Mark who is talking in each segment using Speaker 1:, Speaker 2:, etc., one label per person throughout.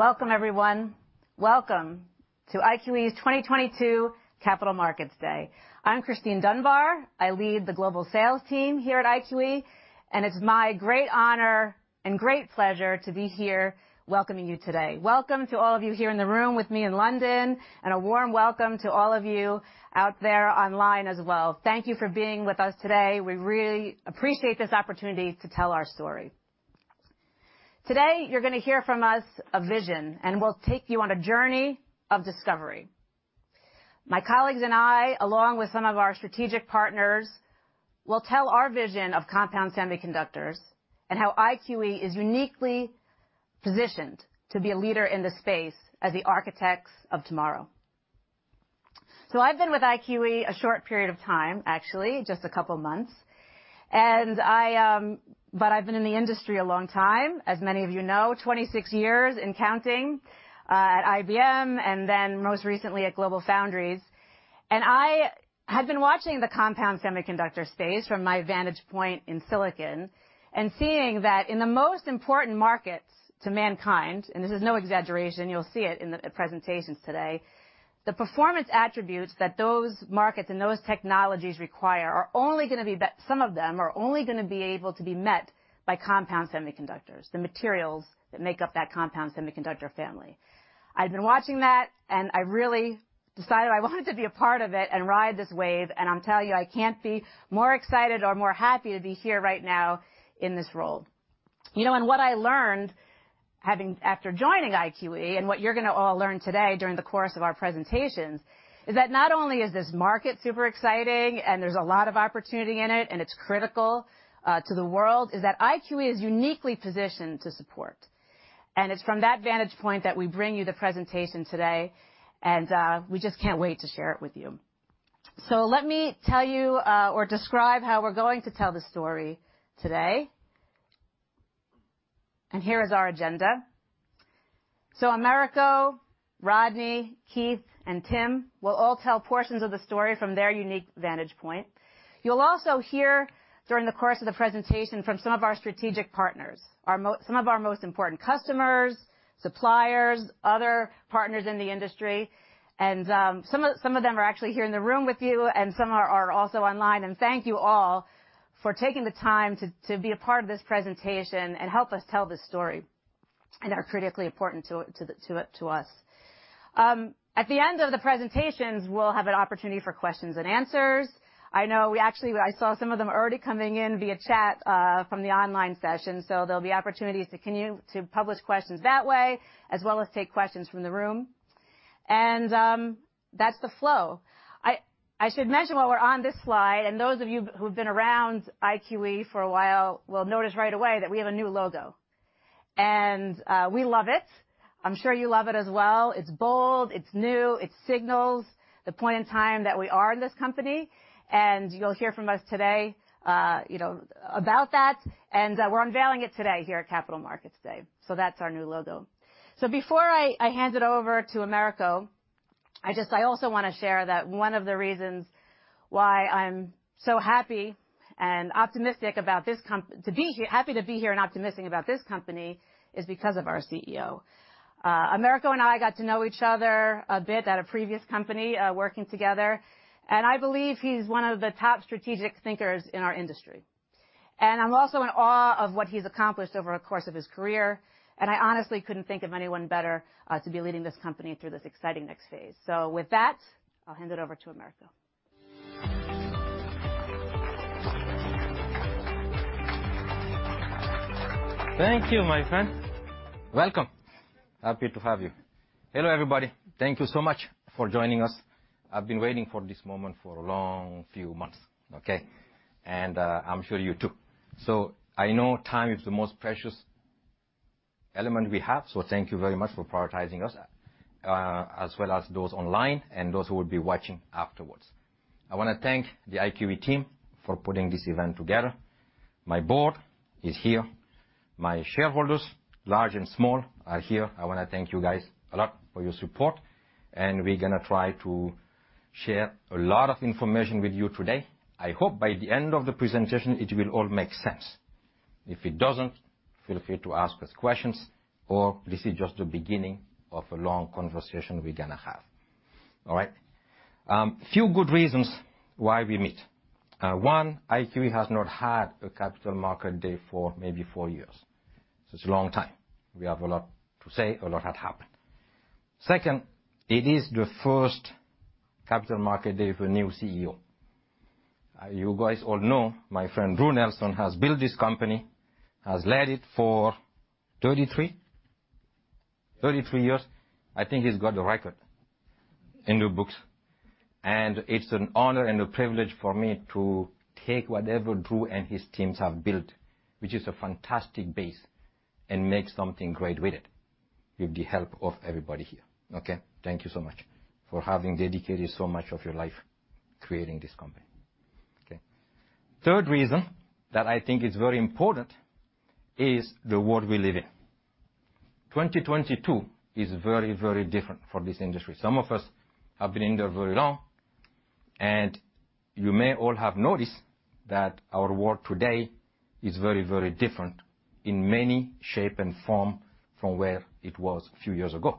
Speaker 1: Welcome, everyone. Welcome to IQE's 2022 Capital Markets Day. I'm Christine Dunbar. I lead the global sales team here at IQE, and it's my great honor and great pleasure to be here welcoming you today. Welcome to all of you here in the room with me in London, and a warm welcome to all of you out there online as well. Thank you for being with us today. We really appreciate this opportunity to tell our story. Today, you're gonna hear from us a vision, and we'll take you on a journey of discovery. My colleagues and I, along with some of our strategic partners, will tell our vision of compound semiconductors and how IQE is uniquely positioned to be a leader in this space as the architects of tomorrow. I've been with IQE a short period of time, actually, just a couple months, and I, I've been in the industry a long time, as many of you know, 26 years and counting, at IBM and then most recently at GlobalFoundries. I had been watching the compound semiconductor space from my vantage point in Silicon, and seeing that in the most important markets to mankind, and this is no exaggeration, you'll see it in the presentations today, the performance attributes that those markets and those technologies require, some of them are only gonna be able to be met by compound semiconductors, the materials that make up that compound semiconductor family. I've been watching that, and I really decided I wanted to be a part of it and ride this wave, and I'm telling you, I can't be more excited or more happy to be here right now in this role. You know, and what I learned after joining IQE, and what you're gonna all learn today during the course of our presentations, is that not only is this market super exciting and there's a lot of opportunity in it and it's critical to the world, is that IQE is uniquely positioned to support. It's from that vantage point that we bring you the presentation today, and we just can't wait to share it with you. Let me tell you, or describe how we're going to tell the story today. Here is our agenda. Americo, Rodney, Keith, and Tim will all tell portions of the story from their unique vantage point. You'll also hear during the course of the presentation from some of our strategic partners, some of our most important customers, suppliers, other partners in the industry. Some of them are actually here in the room with you and some are also online, and thank you all for taking the time to be a part of this presentation and help us tell this story and are critically important to us. At the end of the presentations, we'll have an opportunity for questions and answers. I know I saw some of them already coming in via chat from the online session. So there'll be opportunities to continue to post questions that way, as well as take questions from the room. That's the flow. I should mention while we're on this slide, and those of you who've been around IQE for a while will notice right away that we have a new logo. We love it. I'm sure you love it as well. It's bold, it's new, it signals the point in time that we are in this company. You'll hear from us today, you know, about that. We're unveiling it today here at Capital Markets Day. That's our new logo. Before I hand it over to Americo, I also wanna share that one of the reasons why I'm so happy and optimistic about this company is because of our CEO. Americo and I got to know each other a bit at a previous company, working together, and I believe he's one of the top strategic thinkers in our industry. I'm also in awe of what he's accomplished over the course of his career, and I honestly couldn't think of anyone better to be leading this company through this exciting next phase. With that, I'll hand it over to Americo.
Speaker 2: Thank you, my friend. Welcome. Happy to have you. Hello, everybody. Thank you so much for joining us. I've been waiting for this moment for a long few months, okay? I'm sure you, too. I know time is the most precious element we have, so thank you very much for prioritizing us, as well as those online and those who will be watching afterwards. I wanna thank the IQE team for putting this event together. My board is here. My shareholders, large and small, are here. I wanna thank you guys a lot for your support, and we're gonna try to share a lot of information with you today. I hope by the end of the presentation, it will all make sense. If it doesn't, feel free to ask us questions or this is just the beginning of a long conversation we're gonna have. All right? Few good reasons why we meet. One, IQE has not had a Capital Market Day for maybe four years. It's a long time. We have a lot to say, a lot had happened. Second, it is the first Capital Market Day for a new CEO. You guys all know my friend Drew Nelson has built this company, has led it for 33 years. I think he's got the record in the books. It's an honor and a privilege for me to take whatever Drew and his teams have built, which is a fantastic base, and make something great with it, with the help of everybody here, okay? Thank you so much for having dedicated so much of your life creating this company, okay? Third reason that I think is very important is the world we live in. 2022 is very, very different for this industry. Some of us have been in there very long. You may all have noticed that our world today is very, very different in many shape and form from where it was a few years ago.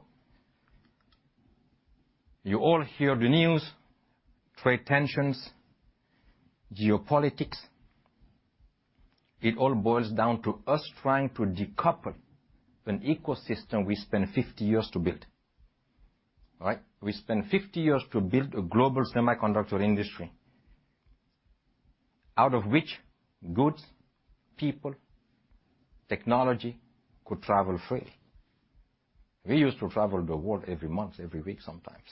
Speaker 2: You all hear the news, trade tensions, geopolitics. It all boils down to us trying to decouple an ecosystem we spent 50 years to build. Right? We spent 50 years to build a global semiconductor industry, out of which goods, people, technology could travel freely. We used to travel the world every month, every week sometimes,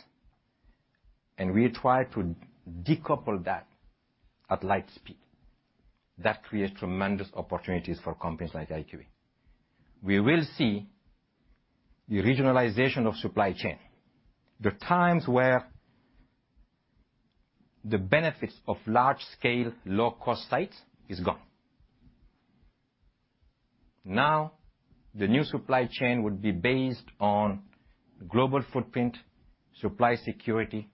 Speaker 2: and we try to decouple that at light speed. That creates tremendous opportunities for companies like IQE. We will see the regionalization of supply chain. The times where the benefits of large scale, low cost sites is gone. Now, the new supply chain would be based on global footprint, supply security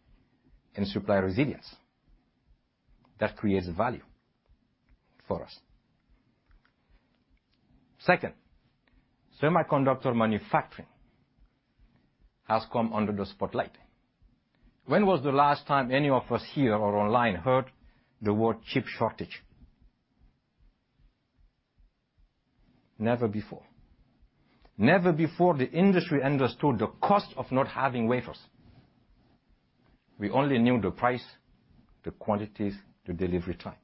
Speaker 2: and supply resilience. That creates value for us. Second, semiconductor manufacturing has come under the spotlight. When was the last time any of us here or online heard the word chip shortage? Never before. Never before the industry understood the cost of not having wafers. We only knew the price, the quantities, the delivery time.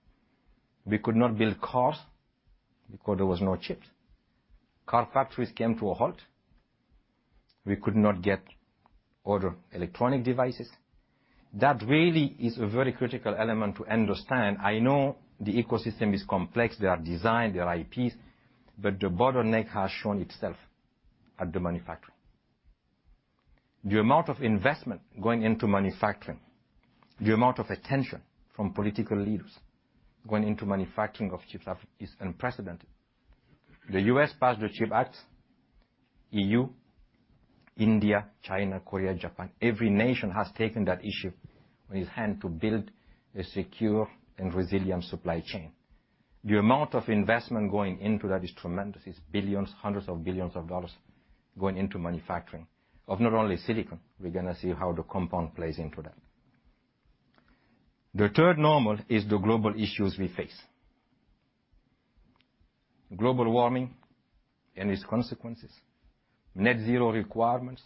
Speaker 2: We could not build cars because there was no chips. Car factories came to a halt. We could not get other electronic devices. That really is a very critical element to understand. I know the ecosystem is complex. There are design, there are IPs, but the bottleneck has shown itself at the manufacturing. The amount of investment going into manufacturing, the amount of attention from political leaders going into manufacturing of chips is unprecedented. The U.S. passed the CHIPS Act. E.U, India, China, Korea, Japan, every nation has taken that issue in its hand to build a secure and resilient supply chain. The amount of investment going into that is tremendous. It's billions, hundreds of billions of dollars going into manufacturing of not only silicon. We're gonna see how the compound plays into that. The third normal is the global issues we face. Global warming and its consequences, net zero requirements,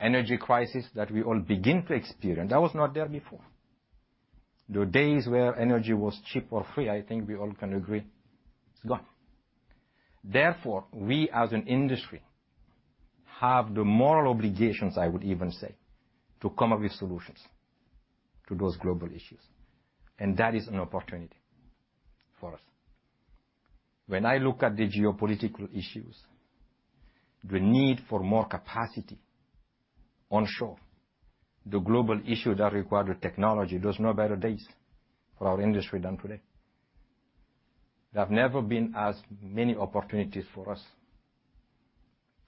Speaker 2: energy crisis that we all begin to experience. That was not there before. The days where energy was cheap or free, I think we all can agree, it's gone. Therefore, we as an industry have the moral obligations, I would even say, to come up with solutions to those global issues, and that is an opportunity for us. When I look at the geopolitical issues, the need for more capacity onshore, the global issues that require the technology, there was no better days for our industry than today. There have never been as many opportunities for us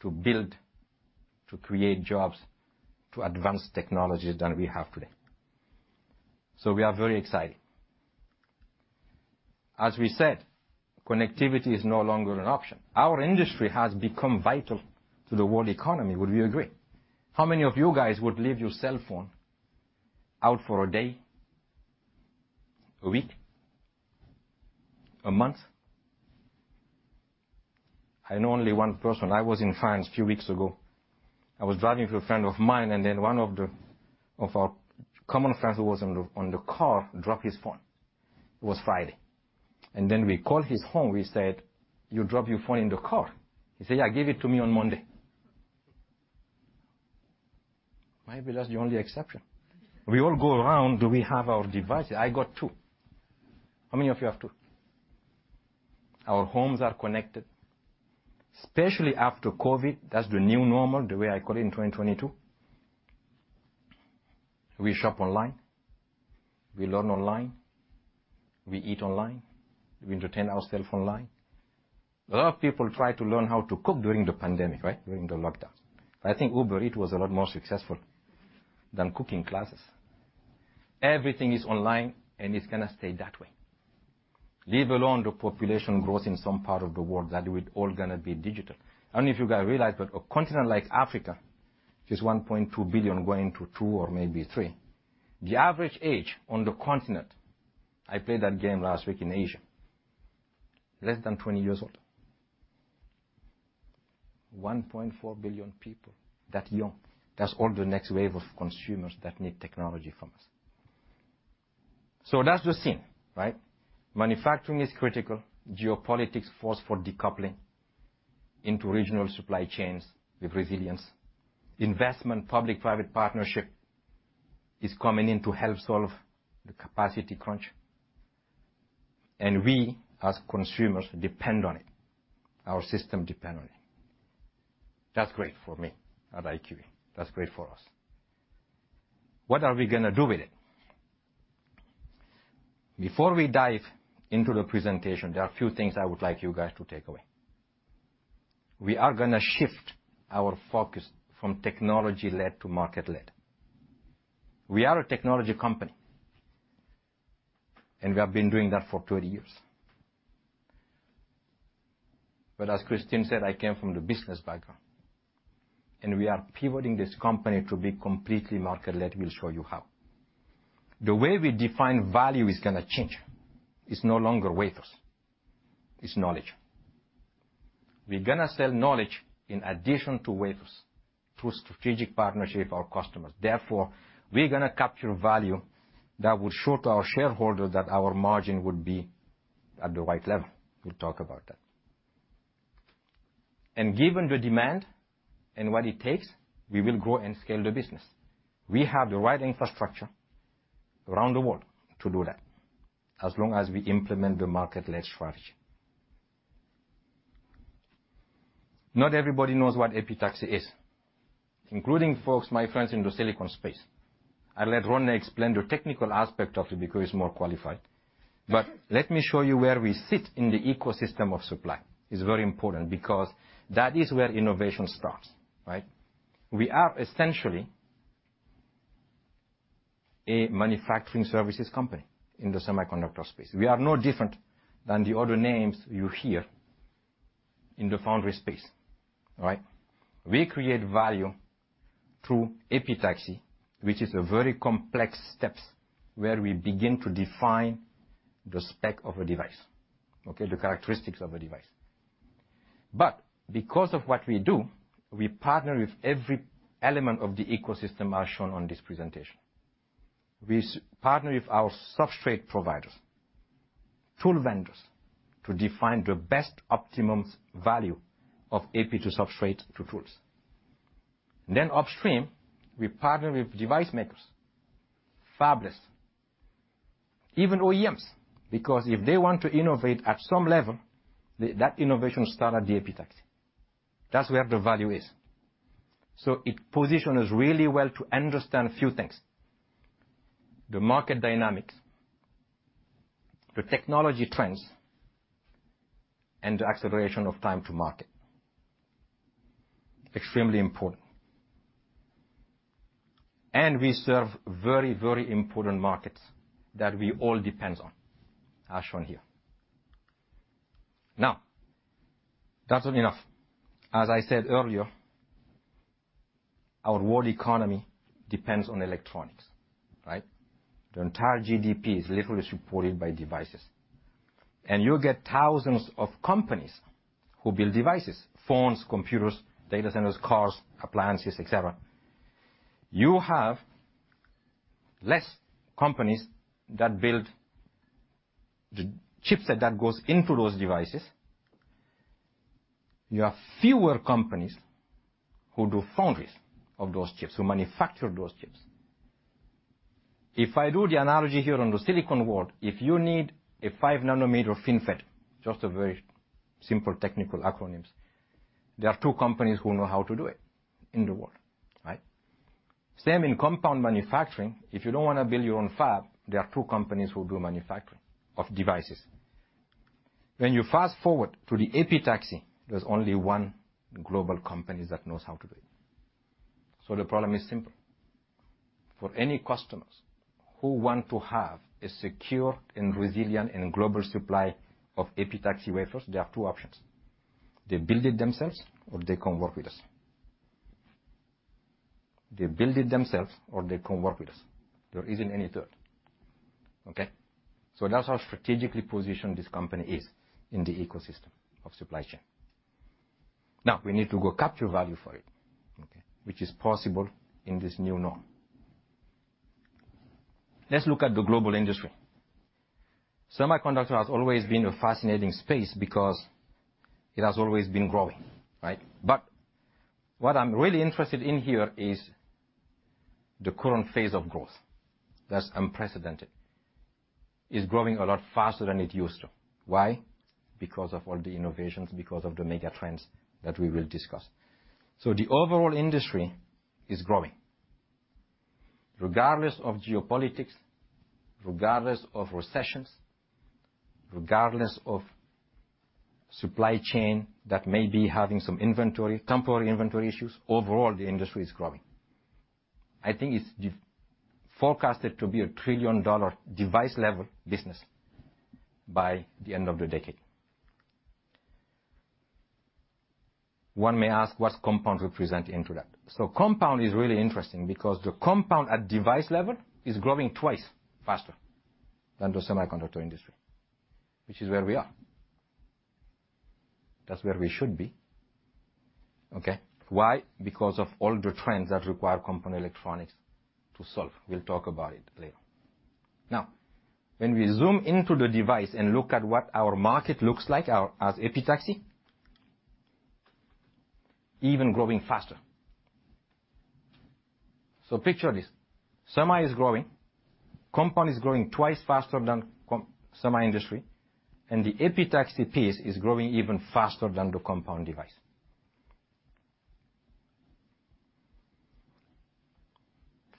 Speaker 2: to build, to create jobs, to advance technologies than we have today. We are very excited. As we said, connectivity is no longer an option. Our industry has become vital to the world economy. Would we agree? How many of you guys would leave your cell phone out for a day? A week? A month? I know only one person. I was in France a few weeks ago. I was driving with a friend of mine, and then one of our common friends who was on the car dropped his phone. It was Friday. Then we called his home. We said, "You dropped your phone in the car." He said, "Yeah, give it to me on Monday." Maybe that's the only exception. We all go around, we have our devices. I got two. How many of you have two? Our homes are connected, especially after COVID. That's the new normal, the way I call it in 2022. We shop online. We learn online. We eat online. We entertain ourselves online. A lot of people tried to learn how to cook during the pandemic, right? During the lockdown. I think Uber Eats was a lot more successful than cooking classes. Everything is online, and it's gonna stay that way. Let alone the population growth in some part of the world, that we're all gonna be digital. I don't know if you guys realize, but a continent like Africa is 1.2 billion going to two or maybe three. The average age on the continent, I played that game last week in Asia, less than 20 years old. 1.4 billion people that young. That's all the next wave of consumers that need technology from us. That's the scene, right? Manufacturing is critical. Geopolitics force for decoupling into regional supply chains with resilience. Investment, public-private partnership is coming in to help solve the capacity crunch. We as consumers depend on it. Our system depend on it. That's great for me at IQE. That's great for us. What are we gonna do with it? Before we dive into the presentation, there are few things I would like you guys to take away. We are gonna shift our focus from technology-led to market-led. We are a technology company, and we have been doing that for 20 years. As Christine said, I came from the business background, and we are pivoting this company to be completely market-led. We'll show you how. The way we define value is gonna change. It's no longer wafers, it's knowledge. We're gonna sell knowledge in addition to wafers through strategic partnership, our customers. Therefore, we're gonna capture value that will show to our shareholders that our margin would be at the right level. We'll talk about that. Given the demand and what it takes, we will grow and scale the business. We have the right infrastructure around the world to do that as long as we implement the market-led strategy. Not everybody knows what epitaxy is, including folks, my friends in the silicon space. I'll let Rodney explain the technical aspect of it because he's more qualified. Let me show you where we sit in the ecosystem of supply. It's very important because that is where innovation starts, right? We are essentially a manufacturing services company in the semiconductor space. We are no different than the other names you hear in the foundry space. All right? We create value through epitaxy, which is a very complex steps where we begin to define the spec of a device, okay, the characteristics of a device. But because of what we do, we partner with every element of the ecosystem as shown on this presentation. We partner with our substrate providers, tool vendors, to define the best optimum value of epi to substrate to tools. Then upstream, we partner with device makers, fabless, even OEMs, because if they want to innovate at some level, that innovation starts at the epitaxy. That's where the value is. It positions really well to understand a few things, the market dynamics, the technology trends, and the acceleration of time to market. Extremely important. We serve very, very important markets that we all depends on, as shown here. Now, that's not enough. As I said earlier, our world economy depends on electronics, right? The entire GDP is literally supported by devices. You get thousands of companies who build devices, phones, computers, data centers, cars, appliances, et cetera. You have less companies that build the chipset that goes into those devices. You have fewer companies who do foundries of those chips, who manufacture those chips. If I do the analogy here on the silicon world, if you need a 5nm FinFET, just a very simple technical acronyms, there are two companies who know how to do it in the world, right? Same in compound manufacturing. If you don't wanna build your own fab, there are two companies who do manufacturing of devices. When you fast-forward to the epitaxy, there's only one global company that knows how to do it. The problem is simple. For any customers who want to have a secure and resilient and global supply of epitaxy wafers, there are two options. They build it themselves, or they come work with us. There isn't any third. Okay? That's how strategically positioned this company is in the ecosystem of supply chain. Now, we need to go capture value for it, okay? Which is possible in this new norm. Let's look at the global industry. Semiconductor has always been a fascinating space because it has always been growing, right? What I'm really interested in here is the current phase of growth that's unprecedented. It's growing a lot faster than it used to. Why? Because of all the innovations, because of the mega trends that we will discuss. The overall industry is growing. Regardless of geopolitics, regardless of recessions, regardless of supply chain that may be having some inventory, temporary inventory issues, overall, the industry is growing. I think it's forecasted to be a trillion-dollar device-level business by the end of the decade. One may ask what compound represent into that. Compound is really interesting because the compound at device level is growing twice faster than the semiconductor industry, which is where we are. That's where we should be. Okay. Why? Because of all the trends that require compound electronics to solve. We'll talk about it later. Now, when we zoom into the device and look at what our market looks like, our epitaxy even growing faster. Picture this. Semi is growing, compound is growing twice faster than com-semi industry, and the epitaxy piece is growing even faster than the compound device.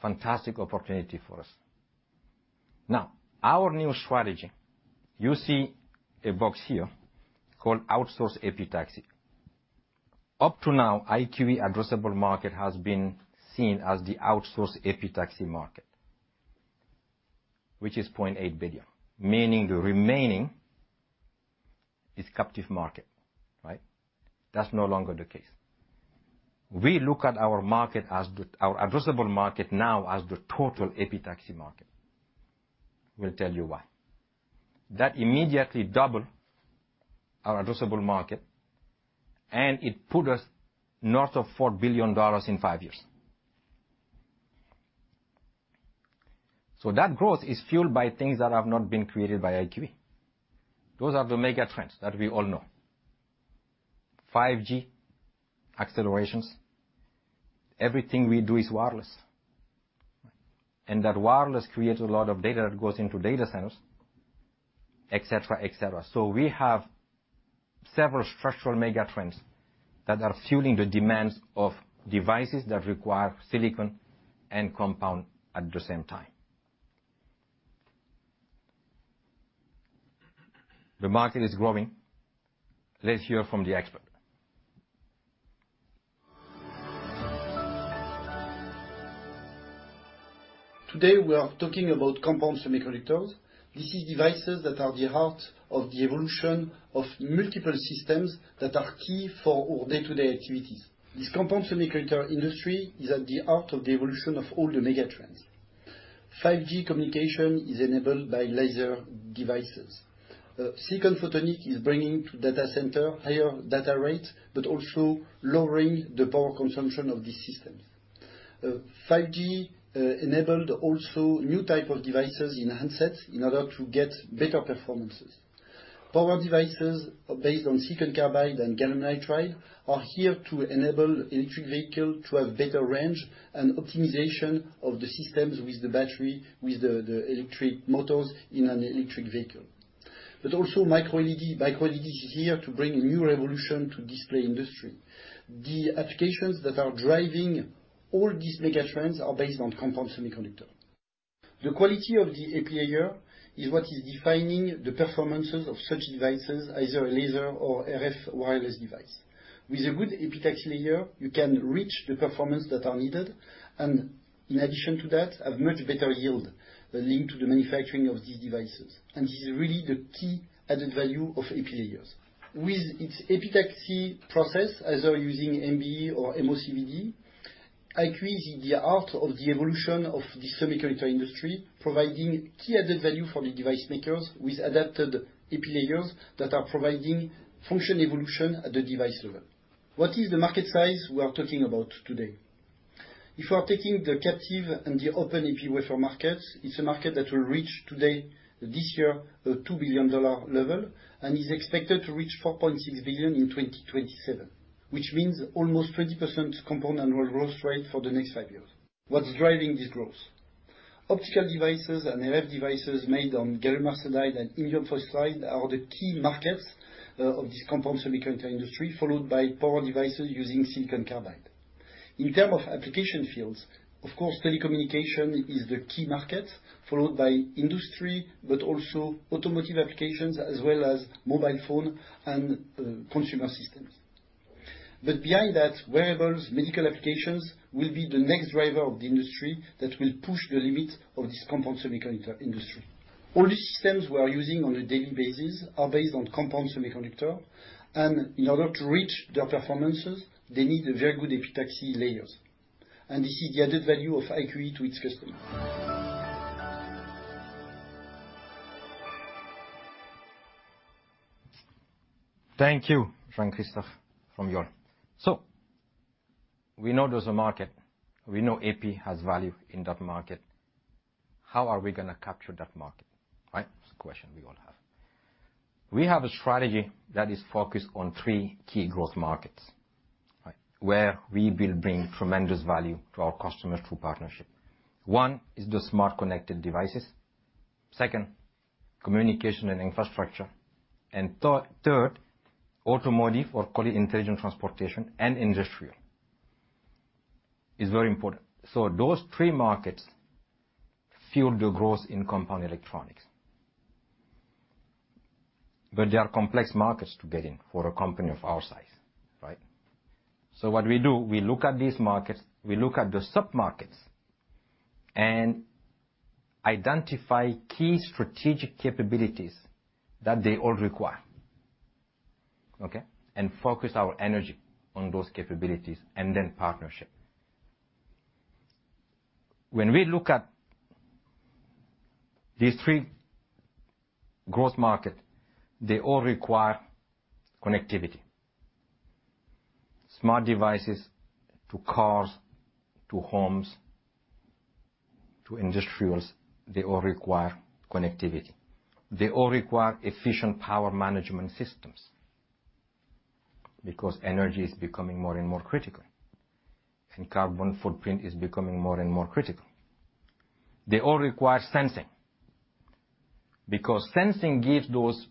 Speaker 2: Fantastic opportunity for us. Now, our new strategy, you see a box here called outsource epitaxy. Up to now, IQE addressable market has been seen as the outsource epitaxy market, which is 0.8 billion, meaning the remaining is captive market, right? That's no longer the case. We look at our market as the total epitaxy market. Our addressable market now is the total epitaxy market. We'll tell you why. That immediately double our addressable market, and it put us north of $4 billion in five years. That growth is fueled by things that have not been created by IQE. Those are the mega trends that we all know. 5G accelerations. Everything we do is wireless, and that wireless creates a lot of data that goes into data centers, et cetera, et cetera. We have several structural mega trends that are fueling the demands of devices that require silicon and compound at the same time. The market is growing. Let's hear from the expert.
Speaker 3: Today we are talking about compound semiconductors. These are devices that are the heart of the evolution of multiple systems that are key for our day-to-day activities. This compound semiconductor industry is at the heart of the evolution of all the mega trends. 5G communication is enabled by laser devices. Silicon photonics is bringing to data center higher data rates but also lowering the power consumption of these systems. 5G enabled also new type of devices in handsets in order to get better performances. Power devices based on silicon carbide and gallium nitride are here to enable electric vehicle to have better range and optimization of the systems with the battery, the electric motors in an electric vehicle. MicroLED is here to bring a new revolution to display industry. The applications that are driving all these mega trends are based on compound semiconductor. The quality of the epi layer is what is defining the performances of such devices, either a laser or RF wireless device. With a good epitaxy layer, you can reach the performance that are needed, and in addition to that, have much better yield linked to the manufacturing of these devices. This is really the key added value of epi layers. With its epitaxy process, either using MBE or MOCVD, IQE is at the heart of the evolution of the semiconductor industry, providing key added value for the device makers with adapted epi layers that are providing function evolution at the device level. What is the market size we are talking about today? If we are taking the captive and the open epi wafer markets, it's a market that will reach today, this year, a $2 billion level, and is expected to reach $4.6 billion in 2027, which means almost 30% compound annual growth rate for the next five years. What's driving this growth? Optical devices and RF devices made on gallium arsenide and indium phosphide are the key markets of this compound semiconductor industry, followed by power devices using silicon carbide. In terms of application fields, of course, telecommunication is the key market, followed by industry, but also automotive applications as well as mobile phone and consumer systems. Behind that, wearables, medical applications will be the next driver of the industry that will push the limits of this compound semiconductor industry. All the systems we are using on a daily basis are based on compound semiconductor, and in order to reach their performances, they need a very good epitaxy layers. This is the added value of IQE to its customer.
Speaker 2: Thank you, Jean-Christophe, from York. We know there's a market. We know epi has value in that market. How are we gonna capture that market, right? That's the question we all have. We have a strategy that is focused on three key growth markets, right, where we will bring tremendous value to our customers through partnership. One is the smart connected devices. Second, communication and infrastructure. Third, automotive or call it intelligent transportation and industrial is very important. Those three markets fuel the growth in compound electronics. They are complex markets to get in for a company of our size, right? What we do, we look at these markets, we look at the sub-markets and identify key strategic capabilities that they all require, okay? Focus our energy on those capabilities, and then partnership. When we look at these three growth markets, they all require connectivity. Smart devices to cars, to homes, to industrials, they all require connectivity. They all require efficient power management systems because energy is becoming more and more critical, and carbon footprint is becoming more and more critical. They all require sensing because sensing gives those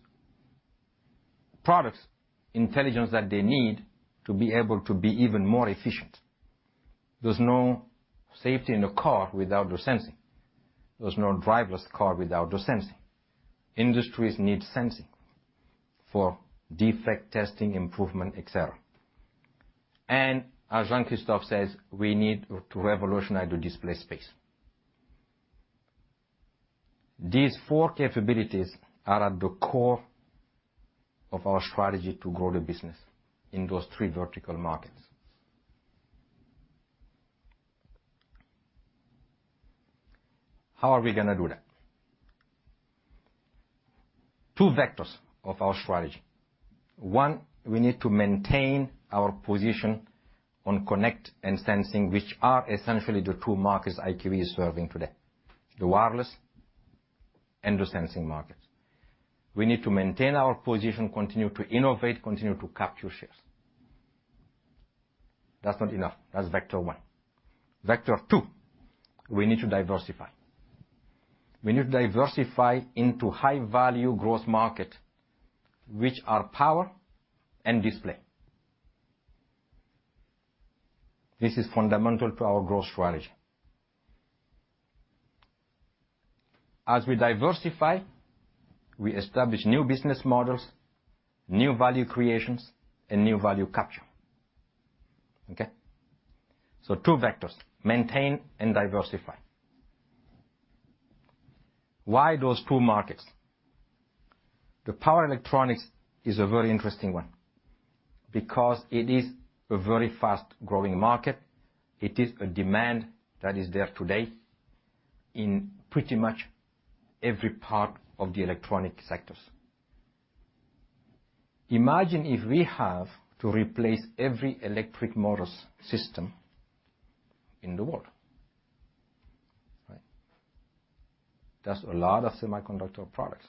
Speaker 2: products intelligence that they need to be able to be even more efficient. There's no safety in a car without the sensing. There's no driverless car without the sensing. Industries need sensing for defect testing, improvement, et cetera. As Jean-Christophe says, we need to revolutionize the display space. These four capabilities are at the core of our strategy to grow the business in those three vertical markets. How are we gonna do that? Two vectors of our strategy. One, we need to maintain our position on connectivity and sensing, which are essentially the two markets IQE is serving today, the wireless and the sensing markets. We need to maintain our position, continue to innovate, continue to capture shares. That's not enough. That's vector one. Vector two, we need to diversify. We need to diversify into high-value growth market, which are power and display. This is fundamental to our growth strategy. As we diversify, we establish new business models, new value creations, and new value capture. Okay? Two vectors, maintain and diversify. Why those two markets? The power electronics is a very interesting one because it is a very fast-growing market. It is a demand that is there today in pretty much every part of the electronics sector. Imagine if we have to replace every electric motors system in the world, right? That's a lot of semiconductor products.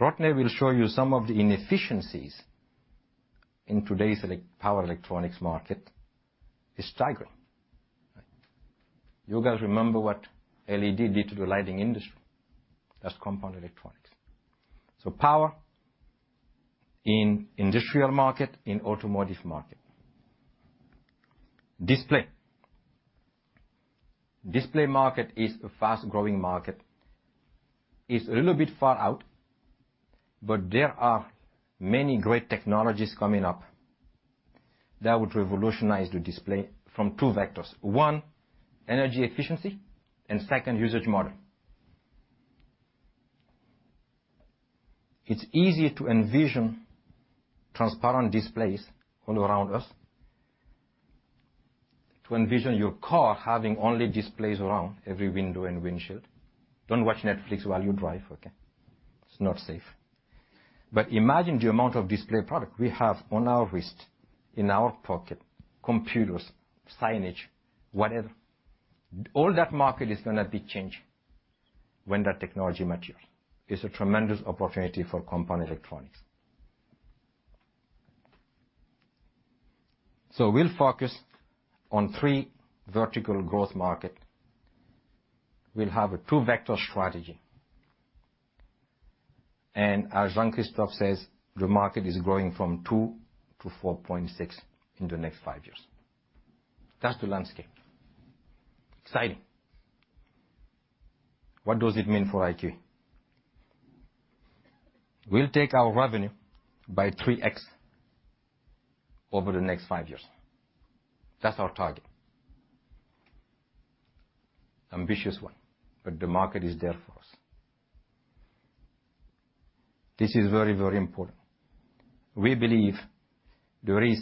Speaker 2: Rodney Pelzel will show you some of the inefficiencies in today's power electronics market is staggering. You guys remember what LED did to the lighting industry. That's compound electronics. Power in industrial market, in automotive market. Display market is a fast-growing market. It's a little bit far out, but there are many great technologies coming up that would revolutionize the display from two vectors. One, energy efficiency, and second, usage model. It's easy to envision transparent displays all around us, to envision your car having only displays around every window and windshield. Don't watch Netflix while you drive, okay? It's not safe. Imagine the amount of display product we have on our wrist, in our pocket, computers, signage, whatever. All that market is gonna be changing when that technology matures. It's a tremendous opportunity for component electronics. We'll focus on three vertical growth market. We'll have a two-vector strategy. As Jean-Christophe says, "The market is growing from 2-4.6 in the next five years." That's the landscape. Exciting. What does it mean for IQE? We'll take our revenue by 3x over the next five years. That's our target. Ambitious one, but the market is there for us. This is very, very important. We believe there is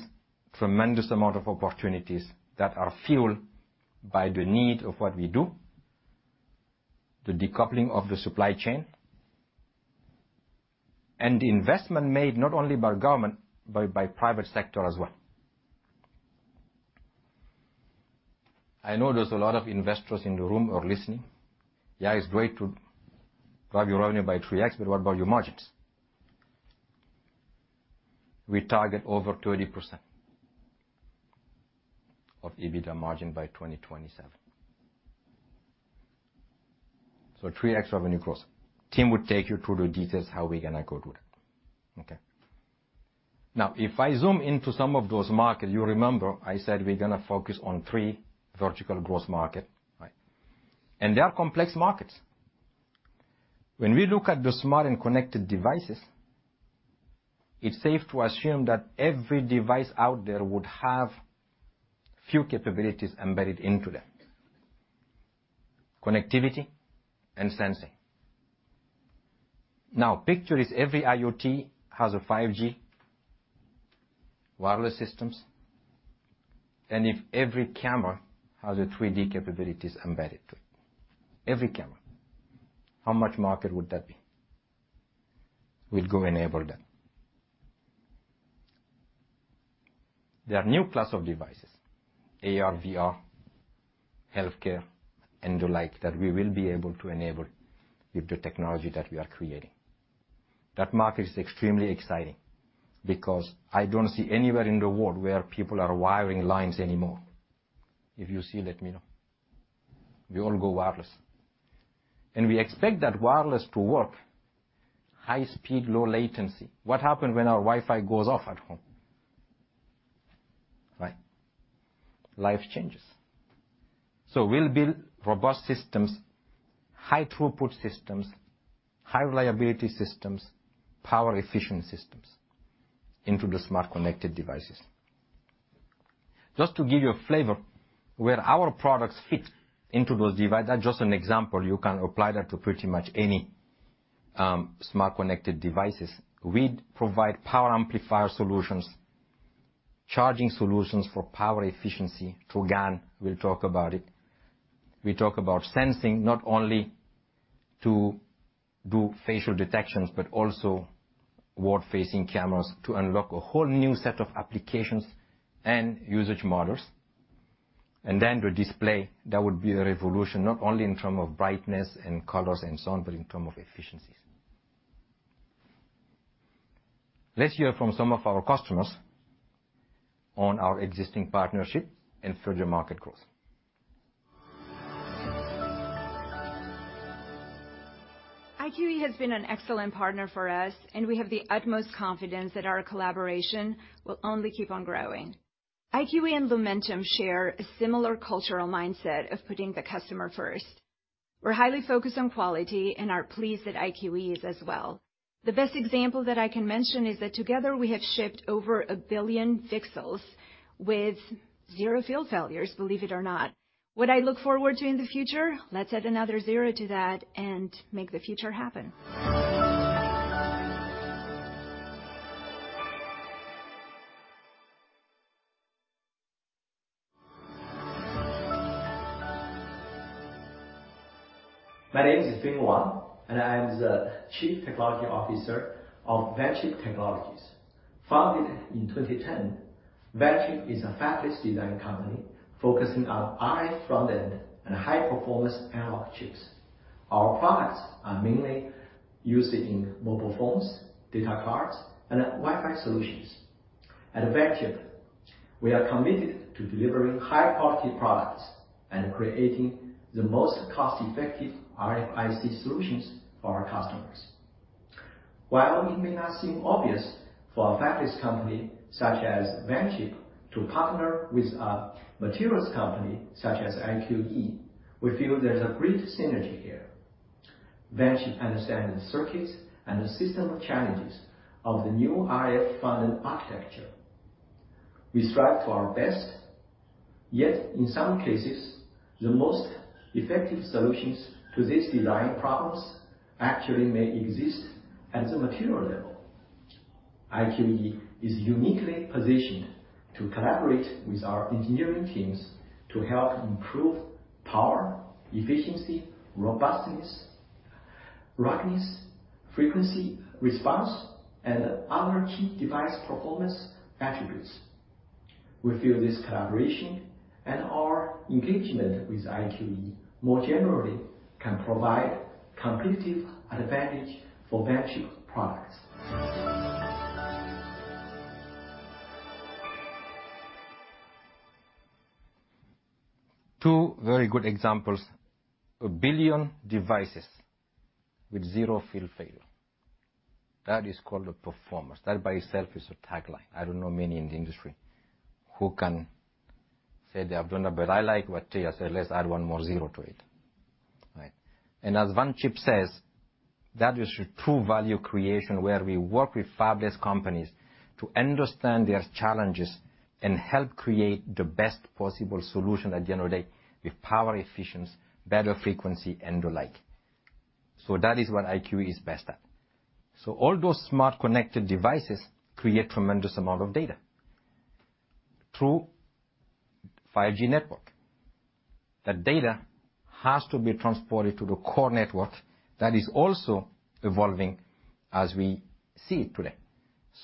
Speaker 2: tremendous amount of opportunities that are fueled by the need of what we do, the decoupling of the supply chain, and the investment made not only by government, but by private sector as well. I know there's a lot of investors in the room or listening. Yeah, it's great to grow your revenue by 3x, but what about your margins? We target over 20% EBITDA margin by 2027. Three x revenue growth. Tim will take you through the details how we're gonna go do that. Okay. Now, if I zoom into some of those markets, you remember I said we're gonna focus on three vertical growth market, right? They are complex markets. When we look at the smart and connected devices, it's safe to assume that every device out there would have few capabilities embedded into them, connectivity and sensing. Now, picture if every IoT has a 5G wireless systems, and if every camera has a 3D capabilities embedded to it. Every camera. How much market would that be? We'll go enable that. There are new class of devices, AR, VR, healthcare, and the like, that we will be able to enable with the technology that we are creating. That market is extremely exciting because I don't see anywhere in the world where people are wiring lines anymore. If you see, let me know. We all go wireless. We expect that wireless to work high speed, low latency. What happen when our Wi-Fi goes off at home? Right. Life changes. We'll build robust systems, high throughput systems, high reliability systems, power efficient systems into the smart connected devices. Just to give you a flavor where our products fit into those device, that's just an example. You can apply that to pretty much any smart connected devices. We provide power amplifier solutions, charging solutions for power efficiency through GaN, we'll talk about it. We talk about sensing not only to do facial detections, but also forward-facing cameras to unlock a whole new set of applications and usage models. Then the display, that would be the revolution, not only in term of brightness and colors and so on, but in term of efficiencies. Let's hear from some of our customers on our existing partnership and further market growth.
Speaker 4: IQE has been an excellent partner for us, and we have the utmost confidence that our collaboration will only keep on growing. IQE and Lumentum share a similar cultural mindset of putting the customer first. We're highly focused on quality and are pleased that IQE is as well. The best example that I can mention is that together we have shipped over 1 billion pixels with zero field failures, believe it or not. What I look forward to in the future? Let's add another zero to that and make the future happen.
Speaker 5: My name is Feng Wang, and I am the Chief Technology Officer of Vanchip Technologies. Founded in 2010, Vanchip is a fabless design company focusing on RF front-end and high-performance analog chips. Our products are mainly used in mobile phones, data cards, and Wi-Fi solutions. At Vanchip, we are committed to delivering high-quality products and creating the most cost-effective RF IC solutions for our customers. While it may not seem obvious for a fabless company such as Vanchip to partner with a materials company such as IQE, we feel there's a great synergy here. Vanchip understands the circuits and the system challenges of the new RF front-end architecture. We strive to our best, yet in some cases, the most effective solutions to these design problems actually may exist at the material level. IQE is uniquely positioned to collaborate with our engineering teams to help improve power, efficiency, robustness, roughness, frequency, response, and other key device performance attributes. We feel this collaboration and our engagement with IQE more generally can provide competitive advantage for Vanchip products.
Speaker 2: Two very good examples, 1 billion devices with 0 field failure. That is called a performance. That by itself is a tagline. I don't know many in the industry who can say they have done that, but I like what Tia said, "Let's add 1 more zero to it." Right? As Vanchip says, that is true value creation where we work with fabless companies to understand their challenges and help create the best possible solution at the end of the day with power efficiency, better frequency, and the like. That is what IQE is best at. All those smart connected devices create tremendous amount of data through 5G network. That data has to be transported to the core network that is also evolving as we see it today.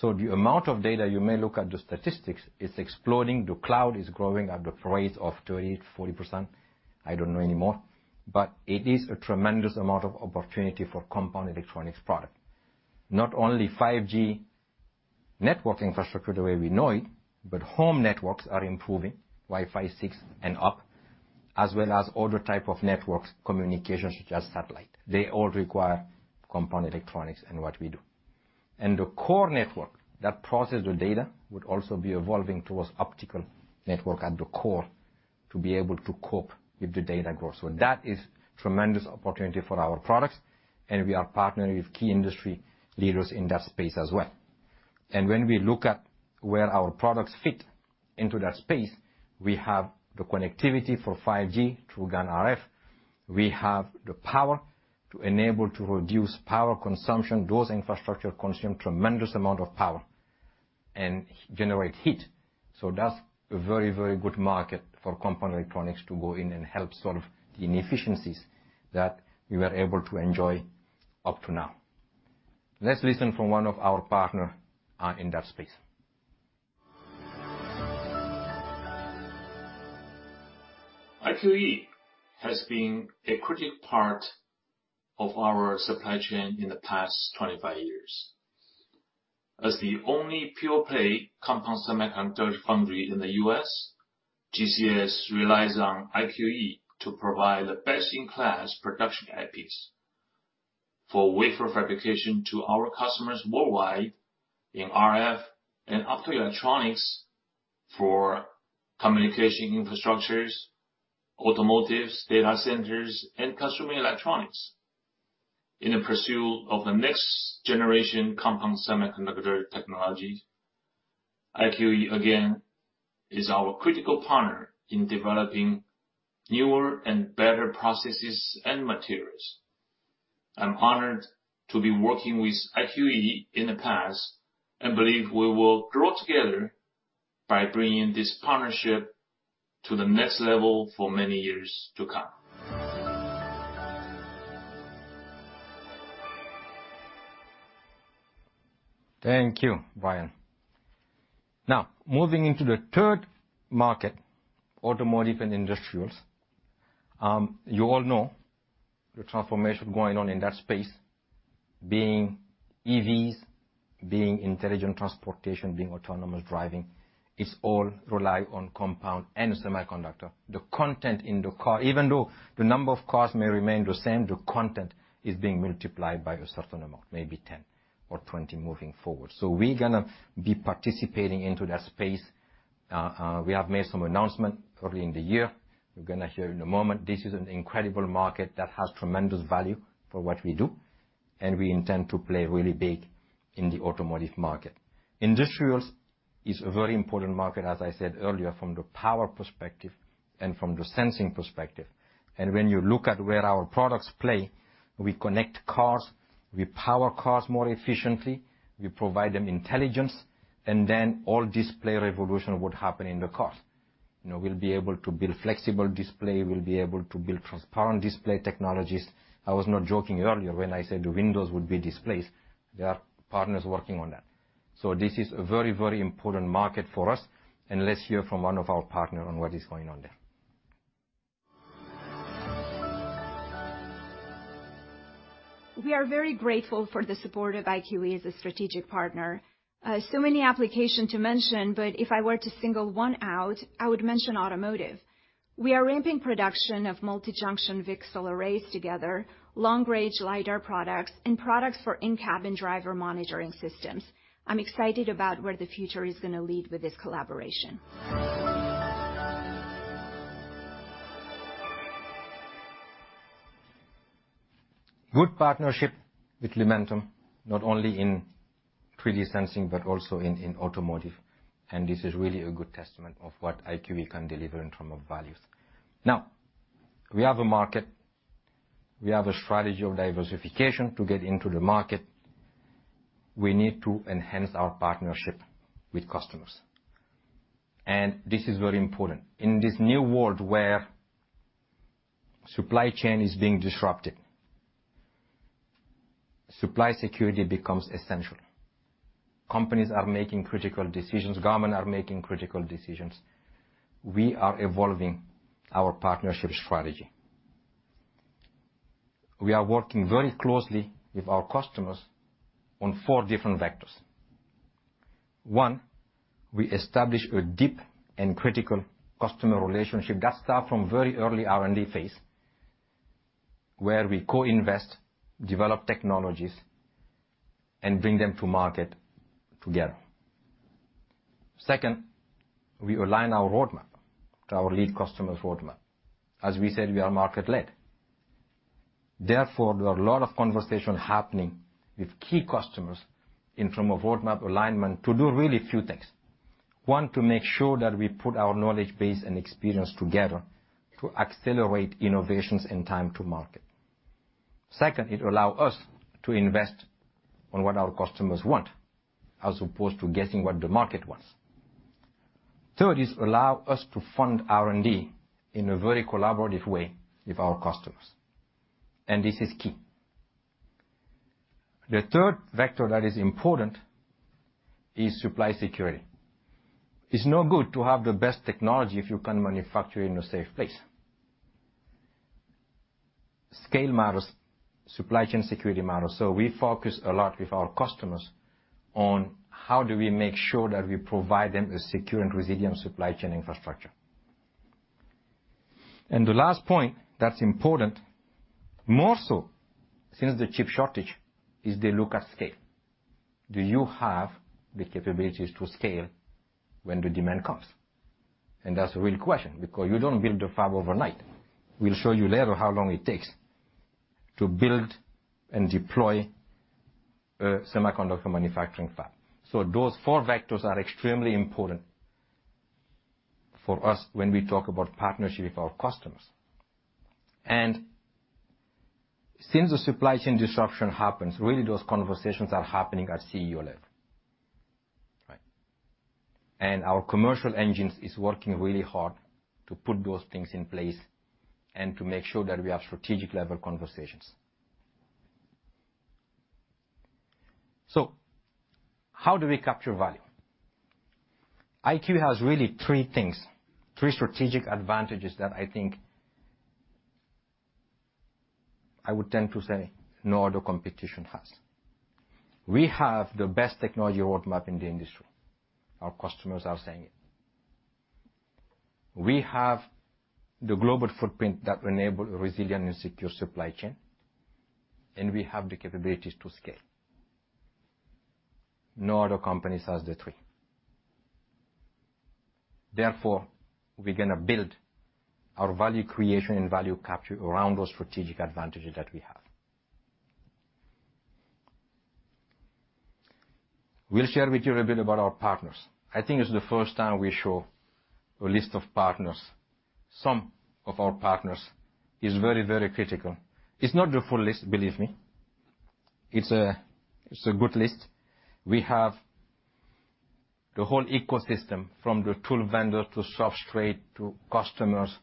Speaker 2: The amount of data, you may look at the statistics, it's exploding. The cloud is growing at the rate of 30%-40%, I don't know anymore, but it is a tremendous amount of opportunity for compound electronics product. Not only 5G network infrastructure the way we know it, but home networks are improving Wi-Fi 6 and up, as well as other type of networks communications such as satellite. They all require compound electronics and what we do. The core network that process the data would also be evolving towards optical network at the core to be able to cope with the data growth. That is tremendous opportunity for our products, and we are partnering with key industry leaders in that space as well. When we look at where our products fit into that space, we have the connectivity for 5G through GaN RF. We have the power to enable to reduce power consumption. Those infrastructure consume tremendous amount of power and generate heat. That's a very, very good market for compound electronics to go in and help solve the inefficiencies that we were able to enjoy up to now. Let's listen from one of our partner in that space.
Speaker 6: IQE has been a critical part of our supply chain in the past 25 years. As the only pure play compound semiconductor foundry in the U.S., GCS relies on IQE to provide the best-in-class production epi for wafer fabrication to our customers worldwide in RF and optoelectronics for communication infrastructures, automotive, data centers, and consumer electronics. In the pursuit of the next generation compound semiconductor technologies, IQE, again, is our critical partner in developing newer and better processes and materials. I'm honored to be working with IQE in the past, and believe we will grow together by bringing this partnership to the next level for many years to come.
Speaker 2: Thank you, Brian. Now, moving into the third market, automotive and industrials. You all know the transformation going on in that space, being EVs, being intelligent transportation, being autonomous driving. It's all rely on compound and semiconductor. The content in the car. Even though the number of cars may remain the same, the content is being multiplied by a certain amount, maybe 10 or 20 moving forward. We're gonna be participating into that space. We have made some announcement early in the year. You're gonna hear in a moment. This is an incredible market that has tremendous value for what we do, and we intend to play really big in the automotive market. Industrials is a very important market, as I said earlier, from the power perspective and from the sensing perspective. When you look at where our products play, we connect cars, we power cars more efficiently, we provide them intelligence, and then all display revolution would happen in the car. You know, we'll be able to build flexible display, we'll be able to build transparent display technologies. I was not joking earlier when I said the windows would be displays. There are partners working on that. So this is a very, very important market for us. Let's hear from one of our partner on what is going on there.
Speaker 4: We are very grateful for the support of IQE as a strategic partner. So many applications to mention, but if I were to single one out, I would mention automotive. We are ramping production of multi-junction VCSEL arrays together, long-range lidar products, and products for in-cabin driver monitoring systems. I'm excited about where the future is gonna lead with this collaboration.
Speaker 2: Good partnership with Lumentum, not only in 3D sensing, but also in automotive. This is really a good testament of what IQE can deliver in terms of values. Now, we have a market. We have a strategy of diversification to get into the market. We need to enhance our partnership with customers, and this is very important. In this new world where supply chain is being disrupted, supply security becomes essential. Companies are making critical decisions. Government are making critical decisions. We are evolving our partnership strategy. We are working very closely with our customers on four different vectors. One, we establish a deep and critical customer relationship that start from very early R&D phase, where we co-invest, develop technologies, and bring them to market together. Second, we align our roadmap to our lead customers' roadmap. As we said, we are market-led. Therefore, there are a lot of conversations happening with key customers in terms of roadmap alignment to do really a few things. One, to make sure that we put our knowledge base and experience together to accelerate innovations and time to market. Second, it allows us to invest on what our customers want as opposed to guessing what the market wants. Third, it allows us to fund R&D in a very collaborative way with our customers, and this is key. The third vector that is important is supply security. It's no good to have the best technology if you can't manufacture in a safe place. Scale matters, supply chain security matters. We focus a lot with our customers on how do we make sure that we provide them a secure and resilient supply chain infrastructure. The last point that's important, more so since the chip shortage, is they look at scale. Do you have the capabilities to scale when the demand comes? That's a real question, because you don't build a fab overnight. We'll show you later how long it takes to build and deploy a semiconductor manufacturing fab. Those four vectors are extremely important for us when we talk about partnership with our customers. Since the supply chain disruption happens, really those conversations are happening at CEO level. Right. Our commercial engines is working really hard to put those things in place and to make sure that we have strategic level conversations. How do we capture value? IQE has really three things, three strategic advantages that I think I would tend to say no other competition has. We have the best technology roadmap in the industry. Our customers are saying it. We have the global footprint that enable resilient and secure supply chain, and we have the capabilities to scale. No other company has the three. Therefore, we're gonna build our value creation and value capture around those strategic advantages that we have. We'll share with you a bit about our partners. I think it's the first time we show a list of partners. Some of our partners is very, very critical. It's not the full list, believe me. It's a, it's a good list. We have the whole ecosystem from the tool vendor to substrate to customers,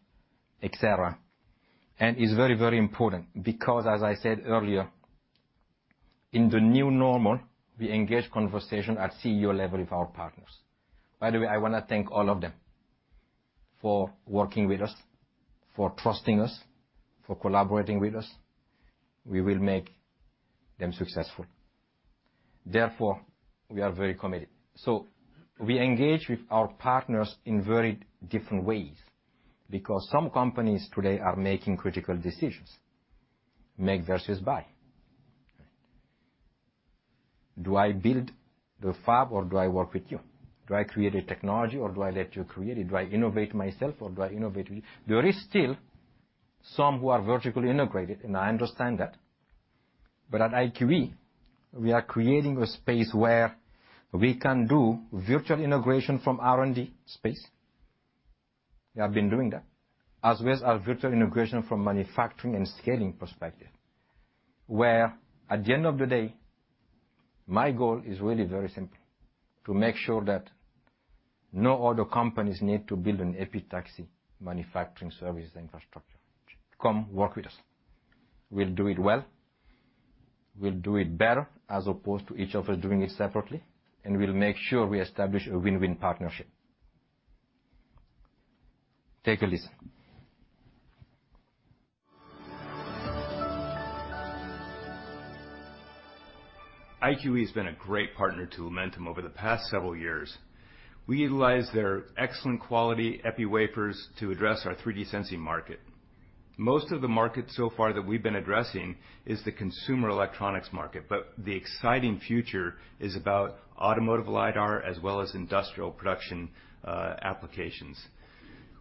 Speaker 2: et cetera. It's very, very important because, as I said earlier, in the new normal, we engage conversation at CEO level with our partners. By the way, I wanna thank all of them for working with us, for trusting us, for collaborating with us. We will make them successful. Therefore, we are very committed. We engage with our partners in very different ways because some companies today are making critical decisions. Make versus buy. Do I build the fab or do I work with you? Do I create a technology or do I let you create it? Do I innovate myself or do I innovate with you? There is still some who are vertically integrated, and I understand that. At IQE, we are creating a space where we can do virtual integration from R&D space. We have been doing that, as well as our virtual integration from manufacturing and scaling perspective, where at the end of the day, my goal is really very simple, to make sure that no other companies need to build an epitaxy manufacturing service infrastructure. Come work with us. We'll do it well. We'll do it better as opposed to each of us doing it separately, and we'll make sure we establish a win-win partnership. Take a listen. IQE has been a great partner to Lumentum over the past several years. We utilize their excellent quality epi wafers to address our 3D sensing market. Most of the market so far that we've been addressing is the consumer electronics market, but the exciting future is about automotive lidar as well as industrial production applications.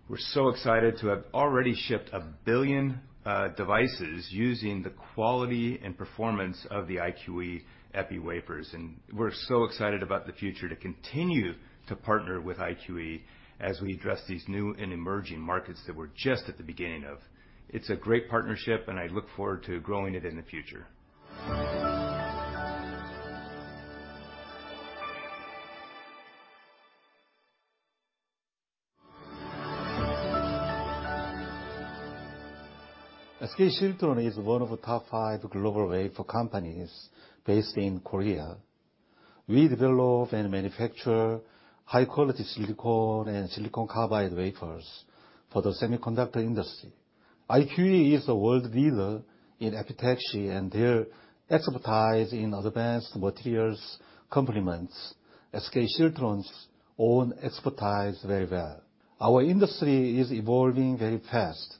Speaker 2: We're so excited to have already shipped 1 billion devices using the quality and performance of the IQE epi wafers, and we're so excited about the future to continue to partner with IQE as we address these new and emerging markets that we're just at the beginning of. It's a great partnership, and I look forward to growing it in the future.
Speaker 7: SK Siltron is one of the top five global wafer companies based in Korea. We develop and manufacture high-quality silicon and silicon carbide wafers for the semiconductor industry. IQE is the world leader in epitaxy, and their expertise in advanced materials complements SK Siltron's own expertise very well. Our industry is evolving very fast.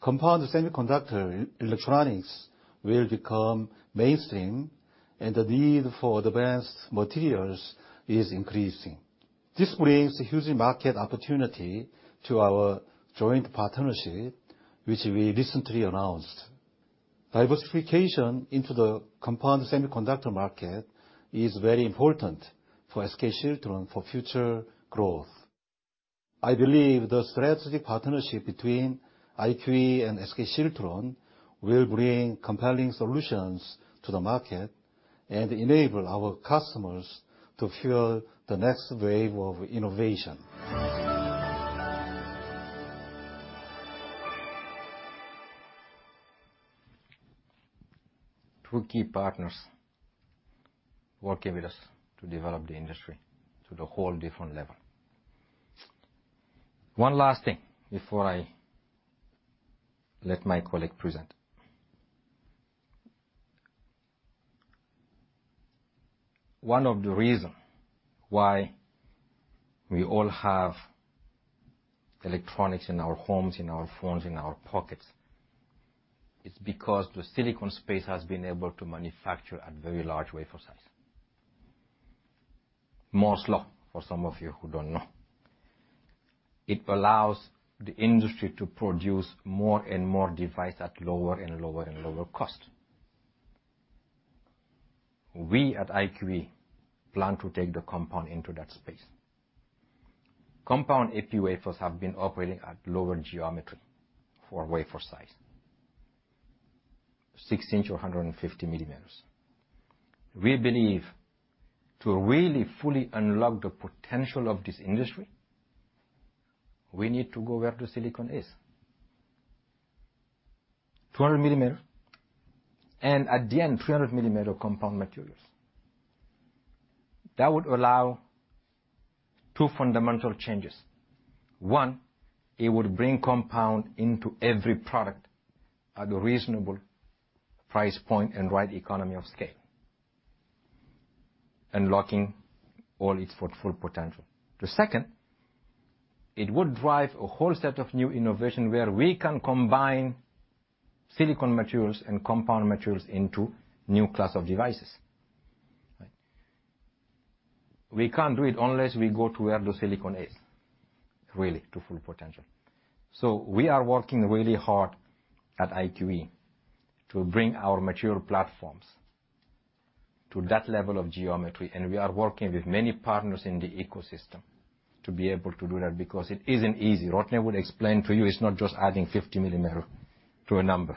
Speaker 7: Compound semiconductor electronics will become mainstream and the need for advanced materials is increasing. This brings huge market opportunity to our joint partnership, which we recently announced. Diversification into the compound semiconductor market is very important for SK Siltron for future growth. I believe the strategic partnership between IQE and SK Siltron will bring compelling solutions to the market and enable our customers to fuel the next wave of innovation.
Speaker 2: Two key partners working with us to develop the industry to the whole different level. One last thing before I let my colleague present. One of the reason why we all have electronics in our homes, in our phones, in our pockets, it's because the silicon space has been able to manufacture at very large wafer size. Moore's law for some of you who don't know. It allows the industry to produce more and more device at lower and lower and lower cost. We at IQE plan to take the compound into that space. Compound epi wafers have been operating at lower geometry for wafer size. 6 inch or 150 mm. We believe to really fully unlock the potential of this industry, we need to go where the silicon is. 200 mm and at the end, 300 mm compound materials. That would allow two fundamental changes. One, it would bring compound into every product at a reasonable price point and right economy of scale, unlocking all its potential. The second, it would drive a whole set of new innovation where we can combine silicon materials and compound materials into new class of devices. We can't do it unless we go to where the silicon is, really to full potential. We are working really hard at IQE to bring our material platforms to that level of geometry, and we are working with many partners in the ecosystem to be able to do that because it isn't easy. Rodney would explain to you it's not just adding 50 mm to a number.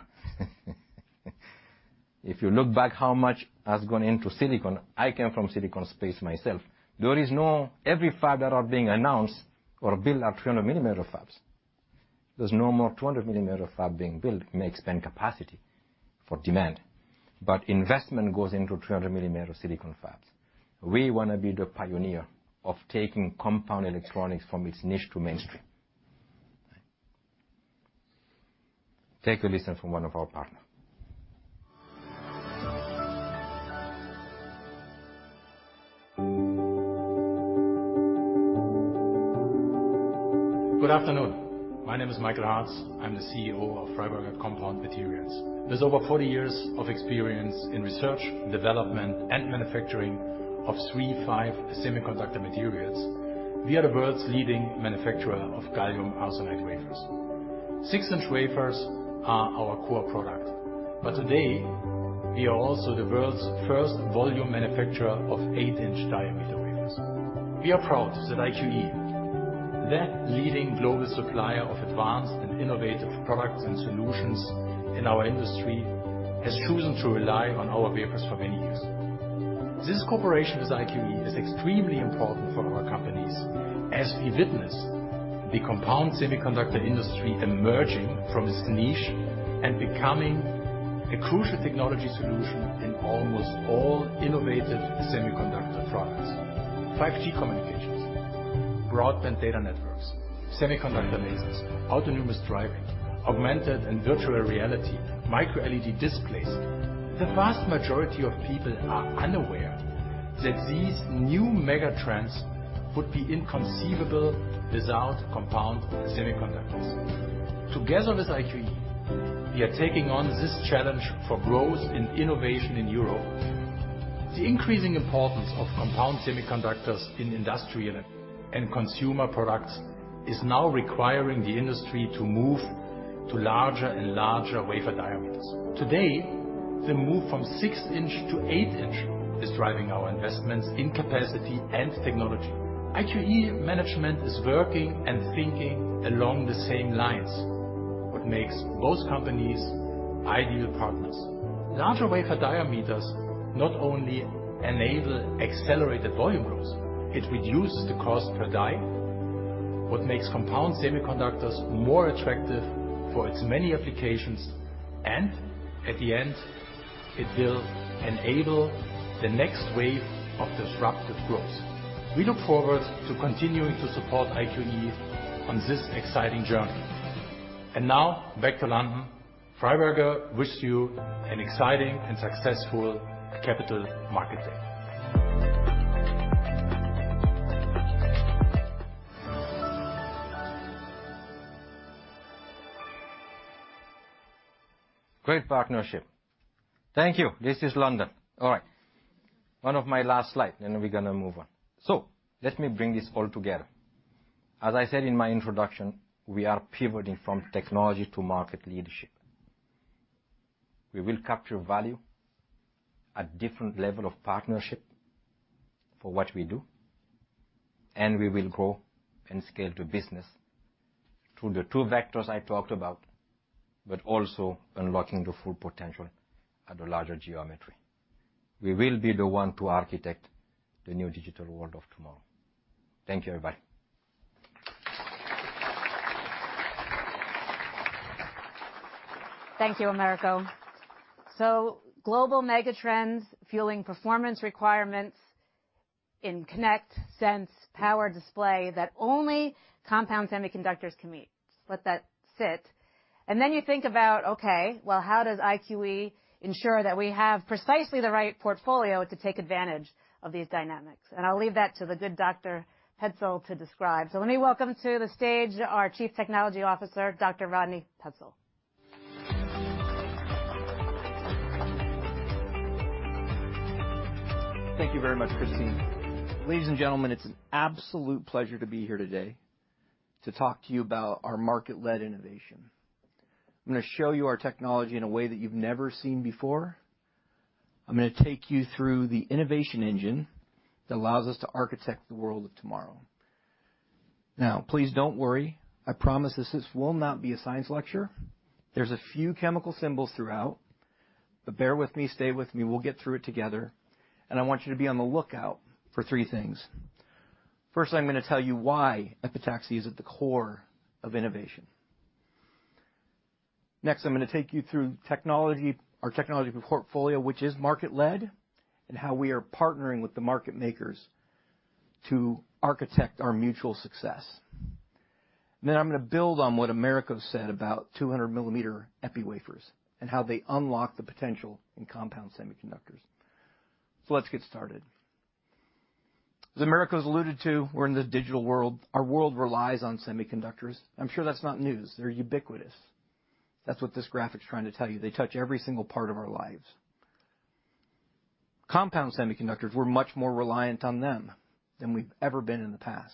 Speaker 2: If you look back how much has gone into silicon, I came from silicon space myself. Every fab that are being announced or built are 300 mm fabs. There's no more 200 mm fab being built, may expand capacity for demand, but investment goes into 300 mm silicon fabs. We wanna be the pioneer of taking compound electronics from its niche to mainstream. Take a listen from one of our partner.
Speaker 8: Good afternoon. My name is Michael Harz. I'm the CEO of Freiberger Compound Materials. With over forty years of experience in research, development, and manufacturing of III-V semiconductor materials, we are the world's leading manufacturer of gallium arsenide wafers. 6-inch wafers are our core product. Today, we are also the world's first volume manufacturer of 8-inch diameter wafers. We are proud that IQE, that leading global supplier of advanced and innovative products and solutions in our industry, has chosen to rely on our wafers for many years. This cooperation with IQE is extremely important for our companies as we witness the compound semiconductor industry emerging from its niche and becoming a crucial technology solution in almost all innovative semiconductor products. 5G communications, broadband data networks, semiconductor lasers, autonomous driving, augmented and virtual reality, microLED displays. The vast majority of people are unaware that these new mega trends would be inconceivable without compound semiconductors. Together with IQE, we are taking on this challenge for growth and innovation in Europe. The increasing importance of compound semiconductors in industrial and consumer products is now requiring the industry to move to larger and larger wafer diameters. Today, the move from 6-inch to 8-inch is driving our investments in capacity and technology. IQE management is working and thinking along the same lines, what makes both companies ideal partners. Larger wafer diameters not only enable accelerated volume growth, it reduces the cost per die, what makes compound semiconductors more attractive for its many applications, and at the end, it will enable the next wave of disruptive growth. We look forward to continuing to support IQE on this exciting journey. Now back to London. Freiberger wishes you an exciting and successful Capital Markets Day.
Speaker 2: Great partnership. Thank you. This is London. All right. One of my last slide, then we're gonna move on. Let me bring this all together. As I said in my introduction, we are pivoting from technology to market leadership. We will capture value at different level of partnership for what we do, and we will grow and scale the business through the two vectors I talked about, but also unlocking the full potential at a larger geometry. We will be the one to architect the new digital world of tomorrow. Thank you, everybody.
Speaker 1: Thank you, Americo. Global mega trends fueling performance requirements in connect, sense, power display that only compound semiconductors can meet. Let that sit. Then you think about, okay, well, how does IQE ensure that we have precisely the right portfolio to take advantage of these dynamics? I'll leave that to the good Dr. Pelzel to describe. Let me welcome to the stage our Chief Technology Officer, Dr. Rodney Pelzel.
Speaker 9: Thank you very much, Christine. Ladies and gentlemen, it's an absolute pleasure to be here today to talk to you about our market-led innovation. I'm gonna show you our technology in a way that you've never seen before. I'm gonna take you through the innovation engine that allows us to architect the world of tomorrow. Now, please don't worry. I promise this will not be a science lecture. There's a few chemical symbols throughout, but bear with me, stay with me, we'll get through it together. I want you to be on the lookout for three things. First, I'm gonna tell you why epitaxy is at the core of innovation. Next, I'm gonna take you through technology, our technology portfolio, which is market-led, and how we are partnering with the market makers to architect our mutual success. I'm gonna build on what Americo said about 200 mm epi wafers and how they unlock the potential in compound semiconductors. Let's get started. As Americo's alluded to, we're in the digital world. Our world relies on semiconductors. I'm sure that's not news. They're ubiquitous. That's what this graphic's trying to tell you. They touch every single part of our lives. Compound semiconductors, we're much more reliant on them than we've ever been in the past.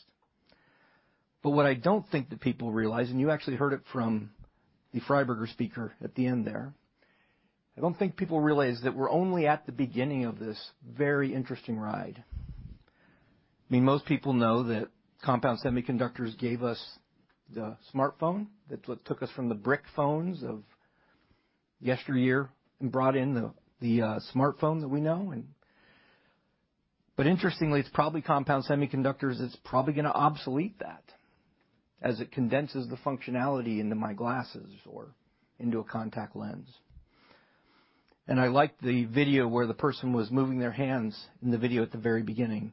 Speaker 9: But what I don't think that people realize, and you actually heard it from the Freiberger speaker at the end there, I don't think people realize that we're only at the beginning of this very interesting ride. I mean, most people know that compound semiconductors gave us the smartphone. That's what took us from the brick phones of yesteryear and brought in the smartphone that we know. Interestingly, it's probably compound semiconductors that's gonna obsolete that as it condenses the functionality into my glasses or into a contact lens. I like the video where the person was moving their hands in the video at the very beginning.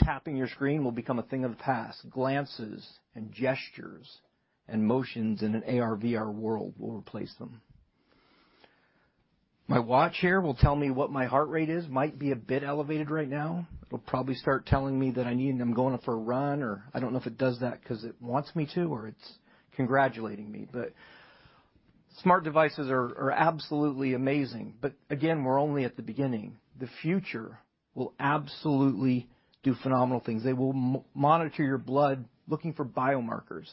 Speaker 9: Tapping your screen will become a thing of the past. Glances and gestures and motions in an AR/VR world will replace them. My watch here will tell me what my heart rate is. Might be a bit elevated right now. It'll probably start telling me that I need. I'm going for a run, or I don't know if it does that 'cause it wants me to or it's congratulating me. Smart devices are absolutely amazing, but again, we're only at the beginning. The future will absolutely do phenomenal things. They will monitor your blood, looking for biomarkers.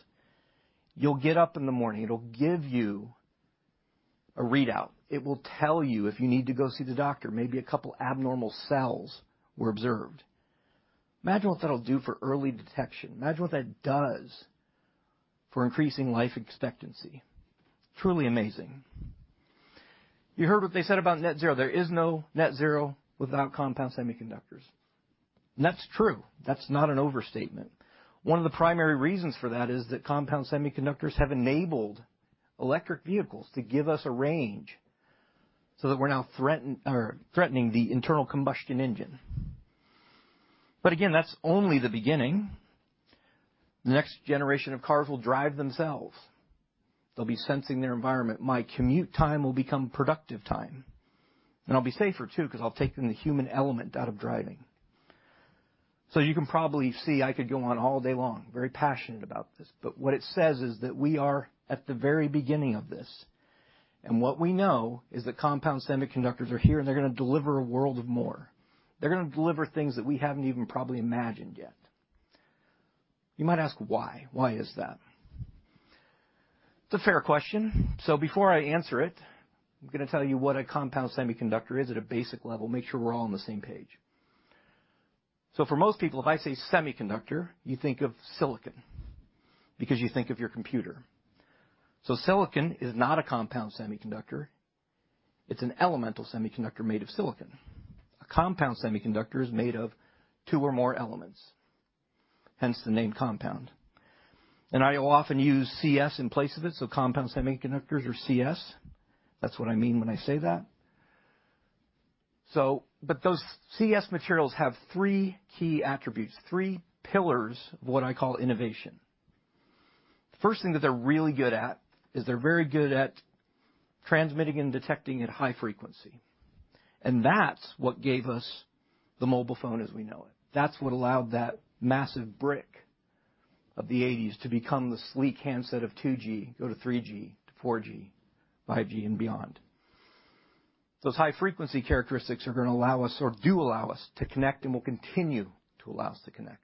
Speaker 9: You'll get up in the morning, it'll give you a readout. It will tell you if you need to go see the doctor. Maybe a couple abnormal cells were observed. Imagine what that'll do for early detection. Imagine what that does for increasing life expectancy. Truly amazing. You heard what they said about net zero. There is no net zero without compound semiconductors. And that's true. That's not an overstatement. One of the primary reasons for that is that compound semiconductors have enabled electric vehicles to give us a range so that we're now threatening the internal combustion engine. Again, that's only the beginning. The next generation of cars will drive themselves. They'll be sensing their environment. My commute time will become productive time, and I'll be safer too because I'll have taken the human element out of driving. You can probably see I could go on all day long, very passionate about this, but what it says is that we are at the very beginning of this. What we know is that compound semiconductors are here, and they're gonna deliver a world of more. They're gonna deliver things that we haven't even probably imagined yet. You might ask why. Why is that? It's a fair question. Before I answer it, I'm gonna tell you what a compound semiconductor is at a basic level, make sure we're all on the same page. For most people, if I say semiconductor, you think of silicon because you think of your computer. Silicon is not a compound semiconductor. It's an elemental semiconductor made of silicon. A compound semiconductor is made of two or more elements, hence the name compound. I will often use CS in place of it, so compound semiconductors or CS. That's what I mean when I say that. Those CS materials have three key attributes, three pillars of what I call innovation. The first thing that they're really good at is they're very good at transmitting and detecting at high frequency, and that's what gave us the mobile phone as we know it. That's what allowed that massive brick of the 1980s to become the sleek handset of 2G, go to 3G, to 4G, 5G and beyond. Those high frequency characteristics are gonna allow us or do allow us to connect and will continue to allow us to connect.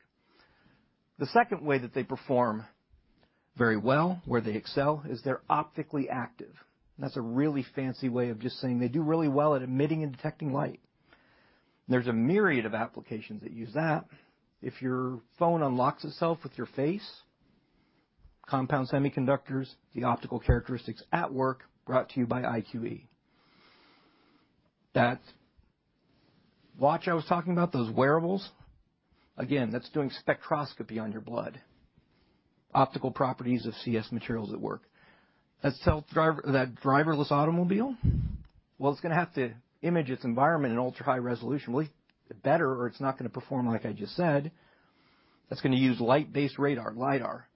Speaker 9: The second way that they perform very well, where they excel, is they're optically active. That's a really fancy way of just saying they do really well at emitting and detecting light. There's a myriad of applications that use that. If your phone unlocks itself with your face, compound semiconductors, the optical characteristics at work brought to you by IQE. That watch I was talking about, those wearables, again, that's doing spectroscopy on your blood. Optical properties of CS materials at work. That driverless automobile, well, it's gonna have to image its environment in ultra-high resolution, at least better, or it's not gonna perform like I just said. That's gonna use light-based radar, lidar.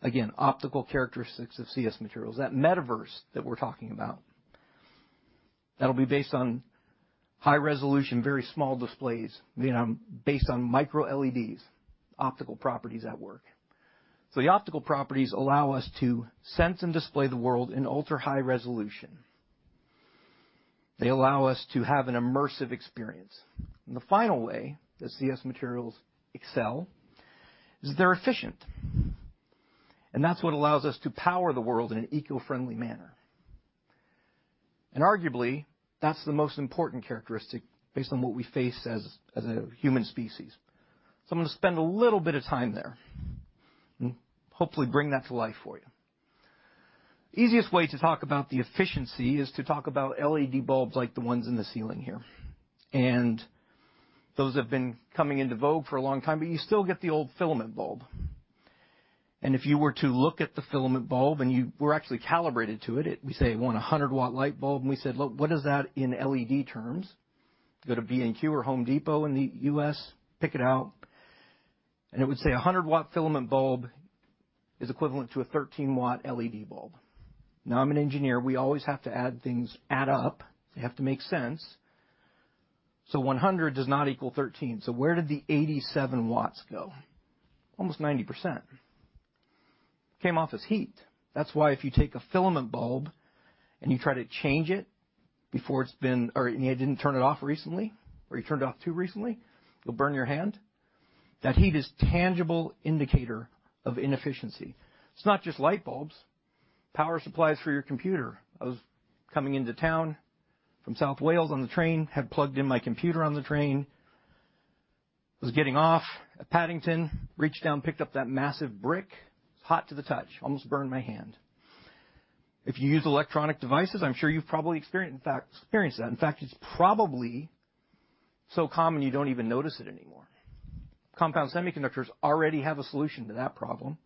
Speaker 9: Again, optical characteristics of CS materials. That metaverse that we're talking about, that'll be based on high resolution, very small displays, you know, based on micro LEDs, optical properties at work. The optical properties allow us to sense and display the world in ultra-high resolution. They allow us to have an immersive experience. The final way that CS materials excel is they're efficient, and that's what allows us to power the world in an eco-friendly manner. Arguably, that's the most important characteristic based on what we face as a human species. I'm gonna spend a little bit of time there and hopefully bring that to life for you. Easiest way to talk about the efficiency is to talk about LED bulbs like the ones in the ceiling here. Those have been coming into vogue for a long time, but you still get the old filament bulb. If you were to look at the filament bulb and you were actually calibrated to it, we say, want a 100-watt light bulb, and we said, "Look, what is that in LED terms?" Go to B&Q or Home Depot in the US, pick it out, and it would say a 100-watt filament bulb is equivalent to a 13-watt LED bulb. Now I'm an engineer. We always have to add things, add up. They have to make sense. One hundred does not equal thirteen. Where did the 87 watts go? Almost 90%. Came off as heat. That's why if you take a filament bulb and you try to change it before it's been or you didn't turn it off recently, or you turned it off too recently, you'll burn your hand. That heat is tangible indicator of inefficiency. It's not just light bulbs. Power supplies for your computer. I was coming into town from South Wales on the train, had plugged in my computer on the train. I was getting off at Paddington, reached down, picked up that massive brick, hot to the touch, almost burned my hand. If you use electronic devices, I'm sure you've probably experienced, in fact, experienced that. In fact, it's probably so common you don't even notice it anymore. Compound semiconductors already have a solution to that problem.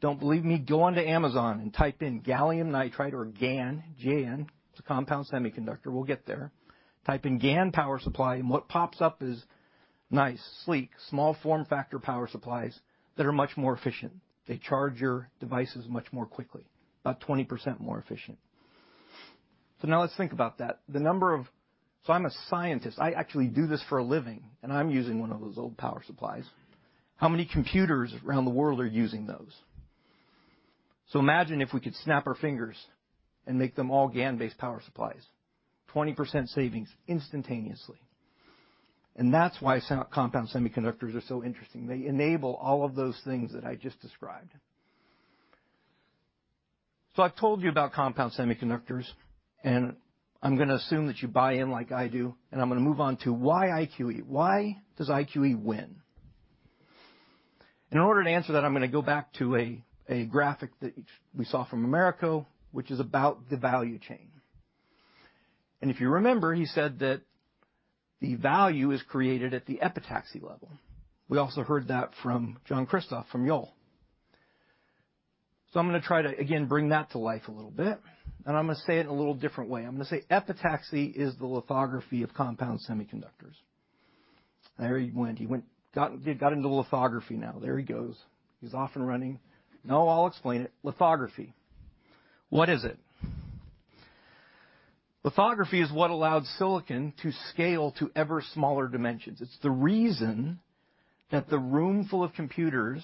Speaker 9: Don't believe me? Go on to Amazon and type in gallium nitride or GaN, G-A-N. It's a compound semiconductor. We'll get there. Type in GaN power supply, and what pops up is nice, sleek, small form factor power supplies that are much more efficient. They charge your devices much more quickly, about 20% more efficient. Now let's think about that. The number of... I'm a scientist, I actually do this for a living, and I'm using one of those old power supplies. How many computers around the world are using those? Imagine if we could snap our fingers and make them all GaN-based power supplies. 20% savings instantaneously. That's why compound semiconductors are so interesting. They enable all of those things that I just described. I've told you about compound semiconductors, and I'm gonna assume that you buy in like I do, and I'm gonna move on to why IQE? Why does IQE win? In order to answer that, I'm gonna go back to a graphic that we saw from Americo, which is about the value chain. If you remember, he said that the value is created at the epitaxy level. We also heard that from Jean-Christophe, from Joel. I'm gonna try to again, bring that to life a little bit, and I'm gonna say it in a little different way. I'm gonna say epitaxy is the lithography of compound semiconductors. I heard you went. He went. Got into lithography now. There he goes. He's off and running. No, I'll explain it. Lithography, what is it? Lithography is what allowed silicon to scale to ever smaller dimensions. It's the reason that the room full of computers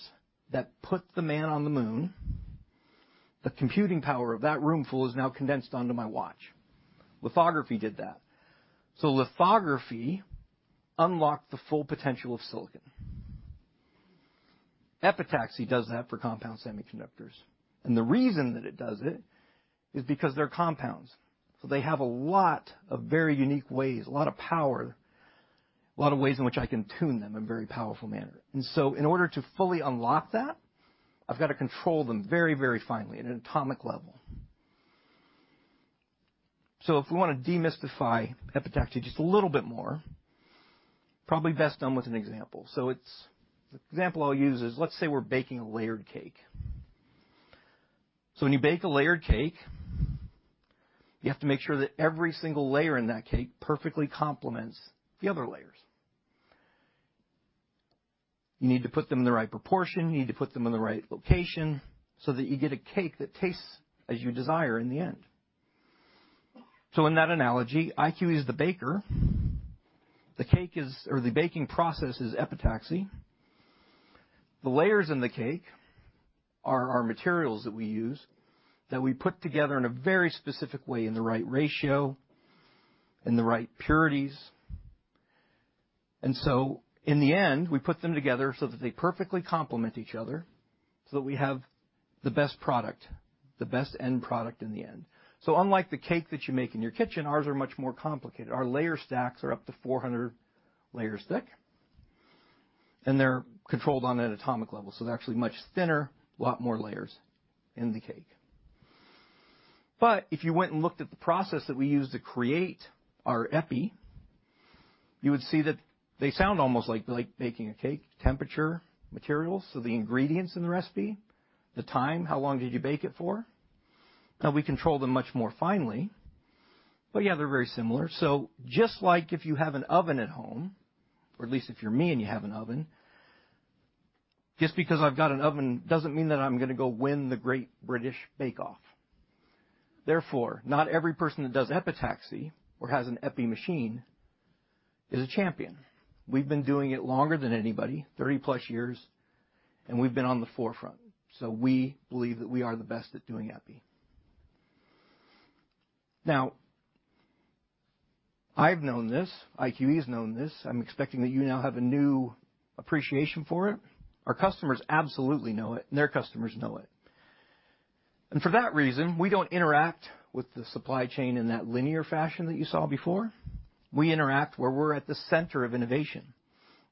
Speaker 9: that put the man on the moon, the computing power of that room full, is now condensed onto my watch. Lithography did that. Lithography unlocked the full potential of silicon. Epitaxy does that for compound semiconductors, and the reason that it does it is because they're compounds. They have a lot of very unique ways, a lot of power, a lot of ways in which I can tune them in a very powerful manner. In order to fully unlock that, I've got to control them very, very finely at an atomic level. If we wanna demystify epitaxy just a little bit more, probably best done with an example. The example I'll use is, let's say we're baking a layered cake. When you bake a layered cake, you have to make sure that every single layer in that cake perfectly complements the other layers. You need to put them in the right proportion. You need to put them in the right location, so that you get a cake that tastes as you desire in the end. In that analogy, IQE is the baker. The cake is, or the baking process is epitaxy. The layers in the cake are our materials that we use, that we put together in a very specific way, in the right ratio, in the right purities. In the end, we put them together so that they perfectly complement each other, so that we have the best product, the best end product in the end. Unlike the cake that you make in your kitchen, ours are much more complicated. Our layer stacks are up to 400 layers thick, and they're controlled on an atomic level, so they're actually much thinner, a lot more layers in the cake. If you went and looked at the process that we use to create our epi, you would see that they sound almost like baking a cake, temperature, materials. The ingredients in the recipe, the time, how long did you bake it for? Now we control them much more finely, but yeah, they're very similar. Just like if you have an oven at home, or at least if you're me and you have an oven, just because I've got an oven doesn't mean that I'm gonna go win the Great British Bake Off. Therefore, not every person that does epitaxy or has an epi machine is a champion. We've been doing it longer than anybody, 30+ years, and we've been on the forefront. We believe that we are the best at doing epi. Now, I've known this. IQE has known this. I'm expecting that you now have a new appreciation for it. Our customers absolutely know it, and their customers know it. For that reason, we don't interact with the supply chain in that linear fashion that you saw before. We interact where we're at the center of innovation.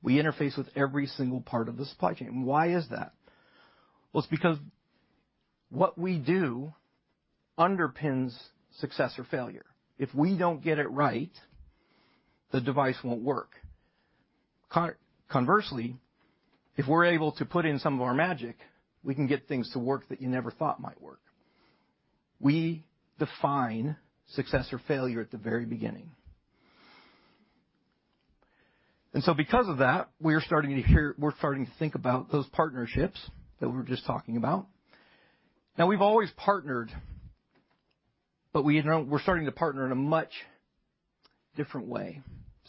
Speaker 9: We interface with every single part of the supply chain. Why is that? Well, it's because what we do underpins success or failure. If we don't get it right, the device won't work. Conversely, if we're able to put in some of our magic, we can get things to work that you never thought might work. We define success or failure at the very beginning. Because of that, we are starting to think about those partnerships that we were just talking about. Now we've always partnered, but we now, we're starting to partner in a much different way.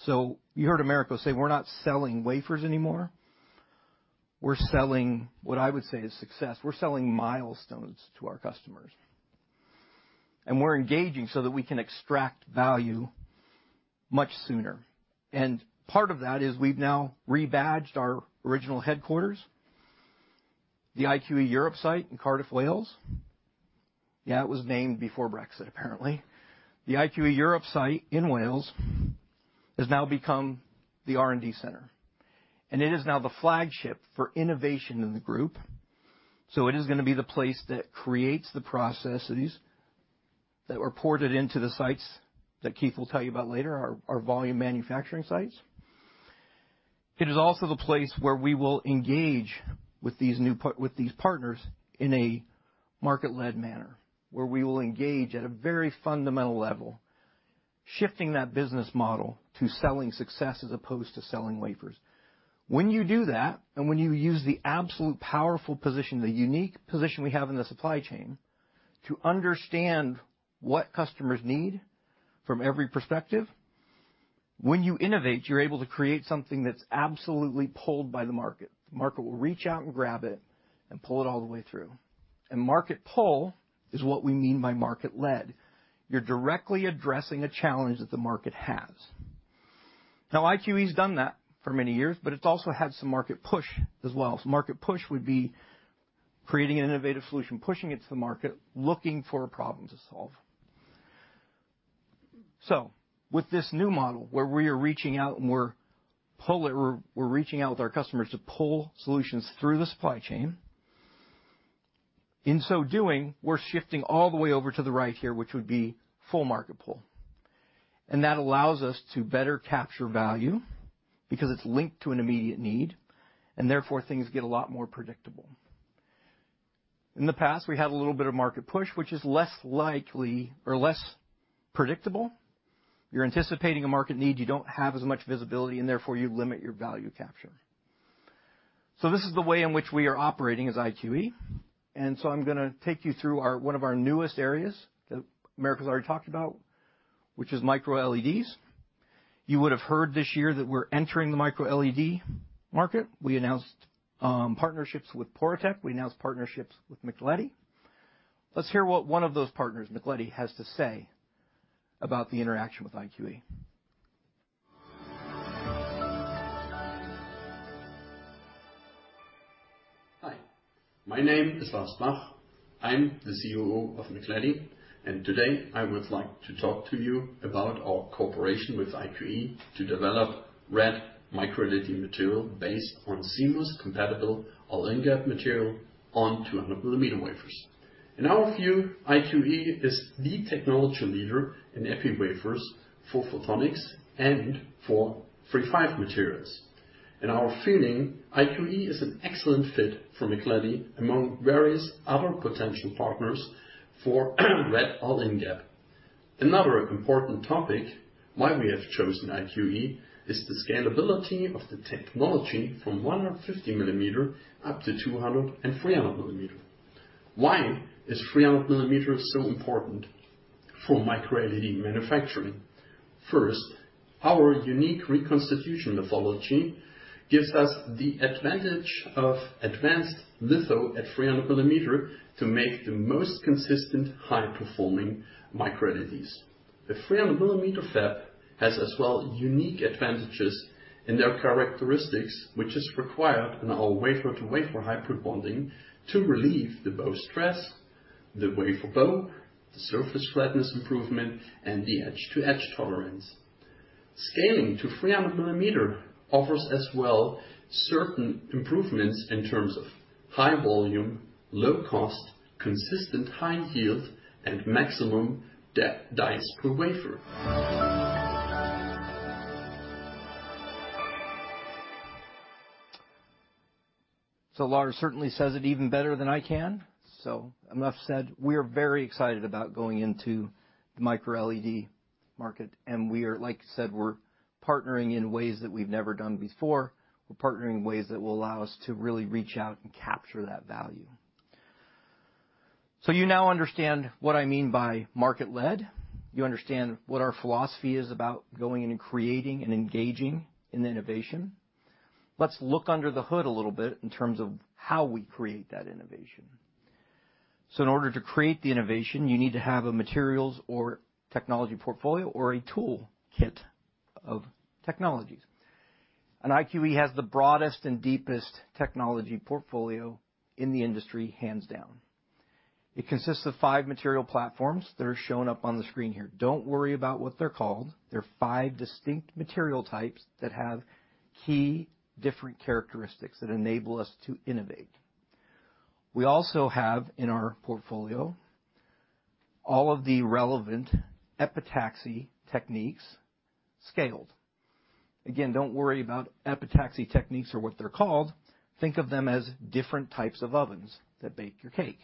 Speaker 9: You heard Americo say we're not selling wafers anymore. We're selling what I would say is success. We're selling milestones to our customers. We're engaging so that we can extract value much sooner. Part of that is we've now rebadged our original headquarters, the IQE Europe site in Cardiff, Wales. Yeah, it was named before Brexit, apparently. The IQE Europe site in Wales has now become the R&D center, and it is now the flagship for innovation in the group. It is gonna be the place that creates the processes that were ported into the sites that Keith will tell you about later, our volume manufacturing sites. It is also the place where we will engage with these partners in a market-led manner, where we will engage at a very fundamental level, shifting that business model to selling success as opposed to selling wafers. When you do that, and when you use the absolute powerful position, the unique position we have in the supply chain to understand what customers need from every perspective, when you innovate, you're able to create something that's absolutely pulled by the market. The market will reach out and grab it and pull it all the way through. Market pull is what we mean by market-led. You're directly addressing a challenge that the market has. Now, IQE has done that for many years, but it's also had some market push as well. Market push would be creating an innovative solution, pushing it to the market, looking for a problem to solve. With this new model where we are reaching out and we're reaching out with our customers to pull solutions through the supply chain, in so doing, we're shifting all the way over to the right here, which would be full market pull. That allows us to better capture value because it's linked to an immediate need, and therefore things get a lot more predictable. In the past, we had a little bit of market push, which is less likely or less predictable. You're anticipating a market need. You don't have as much visibility, and therefore you limit your value capture. This is the way in which we are operating as IQE. I'm gonna take you through one of our newest areas that Americo's already talked about, which is MicroLEDs. You would have heard this year that we're entering the MicroLED market. We announced partnerships with Porotech. We announced partnerships with MICLEDI. Let's hear what one of those partners, MICLEDI, has to say about the interaction with IQE.
Speaker 10: Hi, my name is Lars Bach. I'm the COO of MICLEDI, and today I would like to talk to you about our cooperation with IQE to develop red MicroLED material based on seamless compatible AlInGaP material on 200-mm wafers. In our view, IQE is the technology leader in epi wafers for photonics and for III-V materials. In our feeling, IQE is an excellent fit for MICLEDI among various other potential partners for red AlInGaP. Another important topic why we have chosen IQE is the scalability of the technology from 150 mm up to 200 and 300 mm. Why is 300 mm so important for MicroLED manufacturing? First, our unique reconstitution methodology gives us the advantage of advanced litho at 300 mm to make the most consistent, high-performing MicroLEDs. The 300 mm fab has as well unique advantages in their characteristics, which is required in our wafer to wafer hybrid bonding to relieve the bow stress, the wafer bow, the surface flatness improvement, and the edge to edge tolerance. Scaling to 300 mm offers as well certain improvements in terms of high volume, low cost, consistent high yield, and maximum depth dice per wafer.
Speaker 9: Lars certainly says it even better than I can. Enough said. We are very excited about going into the micro-LED market, and we are, like you said, we're partnering in ways that we've never done before. We're partnering in ways that will allow us to really reach out and capture that value. You now understand what I mean by market-led. You understand what our philosophy is about going in and creating and engaging in innovation. Let's look under the hood a little bit in terms of how we create that innovation. In order to create the innovation, you need to have a materials or technology portfolio or a toolkit of technologies. IQE has the broadest and deepest technology portfolio in the industry, hands down. It consists of five material platforms that are shown up on the screen here. Don't worry about what they're called. There are five distinct material types that have key different characteristics that enable us to innovate. We also have in our portfolio all of the relevant epitaxy techniques scaled. Again, don't worry about epitaxy techniques or what they're called. Think of them as different types of ovens that bake your cake.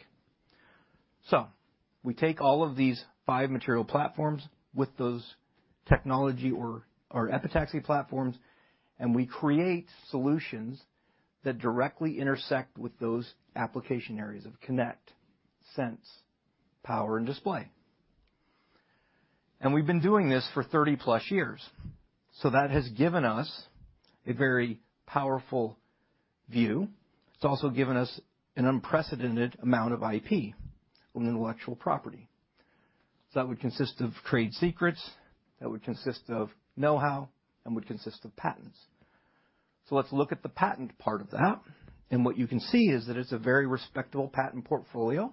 Speaker 9: We take all of these five material platforms with those technology or epitaxy platforms, and we create solutions that directly intersect with those application areas of connect, sense, power, and display. We've been doing this for 30+ years, so that has given us a very powerful view. It's also given us an unprecedented amount of IP, or intellectual property. That would consist of trade secrets, that would consist of know-how, and would consist of patents. Let's look at the patent part of that. What you can see is that it's a very respectable patent portfolio.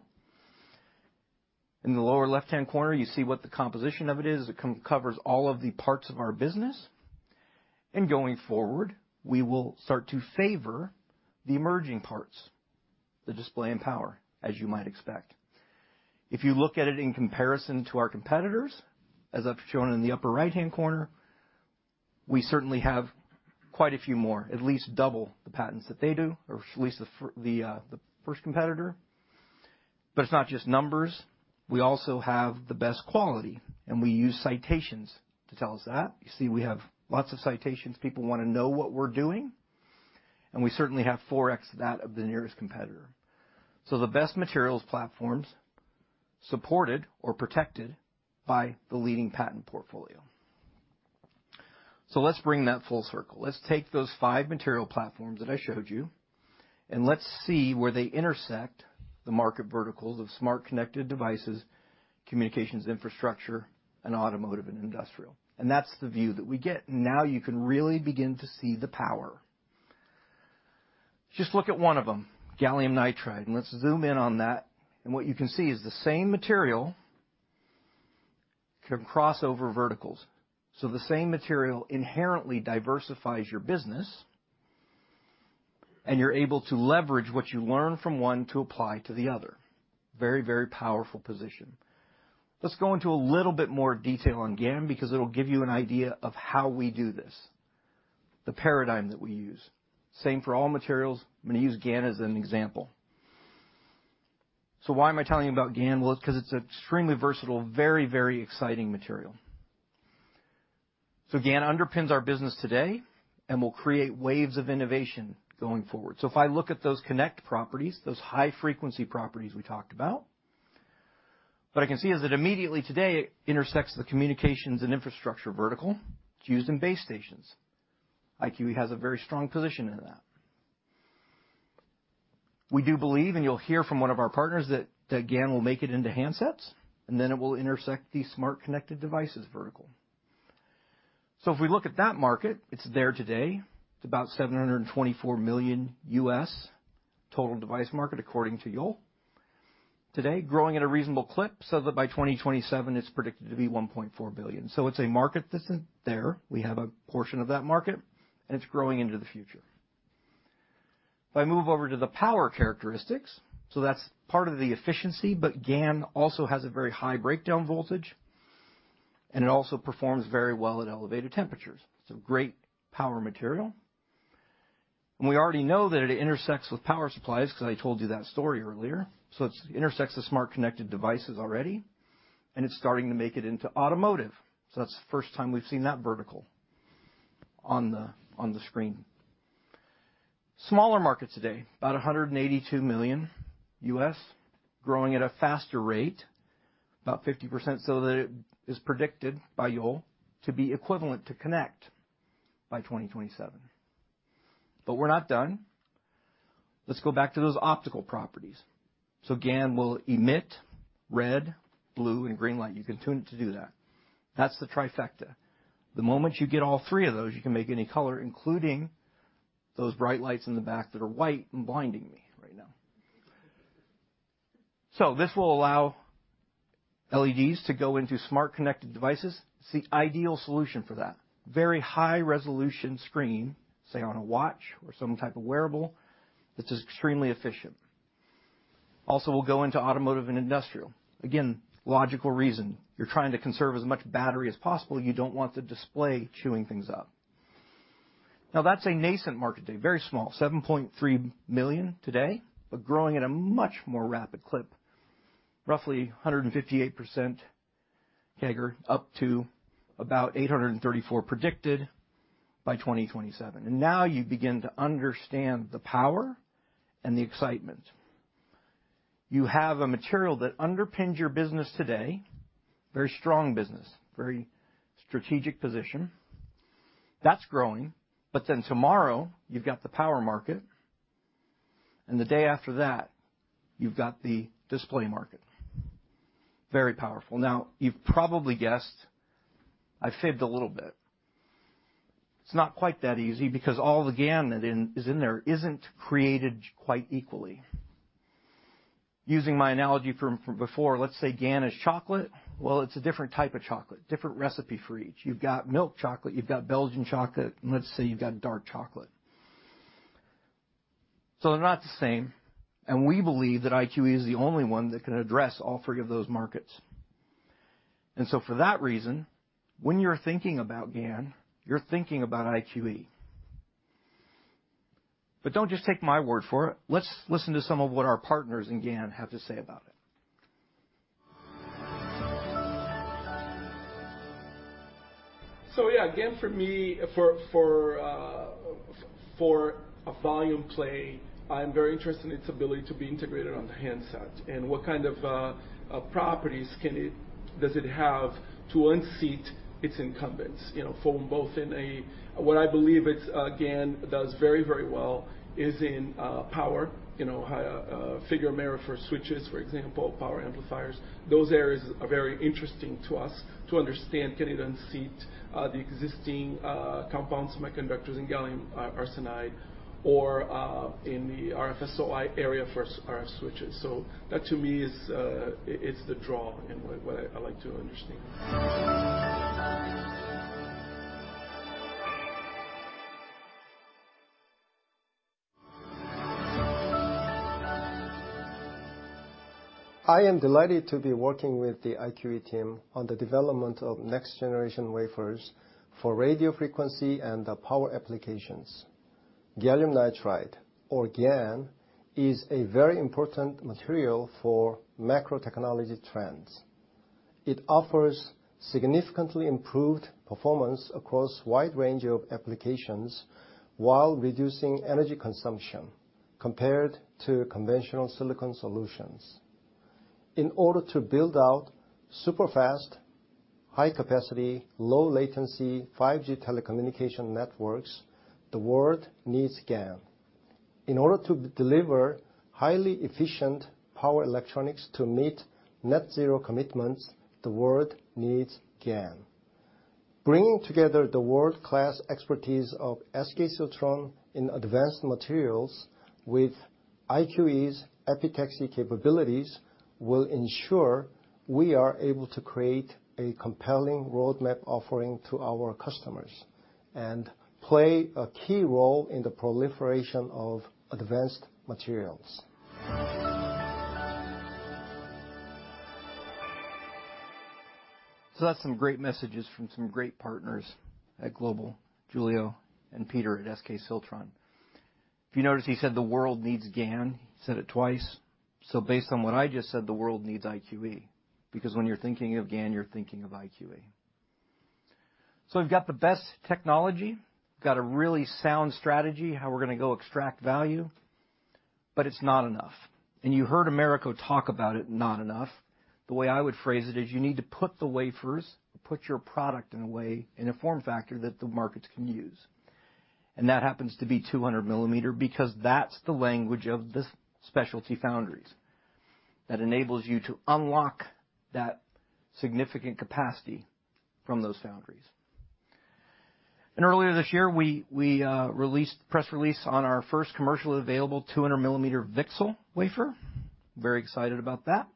Speaker 9: In the lower left-hand corner, you see what the composition of it is. It covers all of the parts of our business. Going forward, we will start to favor the emerging parts, the display and power, as you might expect. If you look at it in comparison to our competitors, as I've shown in the upper right-hand corner, we certainly have quite a few more, at least double the patents that they do, or at least the first competitor. It's not just numbers. We also have the best quality, and we use citations to tell us that. You see we have lots of citations. People wanna know what we're doing, and we certainly have 4x that of the nearest competitor. The best materials platforms supported or protected by the leading patent portfolio. Let's bring that full circle. Let's take those five material platforms that I showed you, and let's see where they intersect the market verticals of smart connected devices, communications infrastructure, and automotive and industrial. That's the view that we get, and now you can really begin to see the power. Just look at one of them, gallium nitride, and let's zoom in on that. What you can see is the same material can cross over verticals. The same material inherently diversifies your business, and you're able to leverage what you learn from one to apply to the other. Very, very powerful position. Let's go into a little bit more detail on GaN because it'll give you an idea of how we do this, the paradigm that we use. Same for all materials. I'm gonna use GaN as an example. Why am I telling you about GaN? Well, it's 'cause it's extremely versatile, very, very exciting material. GaN underpins our business today and will create waves of innovation going forward. If I look at those conduction properties, those high-frequency properties we talked about, what I can see is that immediately today intersects the communications and infrastructure vertical. It's used in base stations. IQE has a very strong position in that. We do believe, and you'll hear from one of our partners that GaN will make it into handsets, and then it will intersect the smart connected devices vertical. If we look at that market, it's there today. It's about $724 million U.S. total device market according to Yole. Today, growing at a reasonable clip so that by 2027 it's predicted to be $1.4 billion. It's a market that's in there. We have a portion of that market, and it's growing into the future. If I move over to the power characteristics, so that's part of the efficiency, but GaN also has a very high breakdown voltage, and it also performs very well at elevated temperatures. It's a great power material. We already know that it intersects with power supplies 'cause I told you that story earlier. It intersects the smart connected devices already, and it's starting to make it into automotive. That's the first time we've seen that vertical on the screen. Smaller market today, about $182 million, growing at a faster rate, about 50%, so that it is predicted by Yole to be equivalent to connect by 2027. We're not done. Let's go back to those optical properties. GaN will emit red, blue, and green light. You can tune it to do that. That's the trifecta. The moment you get all three of those, you can make any color, including those bright lights in the back that are white and blinding me right now. This will allow LEDs to go into smart connected devices. It's the ideal solution for that. Very high-resolution screen, say on a watch or some type of wearable that is extremely efficient. Also will go into automotive and industrial. Again, logical reason. You're trying to conserve as much battery as possible. You don't want the display chewing things up. Now, that's a nascent market today, very small, 7.3 million today, but growing at a much more rapid clip. Roughly 158% CAGR up to about 834 predicted by 2027. Now you begin to understand the power and the excitement. You have a material that underpins your business today, very strong business, very strategic position, that's growing, but then tomorrow you've got the power market, and the day after that you've got the display market. Very powerful. Now, you've probably guessed I fibbed a little bit. It's not quite that easy because all the GaN that's in there isn't created quite equally. Using my analogy from before, let's say GaN is chocolate. Well, it's a different type of chocolate, different recipe for each. You've got milk chocolate, you've got Belgian chocolate, and let's say you've got dark chocolate. So they're not the same, and we believe that IQE is the only one that can address all three of those markets. For that reason, when you're thinking about GaN, you're thinking about IQE. Don't just take my word for it. Let's listen to some of what our partners in GaN have to say about it.
Speaker 11: GaN for me, for a volume play, I'm very interested in its ability to be integrated on the handsets and what kind of properties does it have to unseat its incumbents? You know, what I believe is GaN does very well in power, you know, figure of merit for switches, for example, power amplifiers. Those areas are very interesting to us to understand, can it unseat the existing compound semiconductors in gallium arsenide or in the RF SOI area for RF switches. That to me is the draw and what I like to understand.
Speaker 7: I am delighted to be working with the IQE team on the development of next-generation wafers for radio frequency and the power applications. Gallium nitride, or GaN, is a very important material for macro technology trends. It offers significantly improved performance across wide range of applications while reducing energy consumption compared to conventional silicon solutions. In order to build out super fast, high capacity, low latency, 5G telecommunication networks, the world needs GaN. In order to deliver highly efficient power electronics to meet net zero commitments, the world needs GaN. Bringing together the world-class expertise of SK Siltron in advanced materials with IQE's epitaxy capabilities will ensure we are able to create a compelling roadmap offering to our customers and play a key role in the proliferation of advanced materials.
Speaker 9: That's some great messages from some great partners at GlobalFoundries, Giulio and Peter at SK Siltron. If you notice, he said the world needs GaN. He said it twice. Based on what I just said, the world needs IQE, because when you're thinking of GaN, you're thinking of IQE. We've got the best technology, got a really sound strategy, how we're gonna go extract value, but it's not enough. You heard Americo talk about it, not enough. The way I would phrase it is you need to put the wafers, put your product in a way, in a form factor that the markets can use. That happens to be 200 mm because that's the language of the specialty foundries that enables you to unlock that significant capacity from those foundries. Earlier this year, we released press release on our first commercially available 200 mm VCSEL wafer. Very excited about that.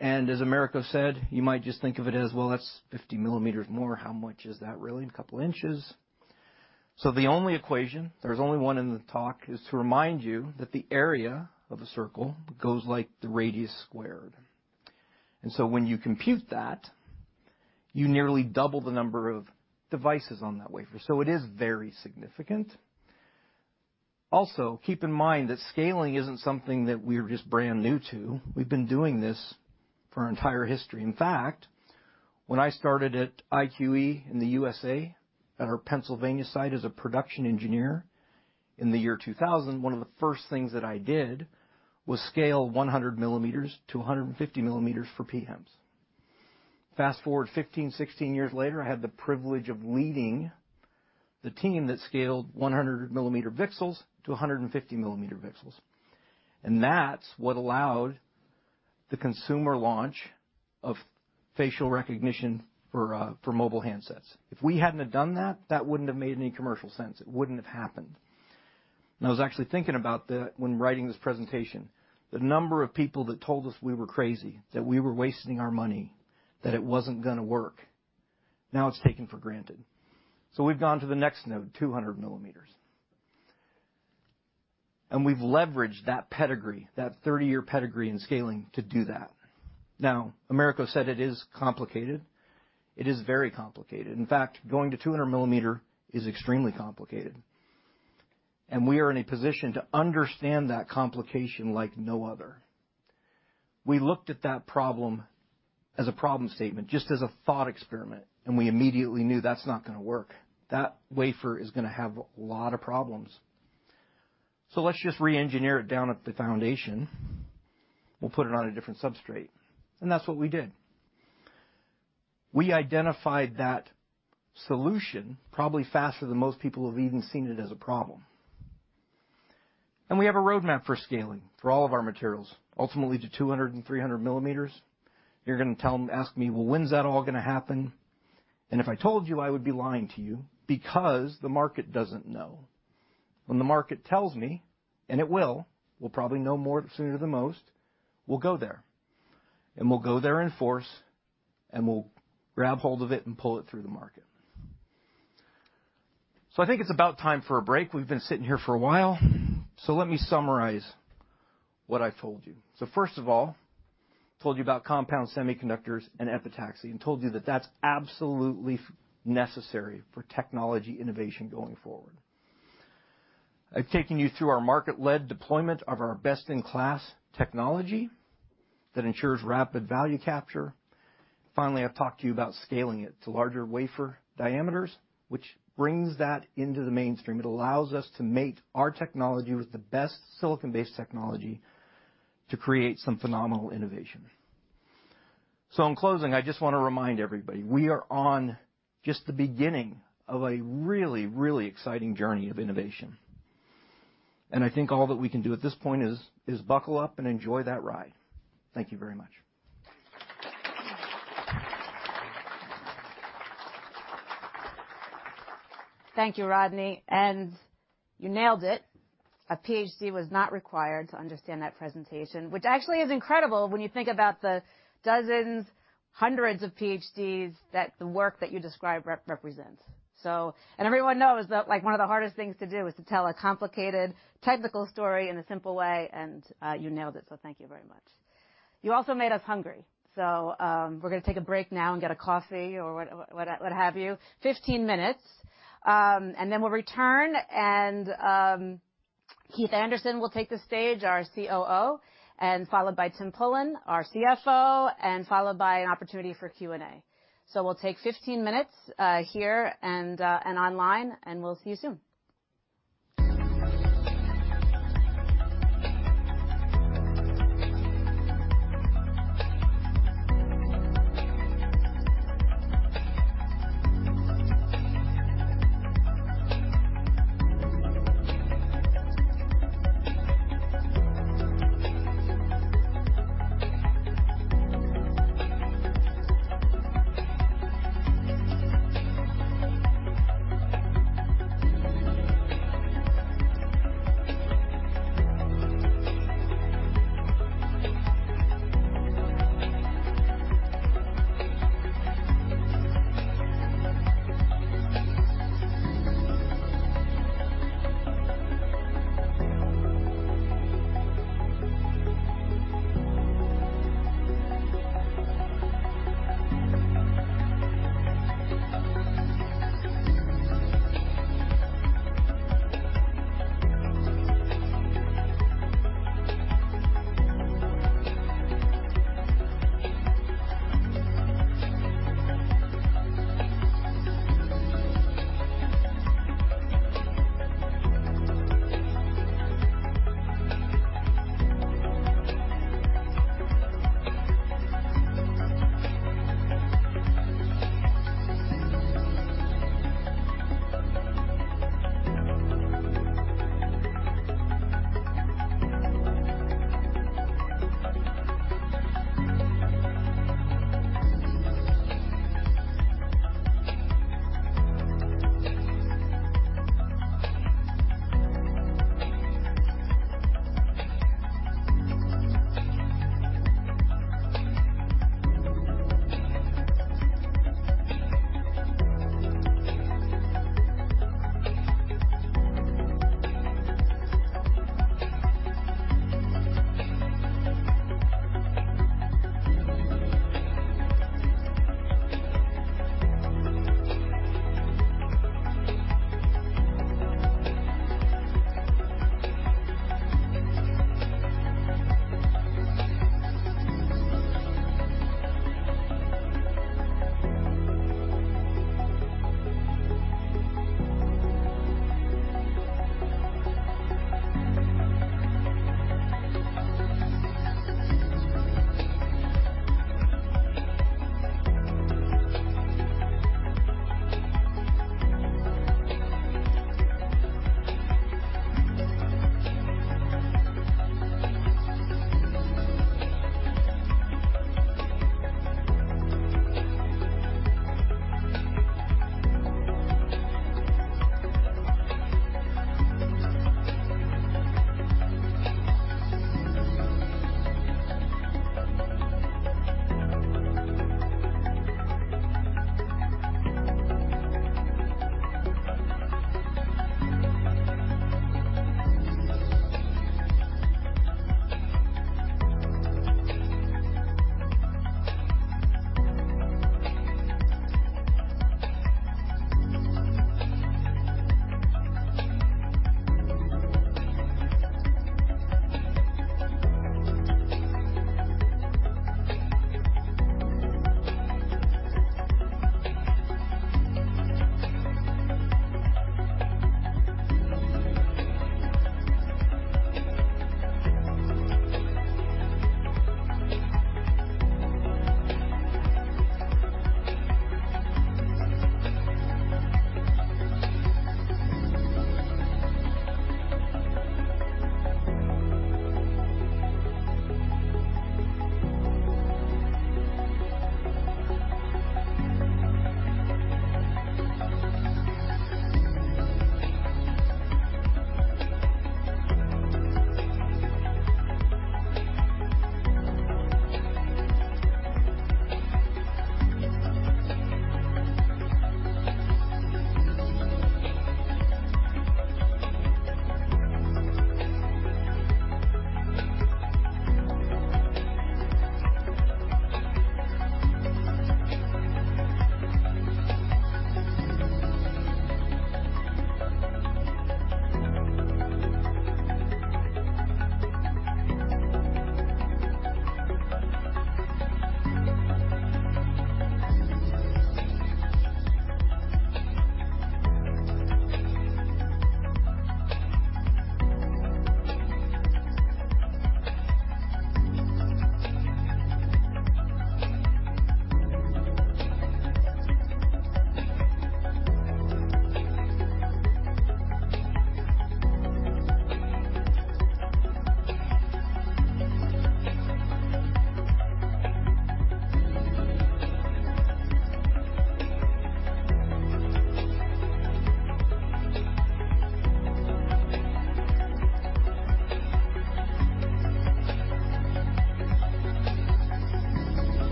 Speaker 9: As Americo said, you might just think of it as, "Well, that's 50 mm more. How much is that really? A couple inches." The only equation, there's only one in the talk, is to remind you that the area of a circle goes like the radius squared. When you compute that, you nearly double the number of devices on that wafer. It is very significant. Also, keep in mind that scaling isn't something that we're just brand new to. We've been doing this for our entire history. In fact, when I started at IQE in the USA at our Pennsylvania site as a production engineer in the year 2001, one of the first things that I did was scale 100 mm to 150 mm for PMAs. Fast-forward 15, 16 years later, I had the privilege of leading the team that scaled 100 mm VCSELs to 150 mm VCSELs. That's what allowed the consumer launch of facial recognition for mobile handsets. If we hadn't have done that wouldn't have made any commercial sense. It wouldn't have happened. I was actually thinking about that when writing this presentation. The number of people that told us we were crazy, that we were wasting our money, that it wasn't gonna work. Now it's taken for granted. We've gone to the next node, 200 mm. We've leveraged that pedigree, that 30-year pedigree in scaling to do that. Now, Americo said it is complicated. It is very complicated. In fact, going to 200 mm is extremely complicated. We are in a position to understand that complication like no other. We looked at that problem as a problem statement, just as a thought experiment, and we immediately knew that's not gonna work. That wafer is gonna have a lot of problems. Let's just re-engineer it down at the foundation. We'll put it on a different substrate, and that's what we did. We identified that solution probably faster than most people have even seen it as a problem. We have a roadmap for scaling for all of our materials, ultimately to 200 and 300 mm. You're gonna ask me, "Well, when's that all gonna happen?" If I told you, I would be lying to you because the market doesn't know. When the market tells me, and it will, we'll probably know more sooner than most, we'll go there. We'll go there in force, and we'll grab hold of it and pull it through the market. I think it's about time for a break. We've been sitting here for a while, so let me summarize what I told you. First of all, told you about compound semiconductors and epitaxy, and told you that that's absolutely necessary for technology innovation going forward. I've taken you through our market-led deployment of our best-in-class technology that ensures rapid value capture. Finally, I've talked to you about scaling it to larger wafer diameters, which brings that into the mainstream. It allows us to mate our technology with the best silicon-based technology to create some phenomenal innovation. In closing, I just wanna remind everybody, we are on just the beginning of a really, really exciting journey of innovation. I think all that we can do at this point is buckle up and enjoy that ride. Thank you very much.
Speaker 1: Thank you, Rodney, and you nailed it. A PhD was not required to understand that presentation, which actually is incredible when you think about the dozens, hundreds of PhDs that the work that you described represents. Everyone knows that, like, one of the hardest things to do is to tell a complicated technical story in a simple way, and you nailed it. Thank you very much. You also made us hungry. We're gonna take a break now and get a coffee or what have you. 15 minutes, and then we'll return and Keith Anderson will take the stage, our COO, and followed by Tim Pullen, our CFO, and followed by an opportunity for Q&A. We'll take 15 minutes here and online, and we'll see you soon.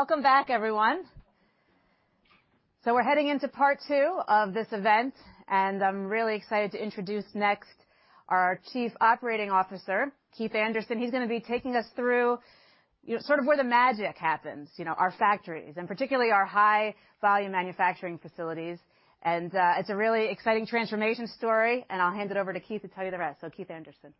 Speaker 1: Welcome back, everyone. We're heading into part two of this event, and I'm really excited to introduce next our Chief Operating Officer, Keith Anderson. He's gonna be taking us through, you know, sort of where the magic happens, you know, our factories, and particularly our high volume manufacturing facilities. It's a really exciting transformation story, and I'll hand it over to Keith to tell you the rest, so Keith Anderson.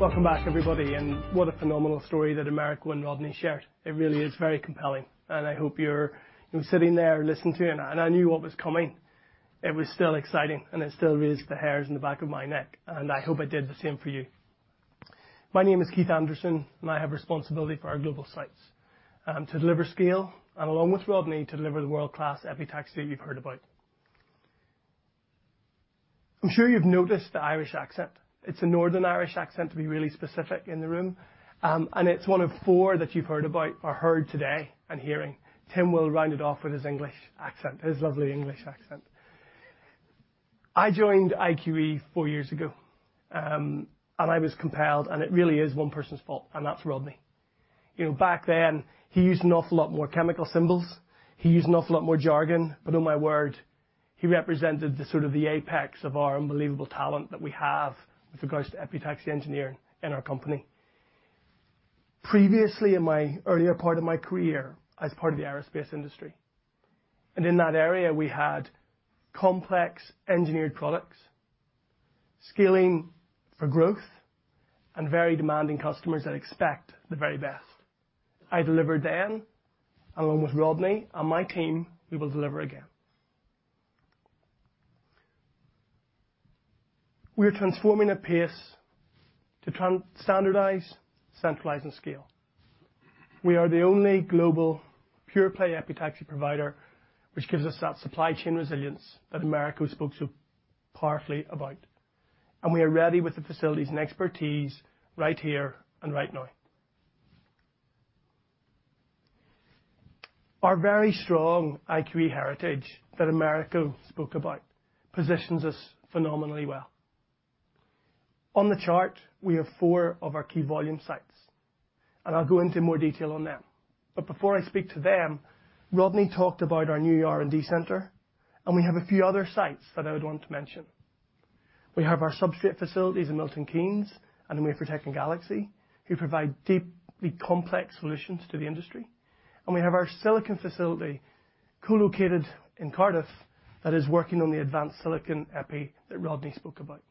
Speaker 12: Thanks. Welcome back, everybody. What a phenomenal story that Americo and Rodney shared. It really is very compelling, and I hope you're sitting there listening to it. I knew what was coming. It was still exciting, and it still raised the hairs in the back of my neck, and I hope I did the same for you. My name is Keith Anderson, and I have responsibility for our global sites to deliver scale and, along with Rodney, to deliver the world-class epitaxy you've heard about. I'm sure you've noticed the Irish accent. It's a northern Irish accent, to be really specific in the room. It's one of four that you've heard about or heard today and hearing. Tim will round it off with his English accent, his lovely English accent. I joined IQE four years ago. I was compelled, and it really is one person's fault, and that's Rodney. You know, back then, he used an awful lot more chemical symbols. He used an awful lot more jargon, but on my word, he represented the sort of the apex of our unbelievable talent that we have with regards to epitaxy engineering in our company. Previously, in my earlier part of my career, I was part of the aerospace industry, and in that area, we had complex engineered products, scaling for growth, and very demanding customers that expect the very best. I delivered then, along with Rodney and my team. We will deliver again. We are transforming at pace to standardize, centralize, and scale. We are the only global pure play epitaxy provider, which gives us that supply chain resilience that Americo spoke so powerfully about. We are ready with the facilities and expertise right here and right now. Our very strong IQE heritage that Americo spoke about positions us phenomenally well. On the chart, we have four of our key volume sites, and I'll go into more detail on them. Before I speak to them, Rodney talked about our new R&D center, and we have a few other sites that I would want to mention. We have our substrate facilities in Milton Keynes, and then we have Protech and Galaxy, who provide deeply complex solutions to the industry. We have our silicon facility co-located in Cardiff that is working on the advanced silicon epi that Rodney spoke about.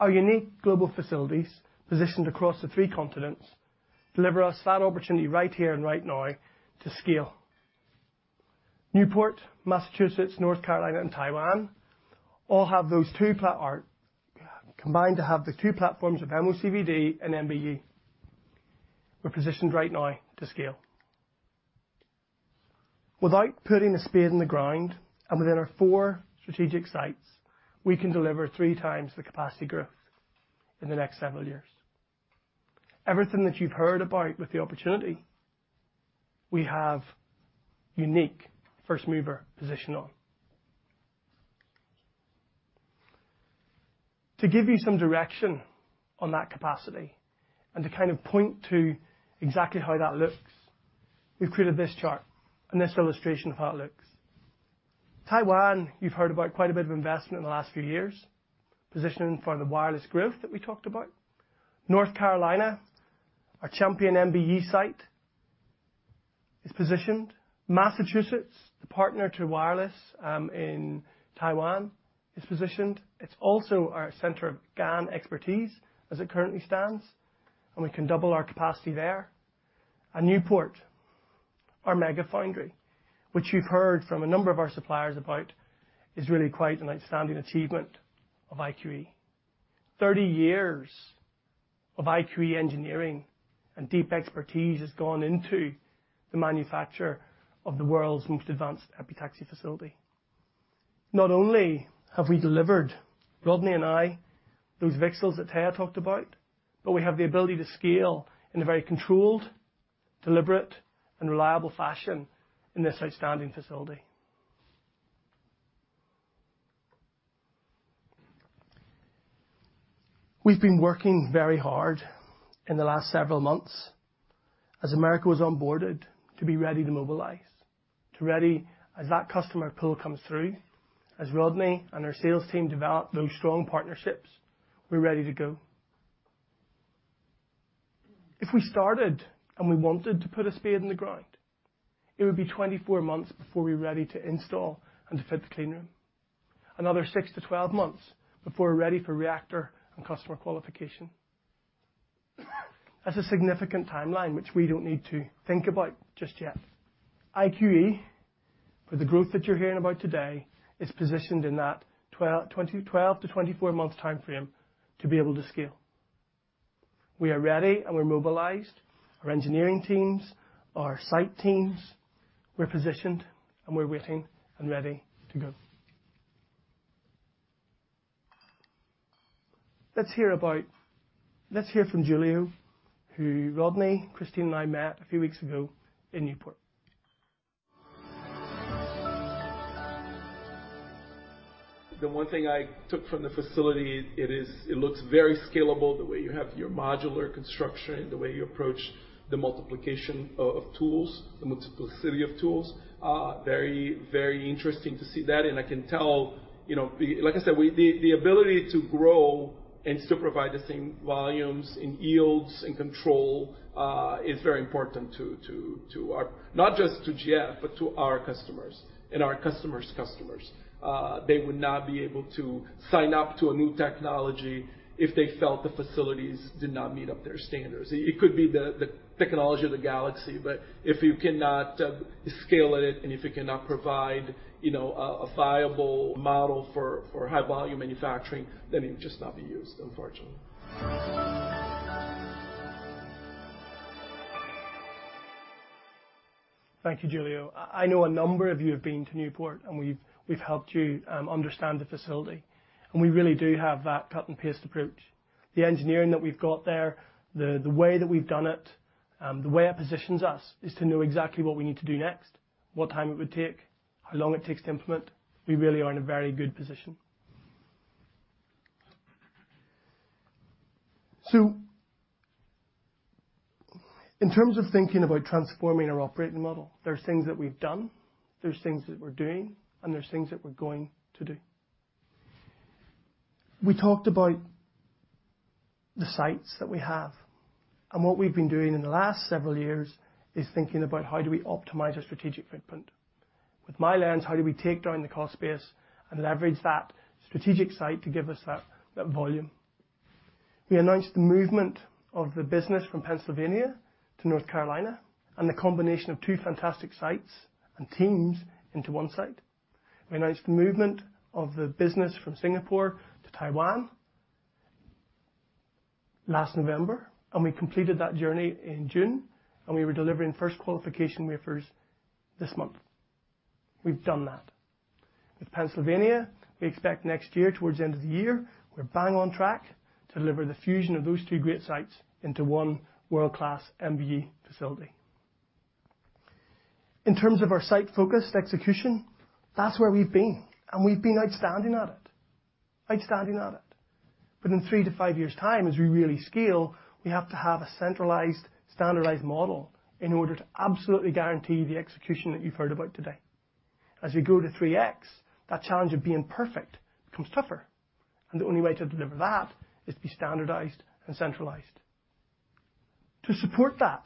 Speaker 12: Our unique global facilities positioned across the three continents deliver us that opportunity right here and right now to scale. Newport, Massachusetts, North Carolina, and Taiwan all are combined to have the two platforms of MOCVD and MBE. We're positioned right now to scale. Without putting a spade in the ground and within our four strategic sites, we can deliver three times the capacity growth in the next several years. Everything that you've heard about with the opportunity, we have unique first-mover position on. To give you some direction on that capacity and to kind of point to exactly how that looks, we've created this chart and this illustration of how it looks. Taiwan, you've heard about quite a bit of investment in the last few years, positioning for the wireless growth that we talked about. North Carolina, our champion MBE site, is positioned. Massachusetts, the partner to wireless, in Taiwan, is positioned. It's also our center of GaN expertise as it currently stands, and we can double our capacity there. Newport, our mega foundry, which you've heard from a number of our suppliers about, is really quite an outstanding achievement of IQE. Thirty years of IQE engineering and deep expertise has gone into the manufacture of the world's most advanced epitaxy facility. Not only have we delivered, Rodney and I, those VCSELs that Thea talked about, but we have the ability to scale in a very controlled, deliberate, and reliable fashion in this outstanding facility. We've been working very hard in the last several months as Americo was onboarded to be ready to mobilize, to ready as that customer pull comes through. As Rodney and our sales team develop those strong partnerships, we're ready to go. If we started and we wanted to put a spade in the ground, it would be 24 months before we're ready to install and to fit the clean room. Another 6-12 months before we're ready for reactor and customer qualification. That's a significant timeline which we don't need to think about just yet. IQE, for the growth that you're hearing about today, is positioned in that 12-24 month timeframe to be able to scale. We are ready, and we're mobilized. Our engineering teams, our site teams, we're positioned, and we're waiting and ready to go. Let's hear from Giulio, who Rodney, Christine, and I met a few weeks ago in Newport.
Speaker 11: The one thing I took from the facility, it looks very scalable, the way you have your modular construction, the way you approach the multiplication of tools, the multiplicity of tools. Very, very interesting to see that. I can tell the ability to grow and still provide the same volumes and yields and control is very important to our, not just to GF, but to our customers and our customers' customers. They would not be able to sign up to a new technology if they felt the facilities did not meet up to their standards. It could be the technology of Galaxy, but if you cannot scale it and if you cannot provide a viable model for high volume manufacturing, then it would just not be used, unfortunately.
Speaker 13: Thank you, Giulio. I know a number of you have been to Newport, and we've helped you understand the facility. We really do have that cut-and-paste approach. The engineering that we've got there, the way that we've done it, the way it positions us, is to know exactly what we need to do next, what time it would take, how long it takes to implement. We really are in a very good position. In terms of thinking about transforming our operating model, there's things that we've done, there's things that we're doing, and there's things that we're going to do. We talked about the sites that we have, and what we've been doing in the last several years is thinking about how do we optimize our strategic footprint.
Speaker 12: With milestones, how do we take down the cost base and leverage that strategic site to give us that volume? We announced the movement of the business from Pennsylvania to North Carolina and the combination of two fantastic sites and teams into one site. We announced the movement of the business from Singapore to Taiwan last November, and we completed that journey in June, and we were delivering first qualification wafers this month. We've done that. With Pennsylvania, we expect next year, towards the end of the year, we're bang on track to deliver the fusion of those two great sites into one world-class MBE facility. In terms of our site-focused execution, that's where we've been, and we've been outstanding at it. In 3-5 years' time, as we really scale, we have to have a centralized, standardized model in order to absolutely guarantee the execution that you've heard about today. As we go to 3x, that challenge of being perfect becomes tougher, and the only way to deliver that is to be standardized and centralized. To support that,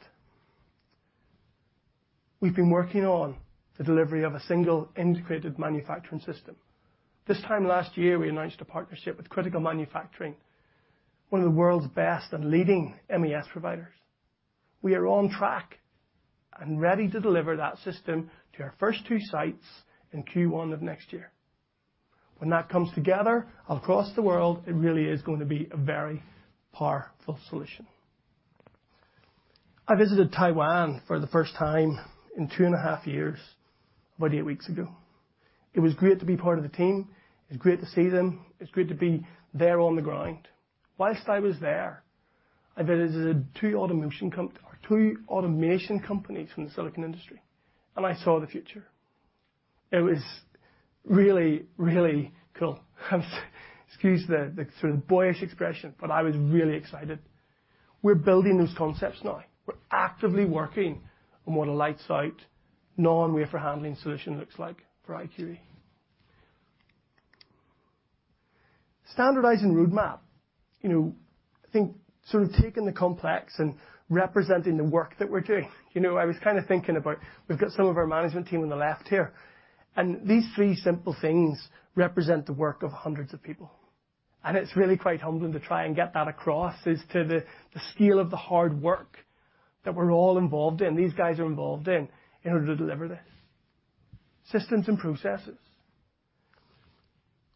Speaker 12: we've been working on the delivery of a single integrated manufacturing system. This time last year, we announced a partnership with Critical Manufacturing, one of the world's best and leading MES providers. We are on track and ready to deliver that system to our first 2 sites in Q1 of next year. When that comes together across the world, it really is going to be a very powerful solution. I visited Taiwan for the first time in two and a half years, about 8 weeks ago. It was great to be part of the team. It was great to see them. It was great to be there on the ground. While I was there, I visited two automation companies from the silicon industry, and I saw the future. It was really, really cool. Excuse the sort of boyish expression, but I was really excited. We're building those concepts now. We're actively working on what a light site non-wafer handling solution looks like for IQE. Standardizing roadmap, you know, I think sort of taking the complex and representing the work that we're doing. You know, I was kinda thinking about, we've got some of our management team on the left here, and these three simple things represent the work of hundreds of people. It's really quite humbling to try and get that across, to the scale of the hard work that we're all involved in, these guys are involved in order to deliver this. Systems and processes.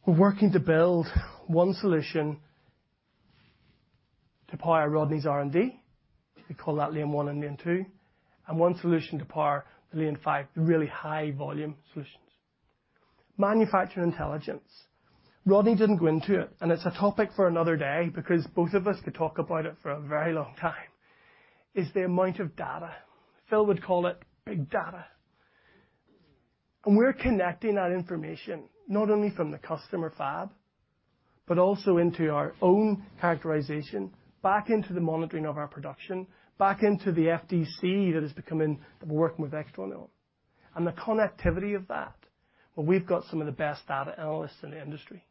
Speaker 12: We're working to build one solution to power Rodney Pelzel's R&D. We call that Lane one and Lane two, and one solution to power the Lane five, the really high volume solutions. Manufacturing intelligence. Rodney Pelzel didn't go into it, and it's a topic for another day because both of us could talk about it for a very long time, the amount of data. Phil would call it big data. We're connecting that information not only from the customer fab, but also into our own characterization, back into the monitoring of our production, back into the FDC that we're working with Veeco now.
Speaker 13: The connectivity of that, well, we've got some of the best data analysts in the industry,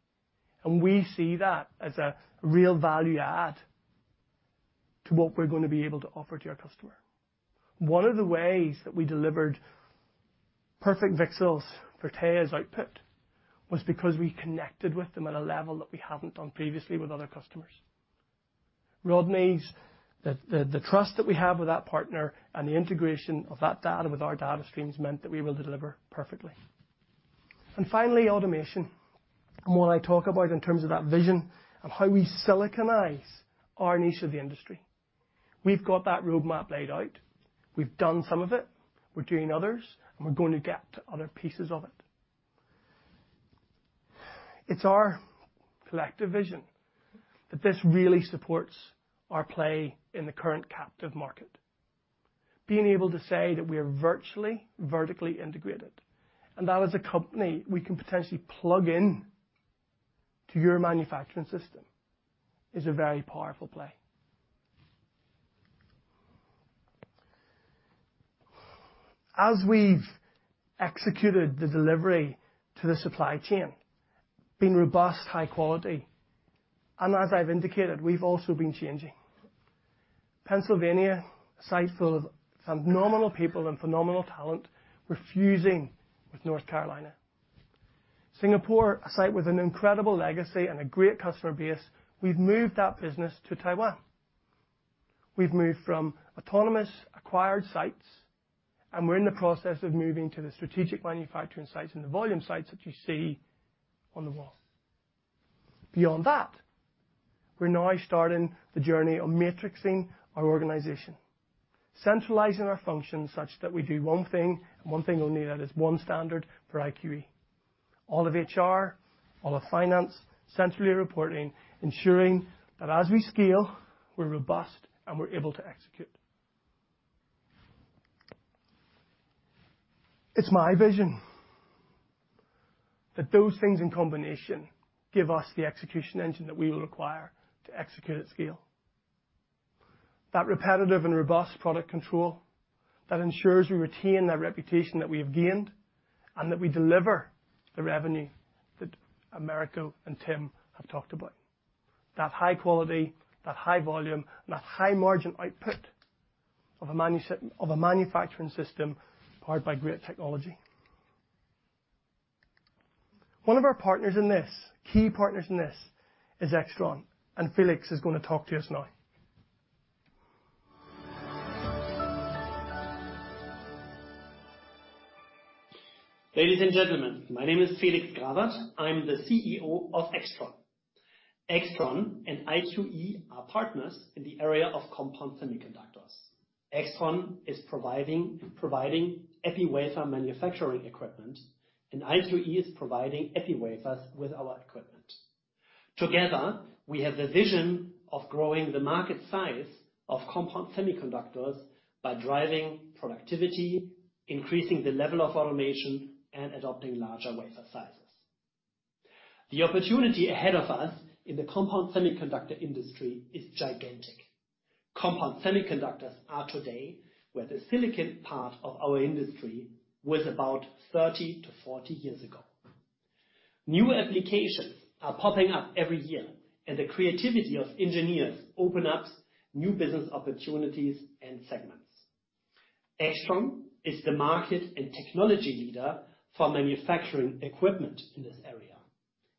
Speaker 13: and we see that as a real value add to what we're gonna be able to offer to our customer. One of the ways that we delivered perfect VCSELs for TAI's output was because we connected with them at a level that we haven't done previously with other customers. Rodney Pelzel's the trust that we have with that partner and the integration of that data with our data streams meant that we will deliver perfectly. Finally, automation, and what I talk about in terms of that vision of how we siliconize our niche of the industry. We've got that roadmap laid out.
Speaker 12: We've done some of it, we're doing others, and we're going to get to other pieces of it. It's our collective vision that this really supports our play in the current captive market. Being able to say that we are virtually vertically integrated, and that as a company, we can potentially plug in to your manufacturing system, is a very powerful play. As we've executed the delivery to the supply chain, being robust, high quality, and as I've indicated, we've also been changing. Pennsylvania, a site full of phenomenal people and phenomenal talent, we're fusing with North Carolina. Singapore, a site with an incredible legacy and a great customer base, we've moved that business to Taiwan. We've moved from autonomous acquired sites, and we're in the process of moving to the strategic manufacturing sites and the volume sites that you see on the wall. Beyond that, we're now starting the journey of matrixing our organization, centralizing our functions such that we do one thing and one thing only, and that is one standard for IQE. All of HR, all of finance, centrally reporting, ensuring that as we scale, we're robust and we're able to execute. It's my vision that those things in combination give us the execution engine that we will require to execute at scale. That repetitive and robust product control that ensures we retain that reputation that we have gained, and that we deliver the revenue that Americo and Tim have talked about. That high quality, that high volume, and that high margin output of a manufacturing system powered by great technology. One of our partners in this, key partners in this, is AIXTRON, and Felix is gonna talk to us now.
Speaker 14: Ladies and gentlemen, my name is Felix Grawert. I'm the CEO of AIXTRON. AIXTRON and IQE are partners in the area of compound semiconductors. AIXTRON is providing epi wafer manufacturing equipment, and IQE is providing epi wafers with our equipment. Together, we have the vision of growing the market size of compound semiconductors by driving productivity, increasing the level of automation, and adopting larger wafer sizes. The opportunity ahead of us in the compound semiconductor industry is gigantic. Compound semiconductors are today where the silicon part of our industry was about 30-40 years ago. New applications are popping up every year, and the creativity of engineers opens up new business opportunities and segments. AIXTRON is the market and technology leader for manufacturing equipment in this area,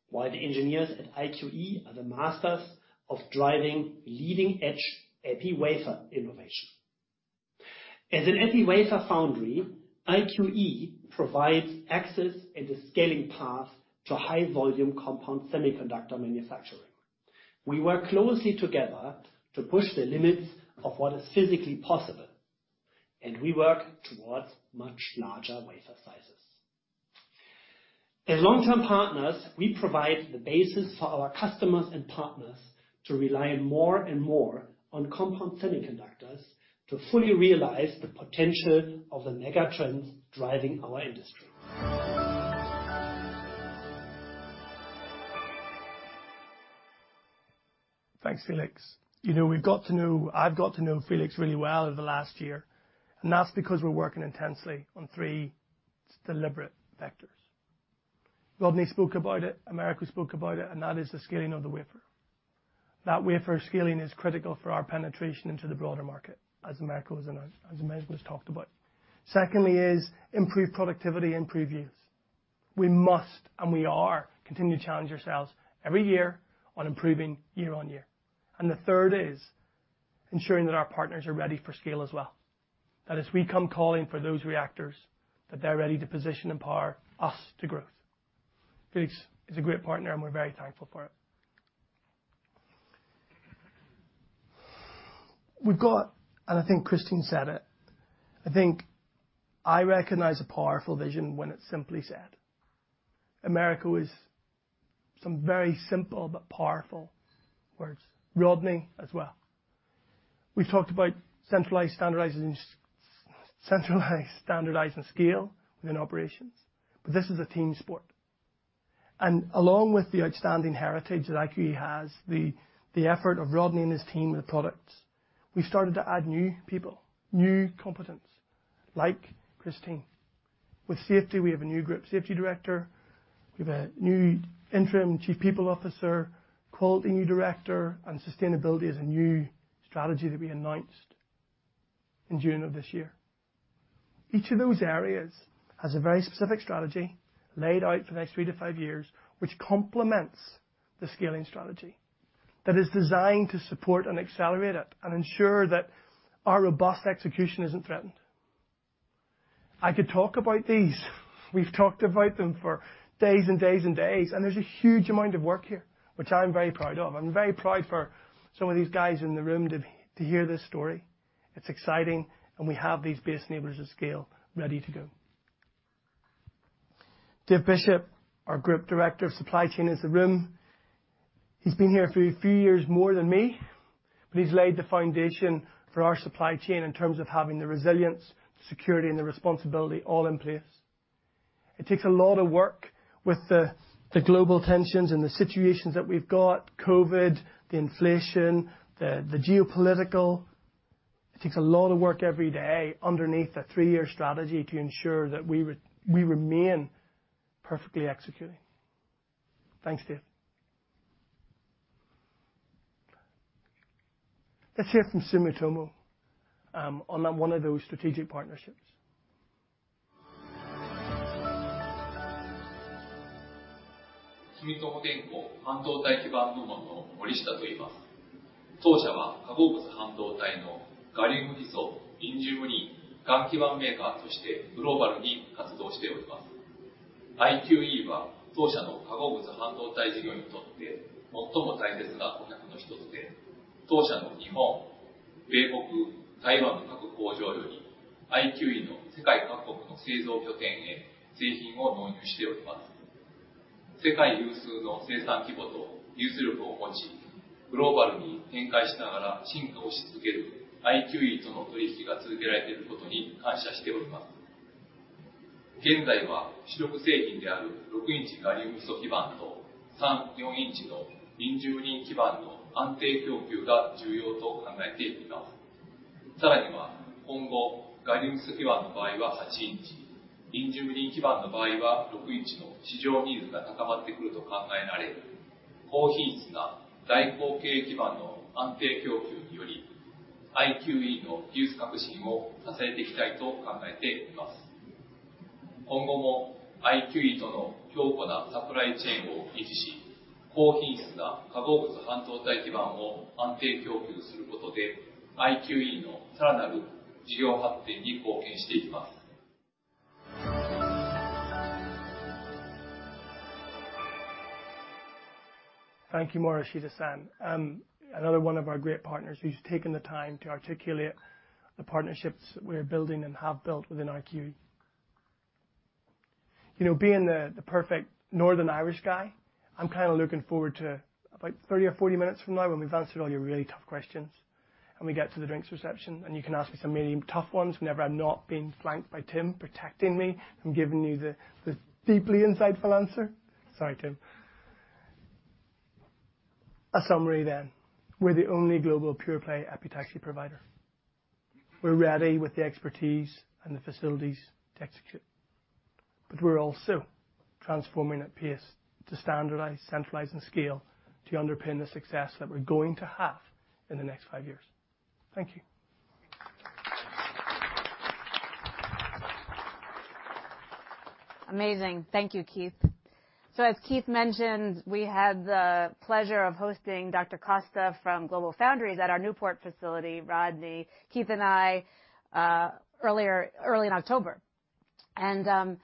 Speaker 14: while the engineers at IQE are the masters of driving leading-edge epi wafer innovation. As an epi wafer foundry, IQE provides access and a scaling path to high volume compound semiconductor manufacturing. We work closely together to push the limits of what is physically possible, and we work towards much larger wafer sizes. As long-term partners, we provide the basis for our customers and partners to rely more and more on compound semiconductors to fully realize the potential of the mega trends driving our industry.
Speaker 12: Thanks, Felix. You know, I've got to know Felix really well over the last year, and that's because we're working intensely on three deliberate vectors. Rodney spoke about it, Americo spoke about it, and that is the scaling of the wafer. That wafer scaling is critical for our penetration into the broader market, as Americo's announced, as Americo's talked about. Secondly is improved productivity and improved yields. We must, and we are, continuing to challenge ourselves every year on improving year on year. The third is ensuring that our partners are ready for scale as well. That as we come calling for those reactors, that they're ready to position and power us to growth. Felix is a great partner, and we're very thankful for it. We've got, and I think Christine said it, I think I recognize a powerful vision when it's simply said. Americo is some very simple but powerful words. Rodney as well. We've talked about centralized standardizing scale within operations, but this is a team sport. Along with the outstanding heritage that IQE has, the effort of Rodney and his team with products, we started to add new people, new competence, like Christine. With safety, we have a new group, Safety Director. We have a new interim Chief People Officer, Quality, new Director, and Sustainability is a new strategy that we announced in June of this year. Each of those areas has a very specific strategy laid out for the next three to five years, which complements the scaling strategy that is designed to support and accelerate it and ensure that our robust execution isn't threatened. I could talk about these. We've talked about them for days and days and days, and there's a huge amount of work here, which I'm very proud of. I'm very proud for some of these guys in the room to hear this story. It's exciting, and we have these base enablers of scale ready to go. Dave Bishop, our Group Director of Supply Chain, is in the room. He's been here a few years more than me, but he's laid the foundation for our supply chain in terms of having the resilience, security, and the responsibility all in place. It takes a lot of work with the global tensions and the situations that we've got, COVID, the inflation, the geopolitical. It takes a lot of work every day underneath that three-year strategy to ensure that we remain perfectly executing. Thanks, Dave. Let's hear from Sumitomo on one of those strategic partnerships. Thank you, Morishita-san. Another one of our great partners who's taken the time to articulate the partnerships that we're building and have built within IQE. You know, being the perfect northern Irish guy, I'm kind of looking forward to about 30 or 40 minutes from now when we've answered all your really tough questions, and we get to the drinks reception, and you can ask me some really tough ones whenever I'm not being flanked by Tim protecting me and giving you the deeply insightful answer. Sorry, Tim. A summary then. We're the only global pure-play epitaxy provider. We're ready with the expertise and the facilities to execute. We're also transforming at pace to standardize, centralize, and scale to underpin the success that we're going to have in the next 5 years. Thank you.
Speaker 1: Amazing. Thank you, Keith. As Keith mentioned, we had the pleasure of hosting Thomas Caulfield from GlobalFoundries at our Newport facility, Rodney, Keith and I, early in October. I've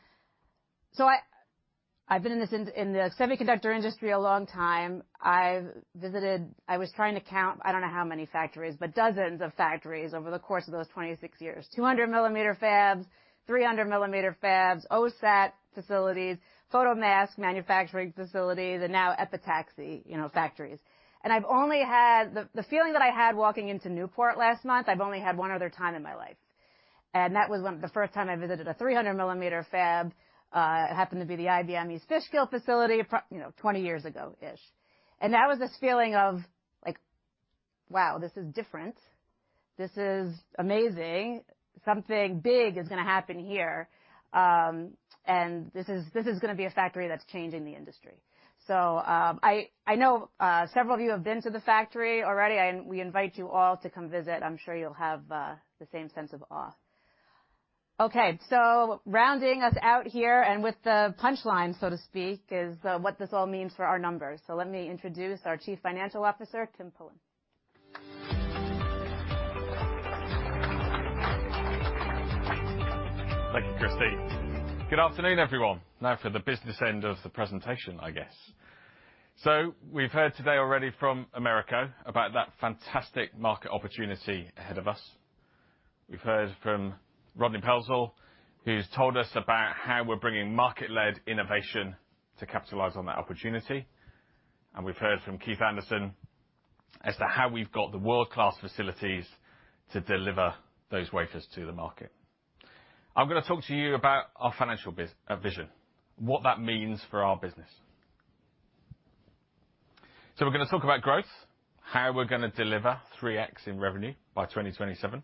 Speaker 1: been in the semiconductor industry a long time. I've visited. I was trying to count, I don't know how many factories, but dozens of factories over the course of those 26 years. 200-mm fabs, 300-mm fabs, OSAT facilities, photomask manufacturing facilities, and now epitaxy, you know, factories. The feeling that I had walking into Newport last month, I've only had one other time in my life. That was the first time I visited a 300-mm fab, it happened to be the IBM East Fishkill facility, you know, 20 years ago-ish. That was this feeling of, like, wow, this is different. This is amazing. Something big is gonna happen here. This is gonna be a factory that's changing the industry. I know several of you have been to the factory already. We invite you all to come visit. I'm sure you'll have the same sense of awe. Rounding us out here and with the punch line, so to speak, is what this all means for our numbers. Let me introduce our Chief Financial Officer, Tim Pullen.
Speaker 15: Thank you, Christie. Good afternoon, everyone. Now for the business end of the presentation, I guess. We've heard today already from Americo about that fantastic market opportunity ahead of us. We've heard from Rodney Pelzel, who's told us about how we're bringing market-led innovation to capitalize on that opportunity. We've heard from Keith Anderson as to how we've got the world-class facilities to deliver those wafers to the market. I'm gonna talk to you about our financial vision, what that means for our business. We're gonna talk about growth, how we're gonna deliver 3x in revenue by 2027.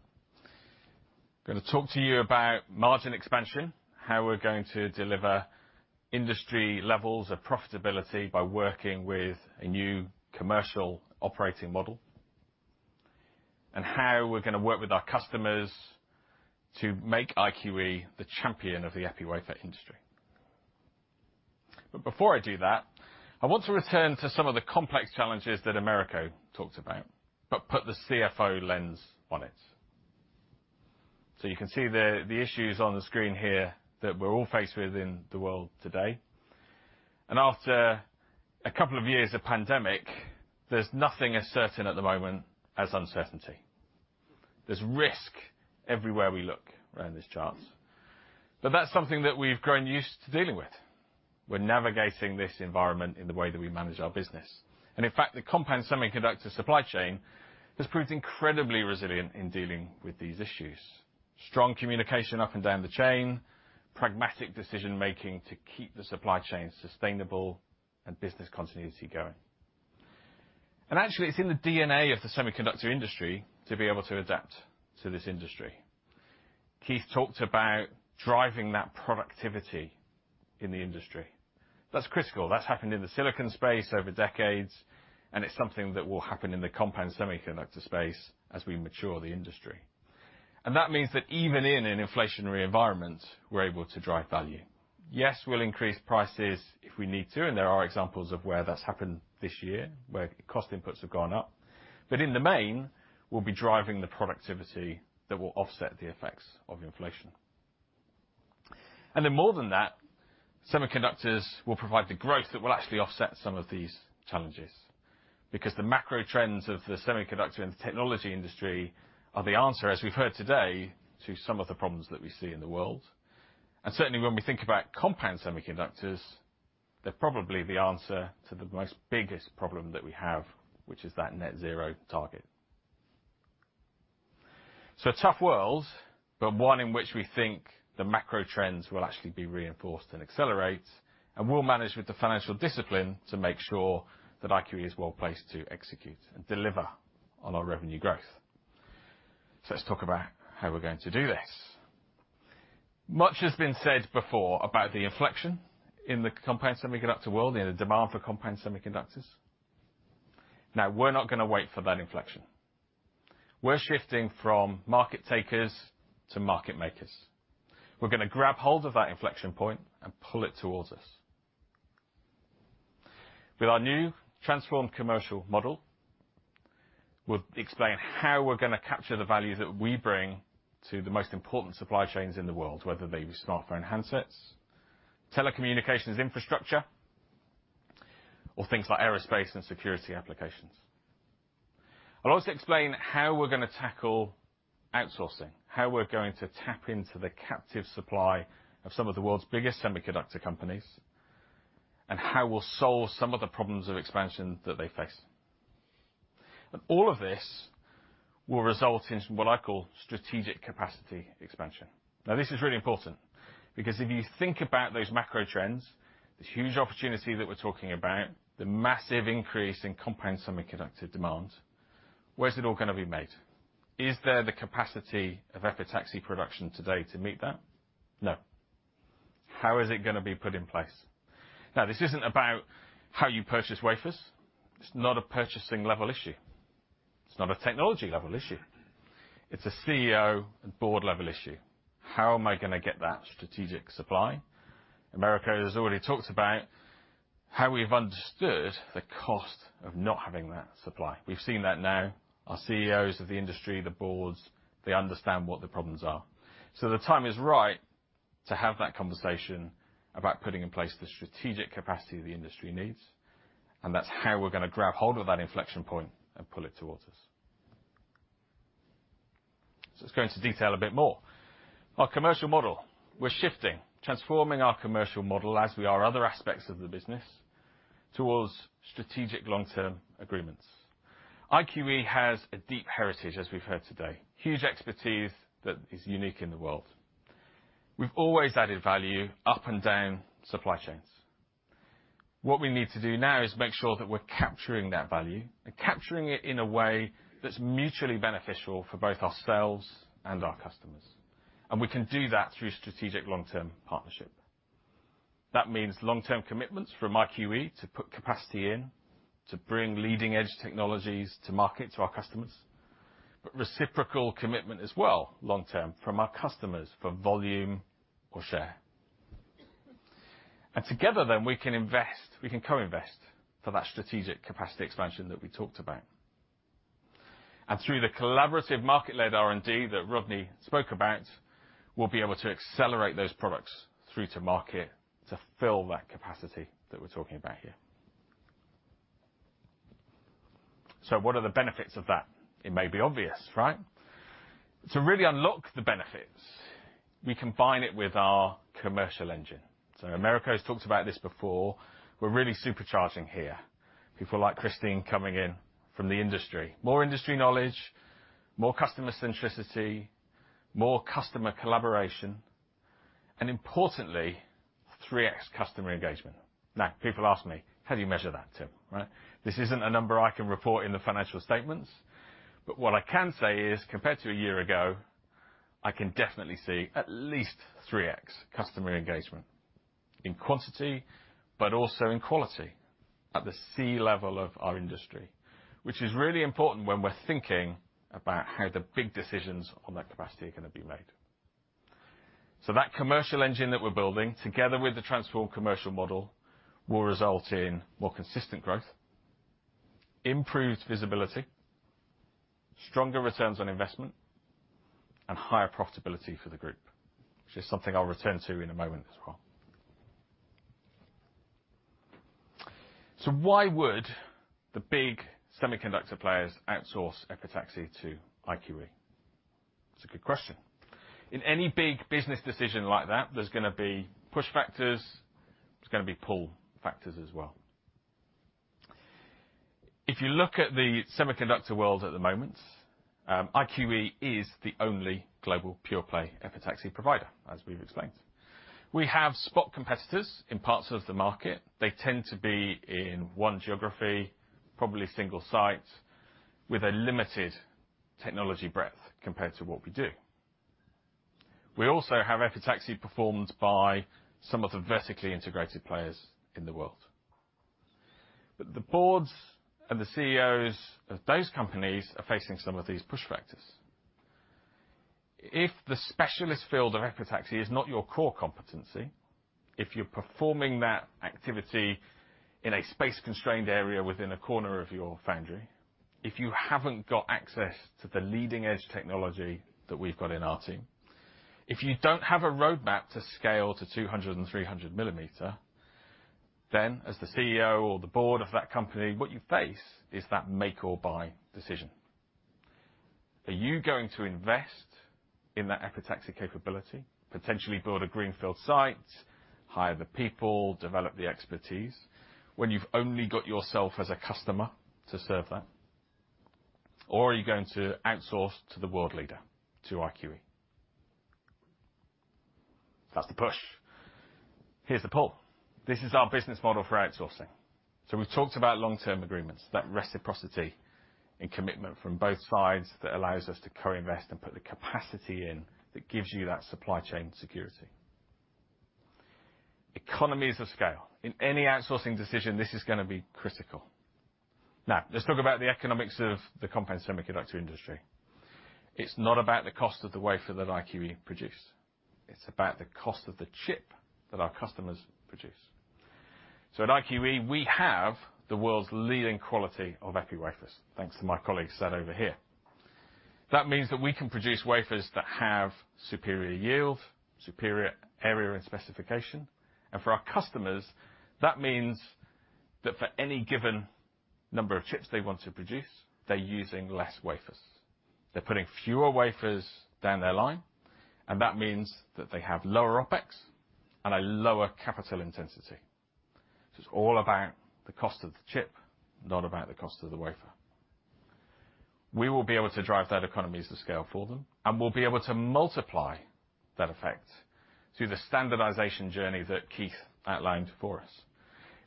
Speaker 15: Gonna talk to you about margin expansion, how we're going to deliver industry levels of profitability by working with a new commercial operating model, and how we're gonna work with our customers to make IQE the champion of the epi wafer industry. Before I do that, I want to return to some of the complex challenges that Americo talked about, but put the CFO lens on it. You can see the issues on the screen here that we're all faced with in the world today. After a couple of years of pandemic, there's nothing as certain at the moment as uncertainty. There's risk everywhere we look around this chart. That's something that we've grown used to dealing with. We're navigating this environment in the way that we manage our business. In fact, the compound semiconductor supply chain has proved incredibly resilient in dealing with these issues. Strong communication up and down the chain, pragmatic decision-making to keep the supply chain sustainable, and business continuity going. Actually, it's in the DNA of the semiconductor industry to be able to adapt to this industry. Keith talked about driving that productivity in the industry. That's critical. That's happened in the silicon space over decades, and it's something that will happen in the compound semiconductor space as we mature the industry. That means that even in an inflationary environment, we're able to drive value. Yes, we'll increase prices if we need to, and there are examples of where that's happened this year, where cost inputs have gone up. In the main, we'll be driving the productivity that will offset the effects of inflation. More than that, semiconductors will provide the growth that will actually offset some of these challenges. Because the macro trends of the semiconductor and technology industry are the answer, as we've heard today, to some of the problems that we see in the world. Certainly, when we think about compound semiconductors, they're probably the answer to the most biggest problem that we have, which is that net zero target. A tough world, but one in which we think the macro trends will actually be reinforced and accelerate, and we'll manage with the financial discipline to make sure that IQE is well-placed to execute and deliver on our revenue growth. Let's talk about how we're going to do this. Much has been said before about the inflection in the compound semiconductor world, you know, the demand for compound semiconductors. Now, we're not gonna wait for that inflection. We're shifting from market takers to market makers. We're gonna grab hold of that inflection point and pull it towards us. With our new transformed commercial model, we'll explain how we're gonna capture the value that we bring to the most important supply chains in the world, whether they're smart phone handsets, telecommunications infrastructure, or things like aerospace and security applications. I'll also explain how we're gonna tackle outsourcing, how we're going to tap into the captive supply of some of the world's biggest semiconductor companies, and how we'll solve some of the problems of expansion that they face. All of this will result in what I call strategic capacity expansion. Now this is really important because if you think about those macro trends, this huge opportunity that we're talking about, the massive increase in compound semiconductor demand, where's it all gonna be made? Is there the capacity of epitaxy production today to meet that? No. How is it gonna be put in place? Now, this isn't about how you purchase wafers. It's not a purchasing level issue. It's not a technology level issue. It's a CEO and board level issue. How am I gonna get that strategic supply? Americo has already talked about how we've understood the cost of not having that supply. We've seen that now. Our CEOs of the industry, the boards, they understand what the problems are. The time is right to have that conversation about putting in place the strategic capacity the industry needs, and that's how we're gonna grab hold of that inflection point and pull it towards us. Let's go into detail a bit more. Our commercial model, we're shifting, transforming our commercial model as we are other aspects of the business, towards strategic long-term agreements. IQE has a deep heritage, as we've heard today. Huge expertise that is unique in the world. We've always added value up and down supply chains. What we need to do now is make sure that we're capturing that value and capturing it in a way that's mutually beneficial for both ourselves and our customers. We can do that through strategic long-term partnership. That means long-term commitments from IQE to put capacity in, to bring leading-edge technologies to market to our customers. Reciprocal commitment as well, long-term, from our customers for volume or share. Together then, we can invest, we can co-invest for that strategic capacity expansion that we talked about. Through the collaborative market-led R&D that Rodney spoke about, we'll be able to accelerate those products through to market to fill that capacity that we're talking about here. What are the benefits of that? It may be obvious, right? To really unlock the benefits, we combine it with our commercial engine. Americo's talked about this before. We're really supercharging here. People like Christine coming in from the industry. More industry knowledge, more customer centricity, more customer collaboration, and importantly, 3x customer engagement. Now, people ask me, "How do you measure that, Tim?" Right? This isn't a number I can report in the financial statements. But what I can say is, compared to a year ago, I can definitely see at least 3x customer engagement in quantity, but also in quality at the C-level of our industry, which is really important when we're thinking about how the big decisions on that capacity are gonna be made. That commercial engine that we're building, together with the transformed commercial model, will result in more consistent growth, improved visibility, stronger returns on investment, and higher profitability for the group, which is something I'll return to in a moment as well. Why would the big semiconductor players outsource epitaxy to IQE? It's a good question. In any big business decision like that, there's gonna be push factors, there's gonna be pull factors as well. If you look at the semiconductor world at the moment, IQE is the only global pure-play epitaxy provider, as we've explained. We have spot competitors in parts of the market. They tend to be in one geography, probably a single site, with a limited technology breadth compared to what we do. We also have epitaxy performed by some of the vertically integrated players in the world. The boards and the CEOs of those companies are facing some of these push factors. If the specialist field of epitaxy is not your core competency, if you're performing that activity in a space-constrained area within a corner of your foundry, if you haven't got access to the leading-edge technology that we've got in our team, if you don't have a roadmap to scale to 200 and 300 mm, then as the CEO or the board of that company, what you face is that make or buy decision. Are you going to invest in that epitaxy capability, potentially build a greenfield site, hire the people, develop the expertise when you've only got yourself as a customer to serve that? Or are you going to outsource to the world leader, to IQE? That's the push. Here's the pull. This is our business model for outsourcing. We've talked about long-term agreements, that reciprocity and commitment from both sides that allows us to co-invest and put the capacity in that gives you that supply chain security. Economies of scale. In any outsourcing decision, this is gonna be critical. Now let's talk about the economics of the compound semiconductor industry. It's not about the cost of the wafer that IQE produce. It's about the cost of the chip that our customers produce. At IQE, we have the world's leading quality of epi wafers, thanks to my colleague sat over here. That means that we can produce wafers that have superior yield, superior area and specification. For our customers, that means that for any given number of chips they want to produce, they're using less wafers. They're putting fewer wafers down their line, and that means that they have lower OpEx and a lower capital intensity. It's all about the cost of the chip, not about the cost of the wafer. We will be able to drive that economies of scale for them, and we'll be able to multiply that effect through the standardization journey that Keith outlined for us.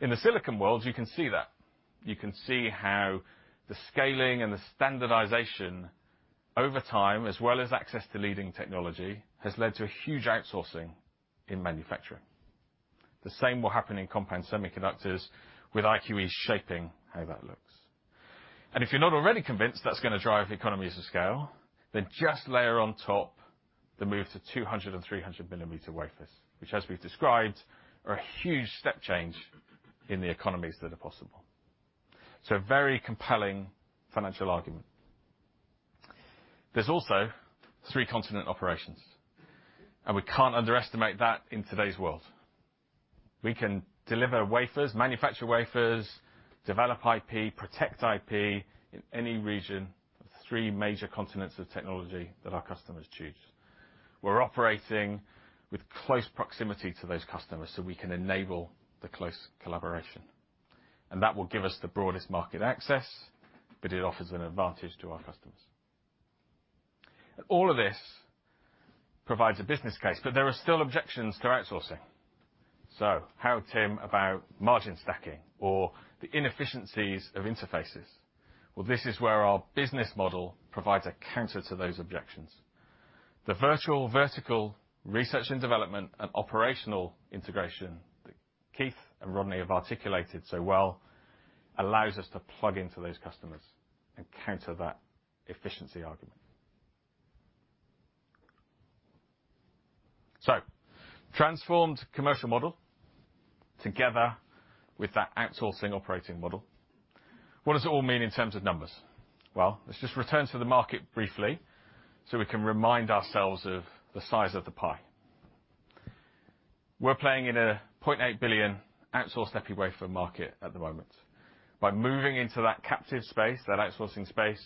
Speaker 15: In the silicon world, you can see that. You can see how the scaling and the standardization over time, as well as access to leading technology, has led to a huge outsourcing in manufacturing. The same will happen in compound semiconductors, with IQE shaping how that looks. If you're not already convinced that's gonna drive economies of scale, then just layer on top the move to 200- and 300-mm wafers, which as we've described, are a huge step change in the economies that are possible. A very compelling financial argument. There's also three continent operations, and we can't underestimate that in today's world. We can deliver wafers, manufacture wafers, develop IP, protect IP in any region of three major continents of technology that our customers choose. We're operating with close proximity to those customers, so we can enable the close collaboration. That will give us the broadest market access, but it offers an advantage to our customers. All of this provides a business case, but there are still objections to outsourcing. How, Tim, about margin stacking or the inefficiencies of interfaces? Well, this is where our business model provides a counter to those objections. The virtual, vertical research and development and operational integration that Keith and Rodney have articulated so well allows us to plug into those customers and counter that efficiency argument. Transformed commercial model together with that outsourcing operating model. What does it all mean in terms of numbers? Well, let's just return to the market briefly so we can remind ourselves of the size of the pie. We're playing in a 0.8 billion outsourced epi wafer market at the moment. By moving into that captive space, that outsourcing space,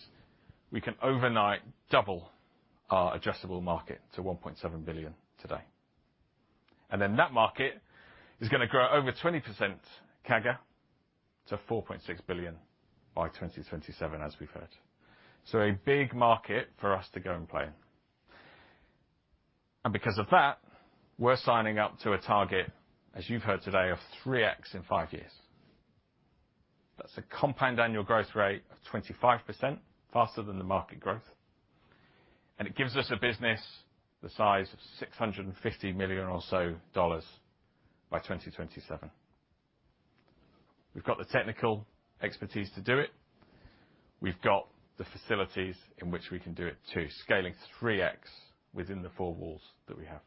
Speaker 15: we can overnight double our addressable market to 1.7 billion today. Then that market is gonna grow over 20% CAGR to 4.6 billion by 2027, as we've heard. A big market for us to go and play in. Because of that, we're signing up to a target, as you've heard today, of 3x in five years. That's a compound annual growth rate of 25%, faster than the market growth. It gives us a business the size of $650 million or so by 2027. We've got the technical expertise to do it. We've got the facilities in which we can do it to scaling 3x within the four walls that we have.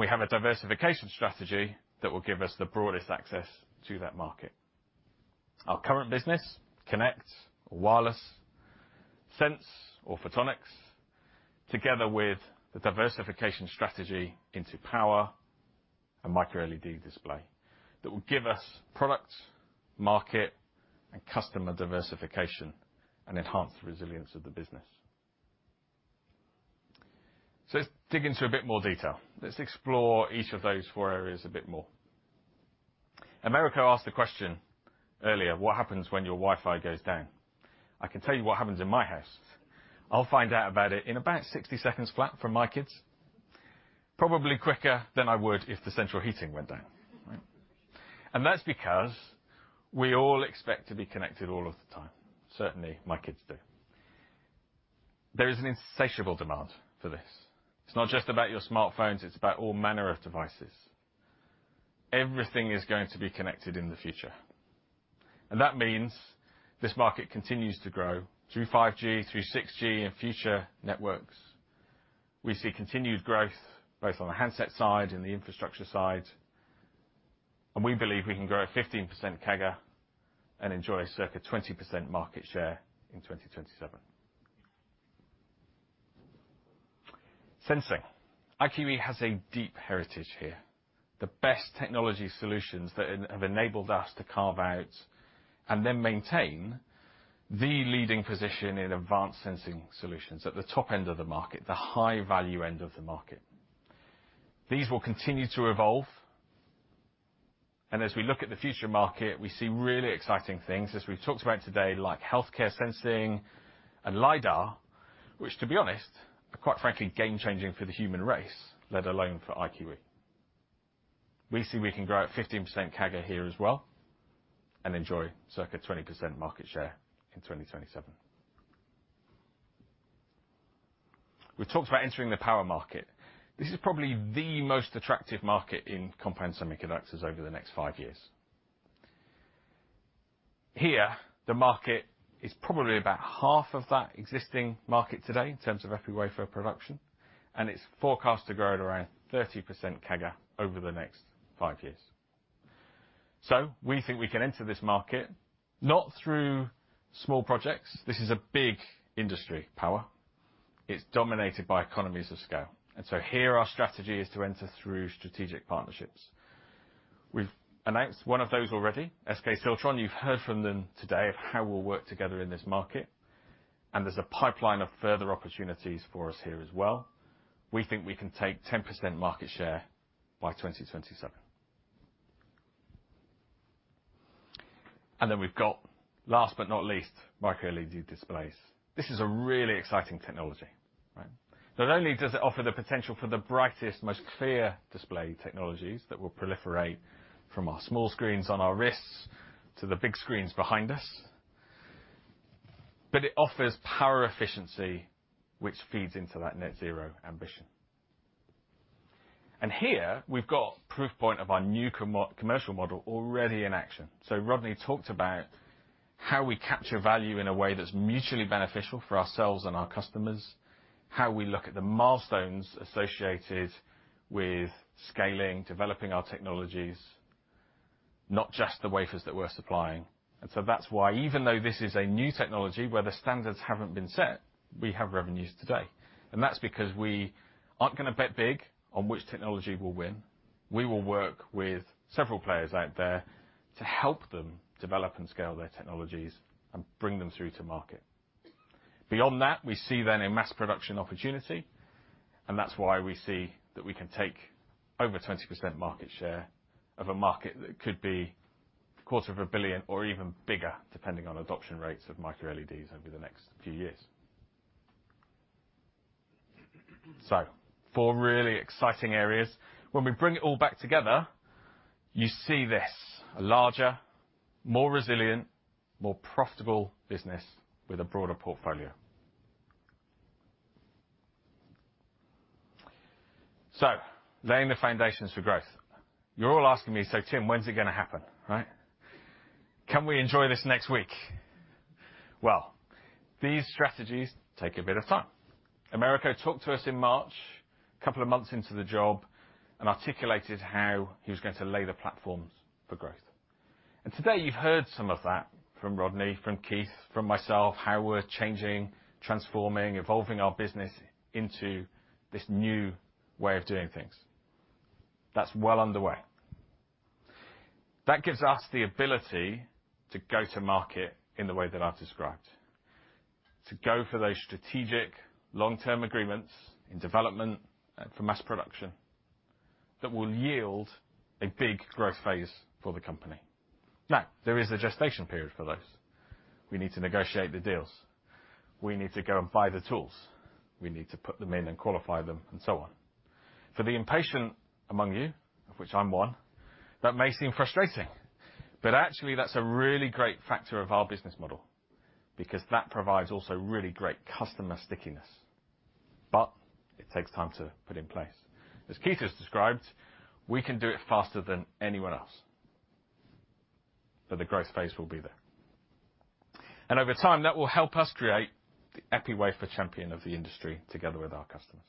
Speaker 15: We have a diversification strategy that will give us the broadest access to that market. Our current business connects wireless sensing or photonics together with the diversification strategy into power and microLED display that will give us product, market, and customer diversification and enhance the resilience of the business. Let's dig into a bit more detail. Let's explore each of those four areas a bit more. Americo asked the question earlier, what happens when your Wi-Fi goes down? I can tell you what happens in my house. I'll find out about it in about 60 seconds flat from my kids, probably quicker than I would if the central heating went down. That's because we all expect to be connected all of the time. Certainly, my kids do. There is an insatiable demand for this. It's not just about your smartphones, it's about all manner of devices. Everything is going to be connected in the future. That means this market continues to grow through 5G, through 6G, and future networks. We see continued growth both on the handset side and the infrastructure side, and we believe we can grow a 15% CAGR and enjoy circa 20% market share in 2027. Sensing. IQE has a deep heritage here. The best technology solutions that have enabled us to carve out and then maintain the leading position in advanced sensing solutions at the top end of the market, the high value end of the market. These will continue to evolve. As we look at the future market, we see really exciting things as we've talked about today, like healthcare sensing and lidar, which, to be honest, are quite frankly game changing for the human race, let alone for IQE. We see we can grow at 15% CAGR here as well and enjoy circa 20% market share in 2027. We talked about entering the power market. This is probably the most attractive market in compound semiconductors over the next five years. The market is probably about half of that existing market today in terms of epi wafer production, and it's forecast to grow at around 30% CAGR over the next five years. We think we can enter this market, not through small projects. This is a big industry, power. It's dominated by economies of scale. Here our strategy is to enter through strategic partnerships. We've announced one of those already, SK Siltron. You've heard from them today about how we'll work together in this market, and there's a pipeline of further opportunities for us here as well. We think we can take 10% market share by 2027. We've got, last but not least, MicroLED displays. This is a really exciting technology, right? Not only does it offer the potential for the brightest, most clear display technologies that will proliferate from our small screens on our wrists to the big screens behind us, but it offers power efficiency, which feeds into that net zero ambition. Here we've got proof point of our new commercial model already in action. Rodney talked about how we capture value in a way that's mutually beneficial for ourselves and our customers, how we look at the milestones associated with scaling, developing our technologies, not just the wafers that we're supplying. That's why even though this is a new technology where the standards haven't been set, we have revenues today. That's because we aren't gonna bet big on which technology will win. We will work with several players out there to help them develop and scale their technologies and bring them through to market. Beyond that, we see then a mass production opportunity, and that's why we see that we can take over 20% market share of a market that could be a quarter of a billion GBP or even bigger, depending on adoption rates of micro-LEDs over the next few years. Four really exciting areas. When we bring it all back together, you see this. A larger, more resilient, more profitable business with a broader portfolio. Laying the foundations for growth. You're all asking me, "So Tim, when's it gonna happen?" Right? Can we enjoy this next week? Well, these strategies take a bit of time. Americo talked to us in March, a couple of months into the job, and articulated how he was going to lay the platforms for growth. Today, you've heard some of that from Rodney, from Keith, from myself, how we're changing, transforming, evolving our business into this new way of doing things. That's well underway. That gives us the ability to go to market in the way that I described. To go for those strategic long-term agreements in development for mass production that will yield a big growth phase for the company. Now, there is a gestation period for those. We need to negotiate the deals. We need to go and buy the tools. We need to put them in and qualify them and so on. For the impatient among you, of which I'm one, that may seem frustrating, but actually that's a really great factor of our business model because that provides also really great customer stickiness. It takes time to put in place. As Keith has described, we can do it faster than anyone else. The growth phase will be there. Over time, that will help us create the epi wafer champion of the industry together with our customers.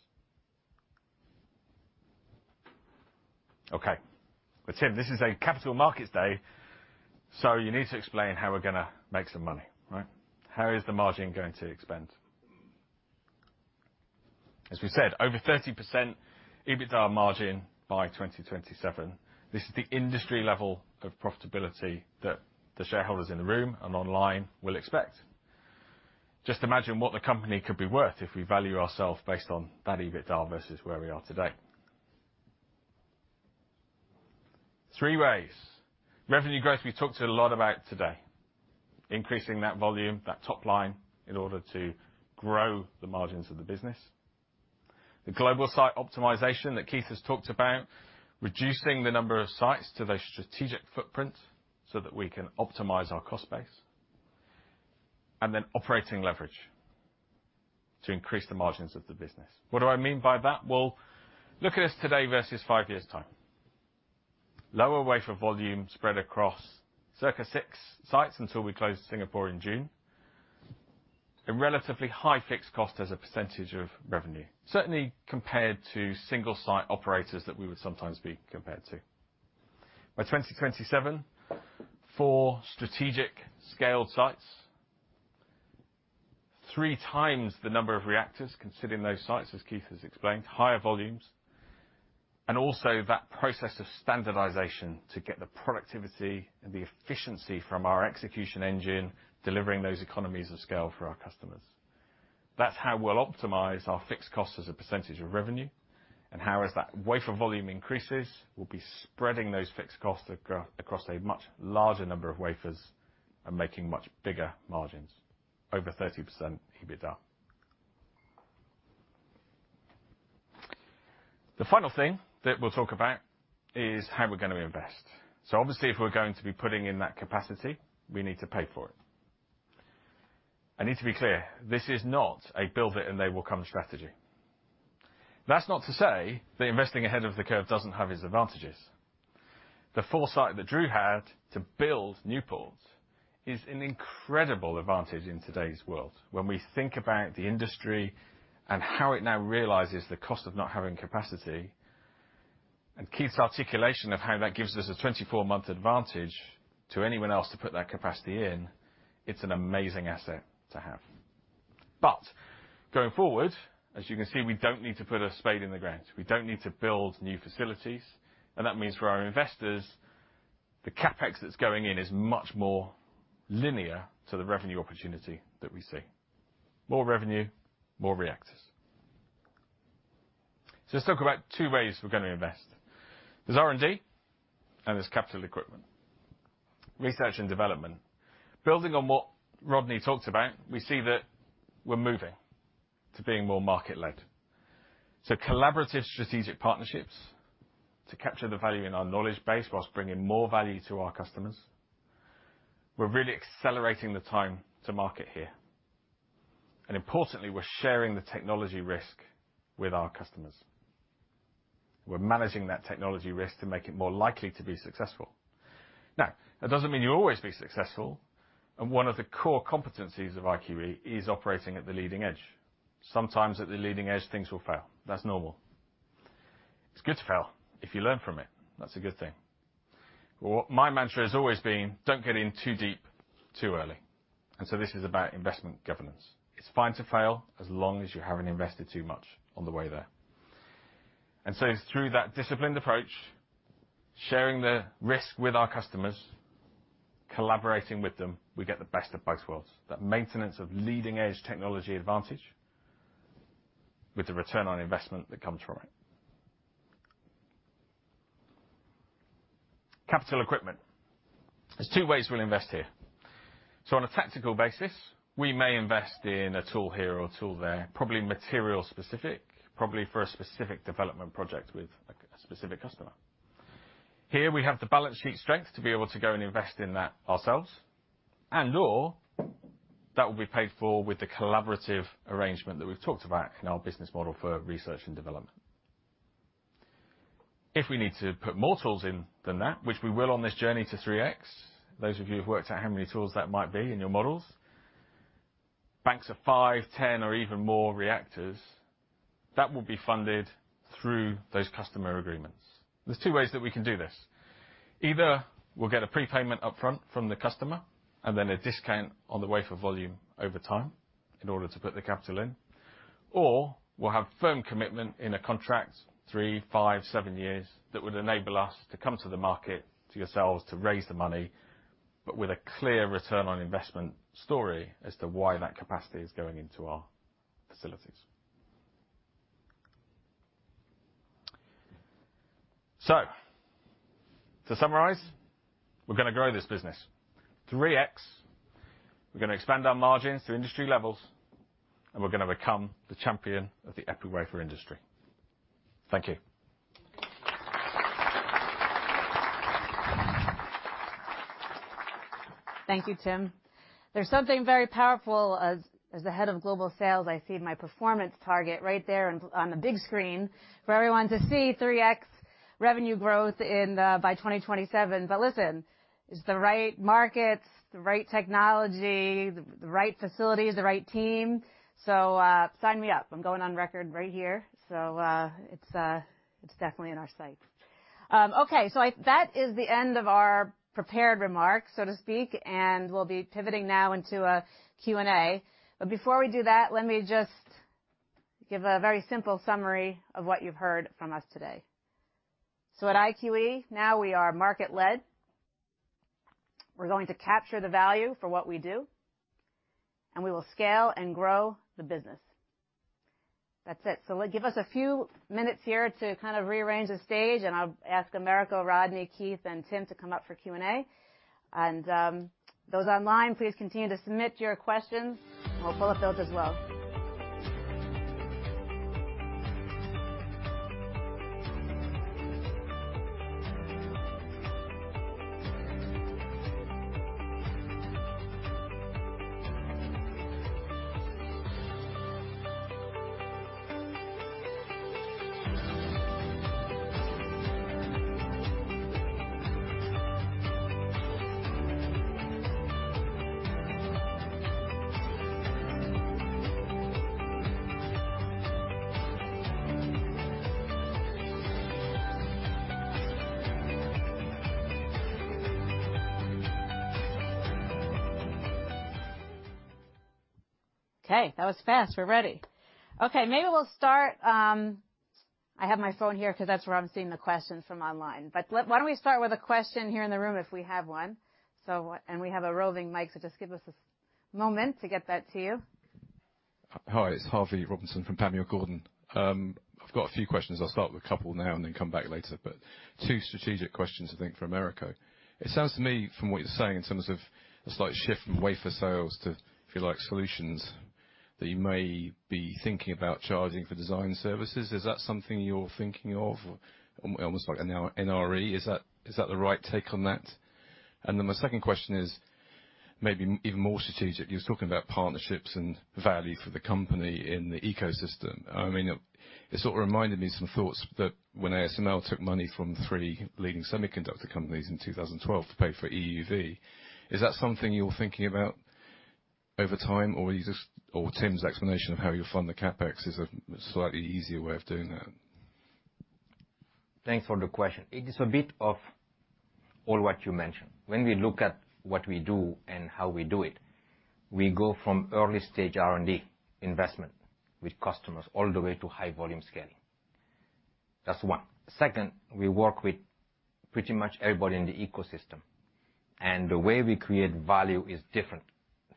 Speaker 15: Okay. Tim, this is a capital markets day, so you need to explain how we're gonna make some money, right? How is the margin going to expand? As we said, over 30% EBITDA margin by 2027. This is the industry level of profitability that the shareholders in the room and online will expect. Just imagine what the company could be worth if we value ourselves based on that EBITDA versus where we are today. Three ways. Revenue growth, we talked a lot about today. Increasing that volume, that top line, in order to grow the margins of the business. The global site optimization that Keith has talked about, reducing the number of sites to those strategic footprints so that we can optimize our cost base. Operating leverage to increase the margins of the business. What do I mean by that? Well, look at us today versus five years' time. Lower wafer volume spread across circa six sites until we close Singapore in June. A relatively high fixed cost as a percentage of revenue, certainly compared to single site operators that we would sometimes be compared to. By 2027, four strategic scaled sites. Three times the number of reactors considering those sites, as Keith has explained, higher volumes. That process of standardization to get the productivity and the efficiency from our execution engine delivering those economies of scale for our customers. That's how we'll optimize our fixed cost as a percentage of revenue, and how as that wafer volume increases, we'll be spreading those fixed costs across a much larger number of wafers and making much bigger margins, over 30% EBITDA. The final thing that we'll talk about is how we're gonna invest. Obviously, if we're going to be putting in that capacity, we need to pay for it. I need to be clear, this is not a build it and they will come strategy. That's not to say that investing ahead of the curve doesn't have its advantages. The foresight that Drew had to build Newport is an incredible advantage in today's world. When we think about the industry and how it now realizes the cost of not having capacity, and Keith's articulation of how that gives us a 24-month advantage to anyone else to put that capacity in, it's an amazing asset to have. Going forward, as you can see, we don't need to put a spade in the ground. We don't need to build new facilities. That means for our investors, the CapEx that's going in is much more linear to the revenue opportunity that we see. More revenue, more reactors. Let's talk about two ways we're gonna invest. There's R&D and there's capital equipment. Research and development. Building on what Rodney talked about, we see that we're moving to being more market-led. Collaborative strategic partnerships to capture the value in our knowledge base while bringing more value to our customers. We're really accelerating the time to market here. Importantly, we're sharing the technology risk with our customers. We're managing that technology risk to make it more likely to be successful. Now, that doesn't mean you'll always be successful, and one of the core competencies of IQE is operating at the leading edge. Sometimes at the leading edge, things will fail. That's normal. It's good to fail if you learn from it. That's a good thing. My mantra has always been, "Don't get in too deep, too early." This is about investment governance. It's fine to fail as long as you haven't invested too much on the way there. It's through that disciplined approach, sharing the risk with our customers, collaborating with them, we get the best of both worlds. That maintenance of leading-edge technology advantage with the return on investment that comes from it. Capital equipment. There's two ways we'll invest here. On a tactical basis, we may invest in a tool here or a tool there, probably material-specific, probably for a specific development project with a specific customer. Here we have the balance sheet strength to be able to go and invest in that ourselves. That will be paid for with the collaborative arrangement that we've talked about in our business model for research and development. If we need to put more tools in than that, which we will on this journey to 3x, those of you who've worked out how many tools that might be in your models, banks of five, 10, or even more reactors, that will be funded through those customer agreements. There's two ways that we can do this. Either we'll get a prepayment upfront from the customer and then a discount on the wafer volume over time in order to put the capital in. Or we'll have firm commitment in a contract, three, five, seven years, that would enable us to come to the market, to yourselves, to raise the money, but with a clear return on investment story as to why that capacity is going into our facilities. To summarize, we're gonna grow this business. 3x, we're gonna expand our margins to industry levels, and we're gonna become the champion of the epi wafer industry. Thank you.
Speaker 1: Thank you, Tim. There's something very powerful as the head of global sales, I see my performance target right there on the big screen for everyone to see, 3x revenue growth in the by 2027. Listen, it's the right markets, the right technology, the right facilities, the right team. Sign me up. I'm going on record right here. It's definitely in our sights. Okay. That is the end of our prepared remarks, so to speak, and we'll be pivoting now into a Q&A. Before we do that, let me just give a very simple summary of what you've heard from us today. At IQE, we are market-led. We're going to capture the value for what we do, and we will scale and grow the business. That's it. Give us a few minutes here to kind of rearrange the stage, and I'll ask Americo, Rodney, Keith, and Tim to come up for Q&A. Those online, please continue to submit your questions. We'll pull up those as well. Okay. That was fast. We're ready. Okay, maybe we'll start. I have my phone here 'cause that's where I'm seeing the questions from online. Why don't we start with a question here in the room if we have one. We have a roving mic, so just give us a moment to get that to you.
Speaker 16: Hi, it's Harvey Robinson from Panmure Gordon. I've got a few questions. I'll start with a couple now and then come back later. Two strategic questions, I think, for Americo. It sounds to me from what you're saying in terms of a slight shift from wafer sales to, if you like, solutions, that you may be thinking about charging for design services. Is that something you're thinking of? Almost like NRE. Is that the right take on that? Then my second question is maybe even more strategic. You're talking about partnerships and value for the company in the ecosystem. I mean, it sort of reminded me of some thoughts that when ASML took money from three leading semiconductor companies in 2012 to pay for EUV. Is that something you're thinking about over time, or are you just? Tim's explanation of how you fund the CapEx is a slightly easier way of doing that?
Speaker 2: Thanks for the question. It is a bit of all what you mentioned. When we look at what we do and how we do it, we go from early stage R&D investment with customers all the way to high volume scaling. That's one. Second, we work with pretty much everybody in the ecosystem, and the way we create value is different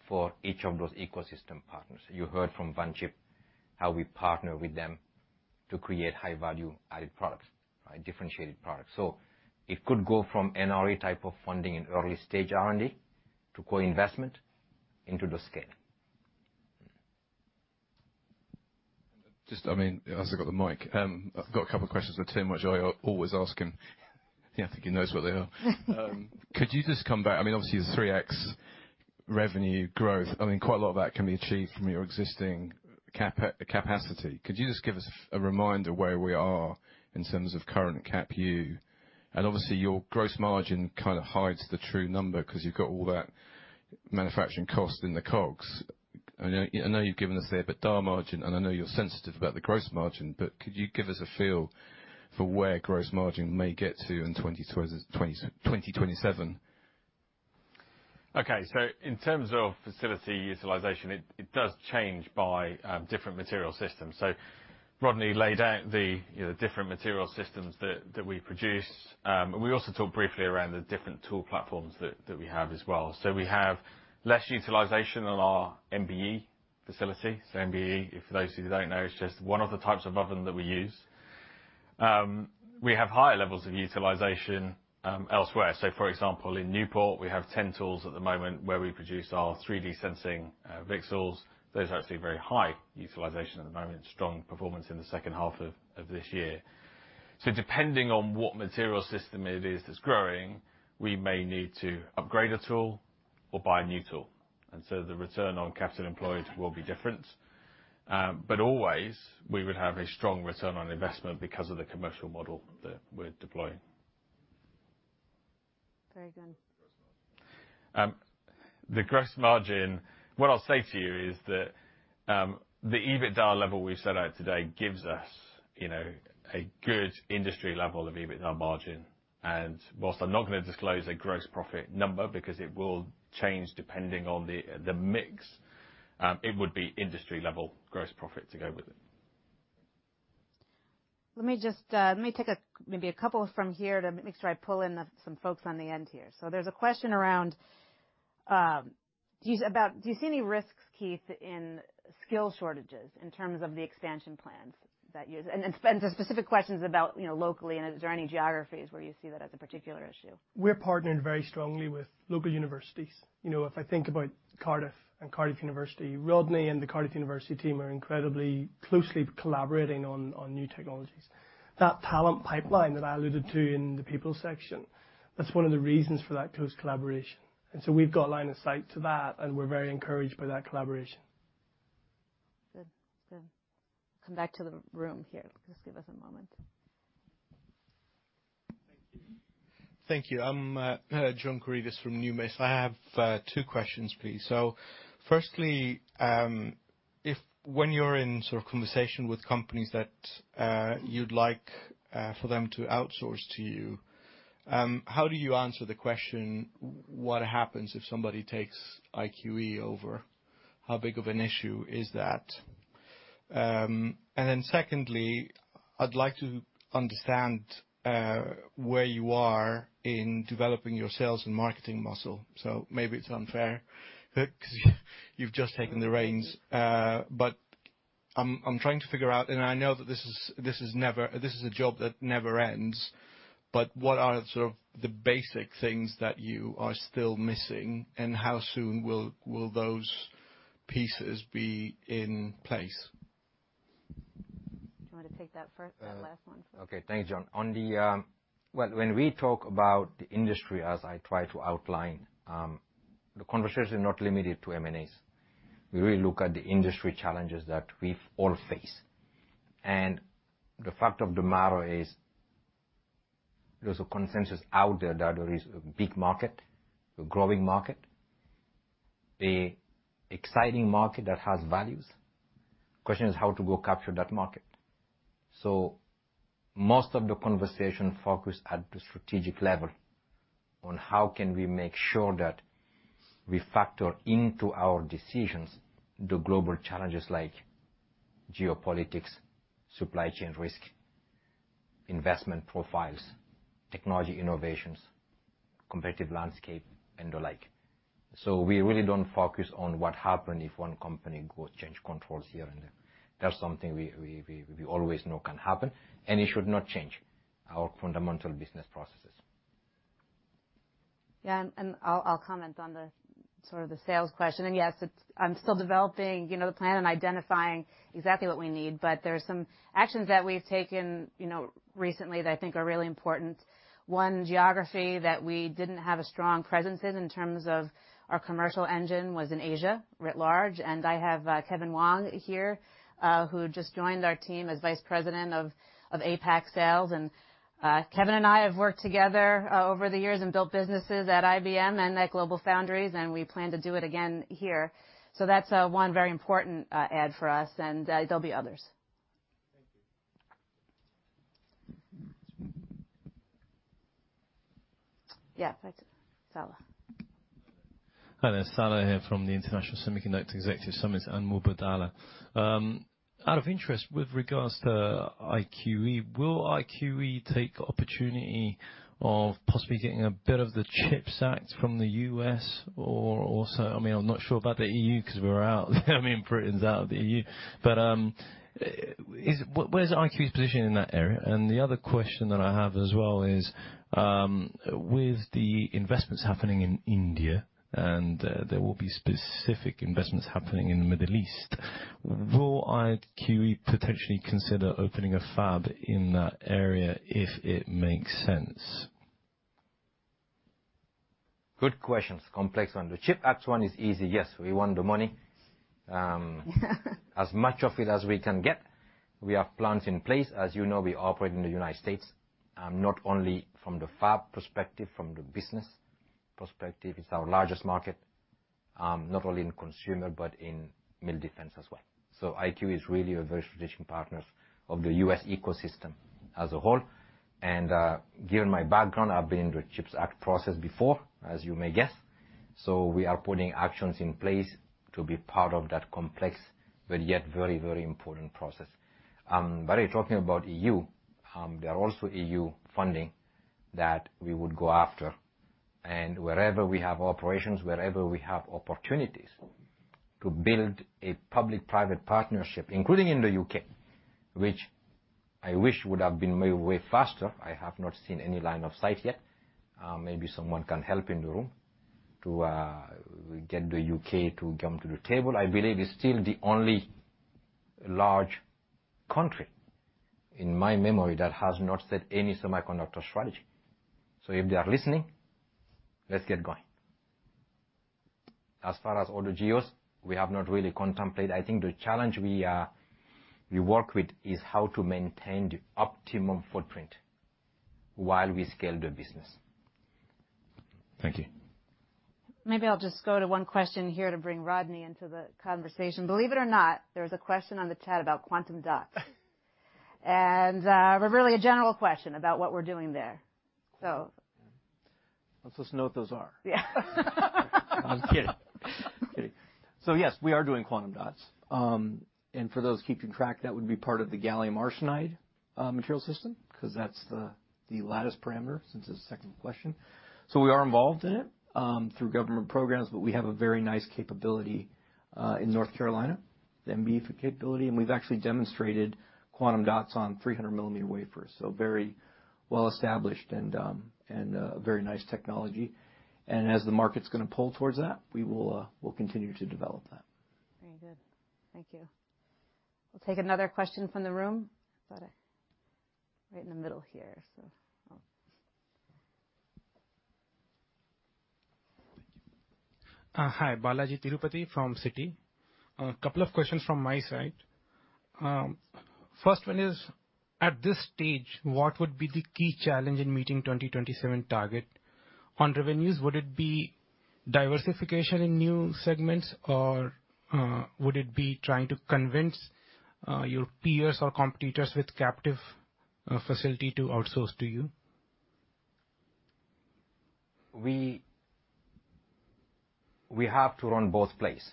Speaker 2: for each of those ecosystem partners. You heard from Vanchip, how we partner with them to create high value added products, right, differentiated products. It could go from NRE type of funding in early stage R&D to co-investment into the scale.
Speaker 16: I mean, as I got the mic, I've got a couple of questions for Tim, which I always ask him. Yeah, I think he knows what they are. Could you just come back. I mean, obviously, the 3x revenue growth, I mean, quite a lot of that can be achieved from your existing capacity. Could you just give us a reminder where we are in terms of current CapEx? And obviously, your gross margin kinda hides the true number 'cause you've got all that manufacturing cost in the COGS. I know you've given us the EBITDA margin, and I know you're sensitive about the gross margin, but could you give us a feel for where gross margin may get to in 2027?
Speaker 15: Okay. In terms of facility utilization, it does change by different material systems. Rodney laid out the, you know, different material systems that we produce. We also talked briefly around the different tool platforms that we have as well. We have less utilization on our MBE facility. MBE, for those of you who don't know, is just one of the types of oven that we use. We have higher levels of utilization elsewhere. For example, in Newport, we have 10 tools at the moment where we produce our 3D sensing VCSELs. There's actually very high utilization at the moment, strong performance in the second half of this year. Depending on what material system it is that's growing, we may need to upgrade a tool or buy a new tool. The return on capital employed will be different. Always, we would have a strong return on investment because of the commercial model that we're deploying.
Speaker 1: Very good.
Speaker 15: The gross margin, what I'll say to you is that, the EBITDA level we set out today gives us, you know, a good industry level of EBITDA margin. Whilst I'm not gonna disclose a gross profit number because it will change depending on the mix, it would be industry level gross profit to go with it.
Speaker 1: Let me just let me take a maybe a couple from here to make sure I pull in some folks on the end here. There's a question around do you see any risks, Keith, in skill shortages in terms of the expansion plans that you and specific questions about, you know, locally, and is there any geographies where you see that as a particular issue?
Speaker 12: We're partnering very strongly with local universities. You know, if I think about Cardiff and Cardiff University, Rodney and the Cardiff University team are incredibly closely collaborating on new technologies. That talent pipeline that I alluded to in the people section, that's one of the reasons for that close collaboration. We've got line of sight to that, and we're very encouraged by that collaboration.
Speaker 1: Good. Come back to the room here. Just give us a moment.
Speaker 17: Thank you. Thank you. I'm John Karidis from Numis. I have two questions, please. Firstly, if you're in sort of conversation with companies that you'd like for them to outsource to you, how do you answer the question, what happens if somebody takes IQE over? How big of an issue is that? And then secondly, I'd like to understand where you are in developing your sales and marketing muscle. Maybe it's unfair because you've just taken the reins. But I'm trying to figure out, and I know that this is never this is a job that never ends, but what are sort of the basic things that you are still missing, and how soon will those pieces be in place?
Speaker 1: Do you want to take that first, that last one?
Speaker 2: Okay. Thank you, John. Well, when we talk about the industry, as I try to outline, the conversation is not limited to M&As. We really look at the industry challenges that we all face. The fact of the matter is there's a consensus out there that there is a big market, a growing market, a exciting market that has values. The question is how to go capture that market. Most of the conversation focused at the strategic level on how can we make sure that we factor into our decisions the global challenges like geopolitics, supply chain risk, investment profiles, technology innovations, competitive landscape, and the like. We really don't focus on what happen if one company goes change controls here and there. That's something we always know can happen, and it should not change our fundamental business processes.
Speaker 1: Yeah. I'll comment on the sort of the sales question. Yes, it's. I'm still developing, you know, the plan and identifying exactly what we need. There are some actions that we've taken, you know, recently that I think are really important. One geography that we didn't have a strong presence in terms of our commercial engine was in Asia writ large. I have Kevin Wong here who just joined our team as Vice President of APAC Sales. Kevin and I have worked together over the years and built businesses at IBM and at GlobalFoundries, and we plan to do it again here. That's one very important add for us, and there'll be others.
Speaker 17: Thank you.
Speaker 1: Yeah. Salah.
Speaker 18: Hi there. Salah here from the International Semiconductor Executive Summit and Mubadala. Out of interest with regards to IQE, will IQE take opportunity of possibly getting a bit of the CHIPS Act from the U.S. or also, I mean, I'm not sure about the E.U. because we're out, I mean, Britain's out of the E.U. Where is IQE's position in that area? The other question that I have as well is, with the investments happening in India, and there will be specific investments happening in the Middle East, will IQE potentially consider opening a fab in that area if it makes sense?
Speaker 2: Good questions. Complex one. The CHIPS Act one is easy. Yes, we want the money. As much of it as we can get. We have plans in place. As you know, we operate in the United States, not only from the fab perspective, from the business perspective. It's our largest market, not only in consumer but in military defense as well. IQE is really a very strategic partner of the U.S. ecosystem as a whole. Given my background, I've been in the CHIPS Act process before, as you may guess. We are putting actions in place to be part of that complex but yet very, very important process. You're talking about E.U. There are also E.U. funding that we would go after. Wherever we have operations, wherever we have opportunities to build a public-private partnership, including in the U.K., which I wish would have been moved way faster. I have not seen any line of sight yet. Maybe someone can help in the room to get the U.K. to come to the table. I believe it's still the only large country in my memory that has not set any semiconductor strategy. If they are listening, let's get going. As far as other geos, we have not really contemplate. I think the challenge we work with is how to maintain the optimum footprint while we scale the business.
Speaker 19: Thank you.
Speaker 1: Maybe I'll just go to one question here to bring Rodney into the conversation. Believe it or not, there was a question on the chat about quantum dots. Really a general question about what we're doing there.
Speaker 9: Let's just note those are.
Speaker 1: Yeah.
Speaker 9: I'm just kidding. Kidding. Yes, we are doing quantum dots. For those keeping track, that would be part of the gallium arsenide material system, because that's the lattice parameter since it's the second question. We are involved in it through government programs, but we have a very nice capability in North Carolina, the MB capability, and we've actually demonstrated quantum dots on 300 mm wafers. Very well established and a very nice technology. As the market's gonna pull towards that, we will, we'll continue to develop that.
Speaker 1: Very good. Thank you. We'll take another question from the room. How about right in the middle here? So
Speaker 20: Hi. Balaji Tirupati from Citi. A couple of questions from my side. First one is, at this stage, what would be the key challenge in meeting 2027 target on revenues? Would it be diversification in new segments or would it be trying to convince your peers or competitors with captive facility to outsource to you?
Speaker 2: We have to run both plays.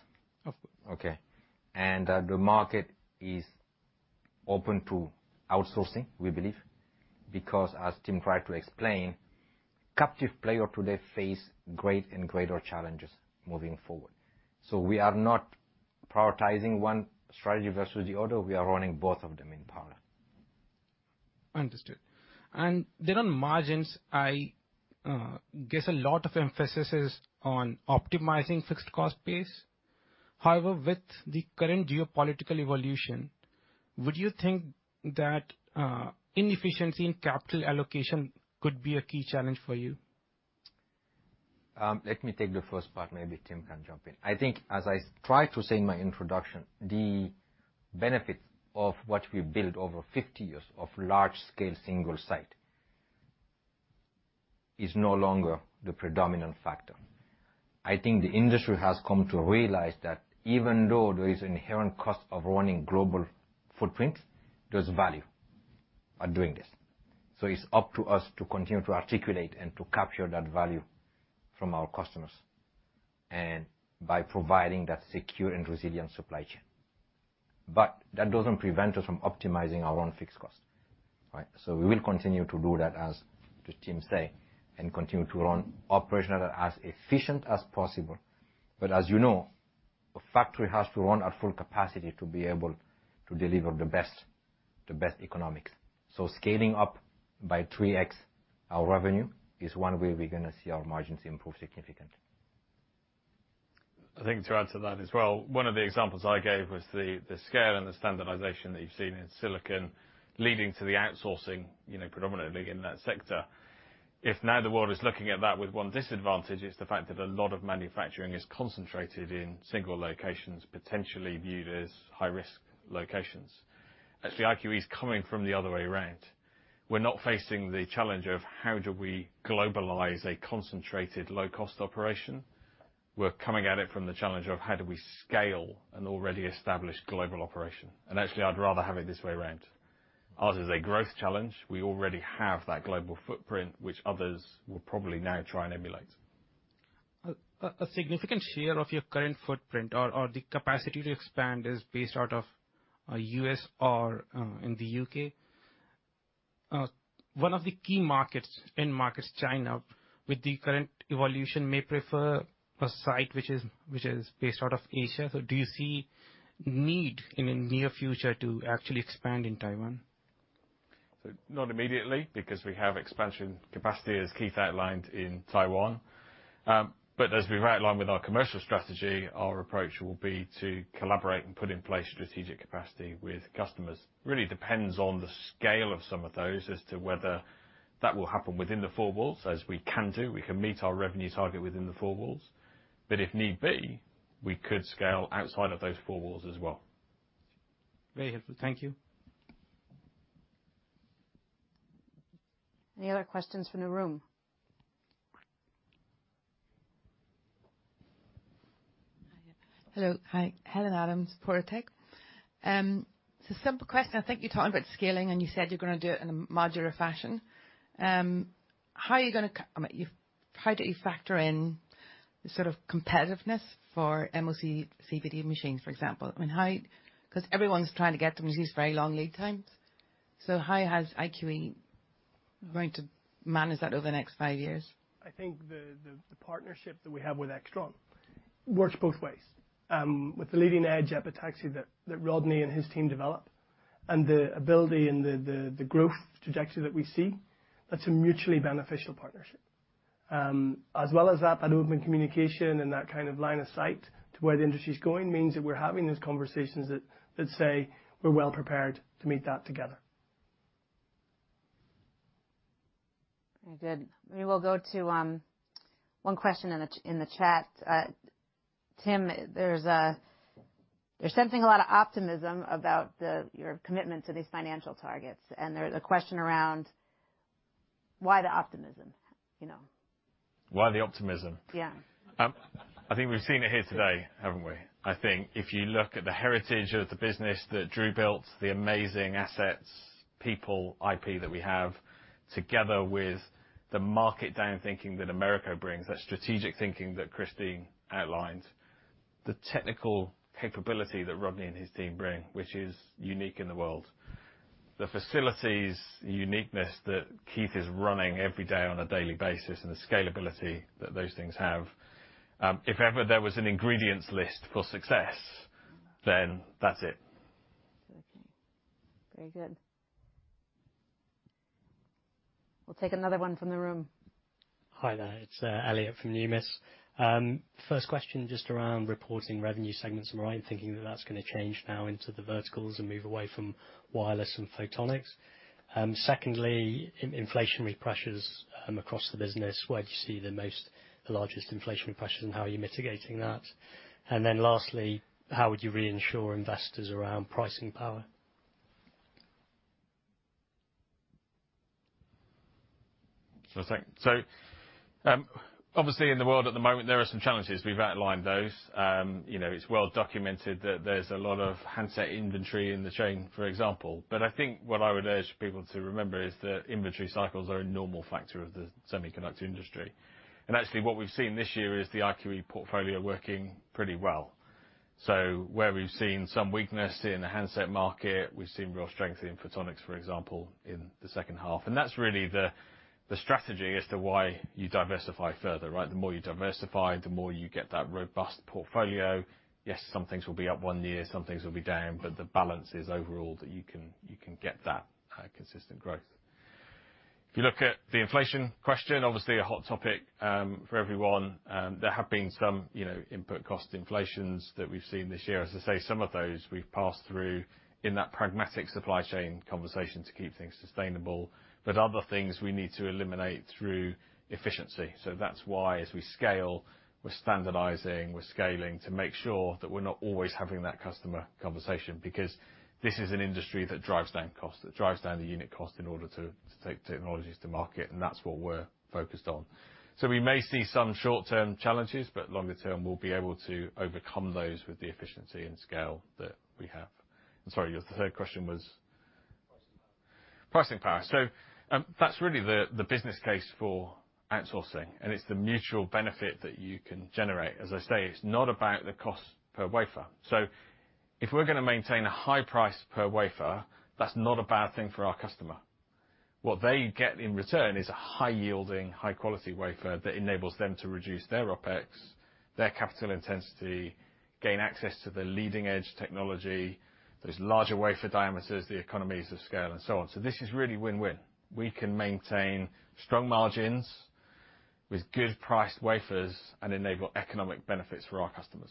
Speaker 20: Of course.
Speaker 2: Okay. The market is open to outsourcing, we believe, because as Tim tried to explain, captive players today face greater and greater challenges moving forward. We are not prioritizing one strategy versus the other, we are running both of them in parallel.
Speaker 20: Understood. On margins, I guess a lot of emphasis is on optimizing fixed cost base. However, with the current geopolitical evolution, would you think that inefficiency in capital allocation could be a key challenge for you?
Speaker 2: Let me take the first part, maybe Tim can jump in. I think as I tried to say in my introduction, the benefits of what we built over 50 years of large scale, single site is no longer the predominant factor. I think the industry has come to realize that even though there is inherent cost of running global footprint, there's value on doing this. It's up to us to continue to articulate and to capture that value from our customers, and by providing that secure and resilient supply chain. That doesn't prevent us from optimizing our own fixed cost. Right? We will continue to do that, as Tim say, and continue to run operational as efficient as possible. As you know, a factory has to run at full capacity to be able to deliver the best economics. Scaling up by 3x our revenue is one way we're gonna see our margins improve significantly.
Speaker 15: I think to add to that as well, one of the examples I gave was the scale and the standardization that you've seen in silicon leading to the outsourcing, you know, predominantly in that sector. If now the world is looking at that with one disadvantage, it's the fact that a lot of manufacturing is concentrated in single locations, potentially viewed as high-risk locations. Actually, IQE is coming from the other way around. We're not facing the challenge of how do we globalize a concentrated low-cost operation. We're coming at it from the challenge of how do we scale an already established global operation. Actually, I'd rather have it this way around. Ours is a growth challenge. We already have that global footprint, which others will probably now try and emulate.
Speaker 20: A significant share of your current footprint or the capacity to expand is based out of U.S. or in the U.K. One of the key markets, end markets, China, with the current evolution, may prefer a site which is based out of Asia. Do you see need in the near future to actually expand in Taiwan?
Speaker 15: Not immediately, because we have expansion capacity, as Keith outlined, in Taiwan. As we ride along with our commercial strategy, our approach will be to collaborate and put in place strategic capacity with customers. Really depends on the scale of some of those as to whether that will happen within the four walls, as we can do. We can meet our revenue target within the four walls. If need be, we could scale outside of those four walls as well.
Speaker 20: Very helpful. Thank you.
Speaker 1: Any other questions from the room?
Speaker 21: Hello. Hi. Helen Adams, Peel Hunt. It's a simple question. I think you talked about scaling, and you said you're gonna do it in a modular fashion. How do you factor in the sort of competitiveness for MOCVD machines, for example? I mean, because everyone's trying to get them, and you see these very long lead times. How has IQE going to manage that over the next 5 years?
Speaker 14: I think the partnership that we have with AIXTRON works both ways. With the leading edge epitaxy that Rodney and his team develop and the ability and the growth trajectory that we see, that's a mutually beneficial partnership. As well as that open communication and that kind of line of sight to where the industry's going means that we're having those conversations that say we're well prepared to meet that together.
Speaker 1: Very good. We will go to one question in the chat. Tim, they're sensing a lot of optimism about your commitment to these financial targets, and there's a question around why the optimism, you know.
Speaker 15: Why the optimism?
Speaker 1: Yeah.
Speaker 15: I think we've seen it here today, haven't we? I think if you look at the heritage of the business that Drew built, the amazing assets, people, IP that we have, together with the marketing thinking that Americo brings, that strategic thinking that Christine outlined. The technical capability that Rodney and his team bring, which is unique in the world. The facilities, the uniqueness that Keith is running every day on a daily basis and the scalability that those things have. If ever there was an ingredients list for success, then that's it.
Speaker 1: Okay. Very good. We'll take another one from the room.
Speaker 15: Hi there. It's Elliot from Numis. First question just around reporting revenue segments. Am I right in thinking that that's gonna change now into the verticals and move away from wireless and photonics? Secondly, inflationary pressures across the business, where do you see the most, the largest inflationary pressures, and how are you mitigating that? Then lastly, how would you reassure investors around pricing power? Obviously, in the world at the moment, there are some challenges. We've outlined those. You know, it's well documented that there's a lot of handset inventory in the chain, for example. I think what I would urge people to remember is that inventory cycles are a normal factor of the semiconductor industry. Actually, what we've seen this year is the IQE portfolio working pretty well. Where we've seen some weakness in the handset market, we've seen real strength in photonics, for example, in the second half. That's really the strategy as to why you diversify further, right? The more you diversify, the more you get that robust portfolio. Yes, some things will be up one year, some things will be down, but the balance is overall that you can get that consistent growth. If you look at the inflation question, obviously a hot topic, for everyone. There have been some, you know, input cost inflations that we've seen this year. As I say, some of those we've passed through in that pragmatic supply chain conversation to keep things sustainable, but other things we need to eliminate through efficiency. That's why as we scale, we're standardizing, we're scaling to make sure that we're not always having that customer conversation, because this is an industry that drives down costs, that drives down the unit cost in order to take technologies to market, and that's what we're focused on. We may see some short-term challenges, but longer term, we'll be able to overcome those with the efficiency and scale that we have. I'm sorry, your third question was?
Speaker 12: Pricing power.
Speaker 15: Pricing power. That's really the business case for outsourcing, and it's the mutual benefit that you can generate. As I say, it's not about the cost per wafer. If we're gonna maintain a high price per wafer, that's not a bad thing for our customer. What they get in return is a high-yielding, high-quality wafer that enables them to reduce their OpEx, their capital intensity, gain access to the leading-edge technology. There's larger wafer diameters, the economies of scale, and so on. This is really win-win. We can maintain strong margins with good priced wafers and enable economic benefits for our customers.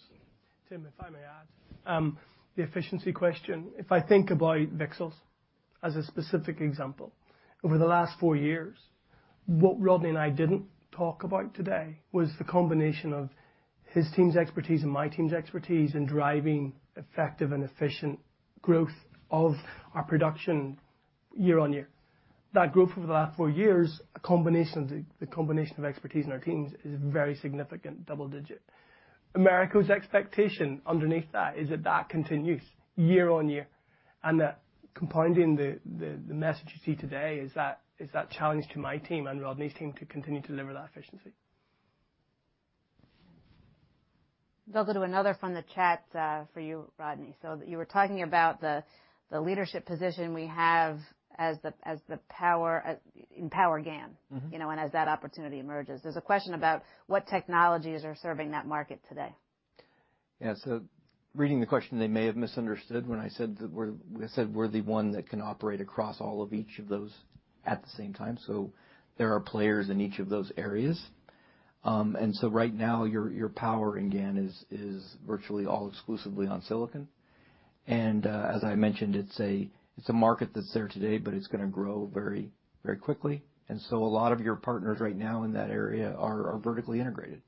Speaker 12: Tim, if I may add, the efficiency question. If I think about VCSELs as a specific example, over the last four years, what Rodney and I didn't talk about today was the combination of his team's expertise and my team's expertise in driving effective and efficient growth of our production year on year. That growth over the last four years, the combination of expertise in our teams is very significant double-digit. Americo's expectation underneath that is that continues year on year, and that compounding the message you see today is that challenge to my team and Rodney's team to continue to deliver that efficiency.
Speaker 1: They'll go to another from the chat for you, Rodney. You were talking about the leadership position we have as the power in power GaN.
Speaker 9: Mm-hmm.
Speaker 1: You know, as that opportunity emerges. There's a question about what technologies are serving that market today.
Speaker 9: Yeah. Reading the question, they may have misunderstood when I said that we're the one that can operate across all of each of those at the same time. There are players in each of those areas. Right now, your power in GaN is virtually all exclusively on silicon. As I mentioned, it's a market that's there today, but it's gonna grow very, very quickly. A lot of your partners right now in that area are vertically integrated.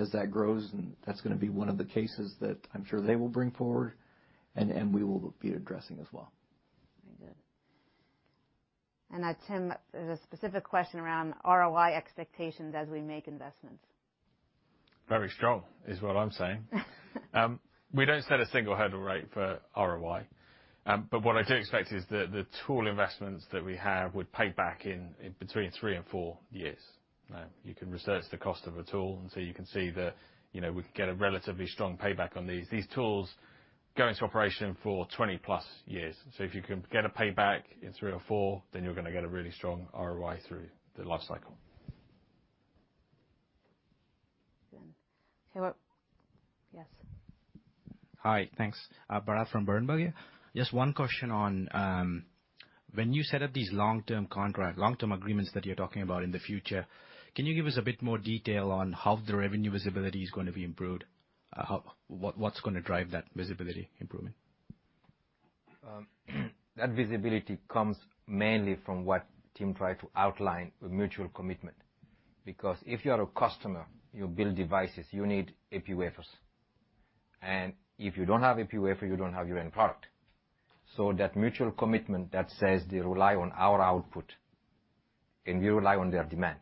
Speaker 9: As that grows, and that's gonna be one of the cases that I'm sure they will bring forward and we will be addressing as well.
Speaker 1: Very good. Tim, there's a specific question around ROI expectations as we make investments.
Speaker 15: Very strong, is what I'm saying. We don't set a single hurdle rate for ROI. What I do expect is the tool investments that we have would pay back in between three and four years. You can research the cost of a tool, and so you can see, you know, we could get a relatively strong payback on these. These tools go into operation for 20+ years. If you can get a payback in three or four, then you're gonna get a really strong ROI through the life cycle.
Speaker 1: Tarek. Yes.
Speaker 22: Hi. Thanks. Bharat from Berenberg. Just one question on when you set up these long-term agreements that you're talking about in the future, can you give us a bit more detail on how the revenue visibility is gonna be improved? What's gonna drive that visibility improvement?
Speaker 2: That visibility comes mainly from what Tim tried to outline, the mutual commitment. Because if you are a customer, you build devices, you need epi wafers. If you don't have epi wafer, you don't have your end product. That mutual commitment that says they rely on our output, and we rely on their demand,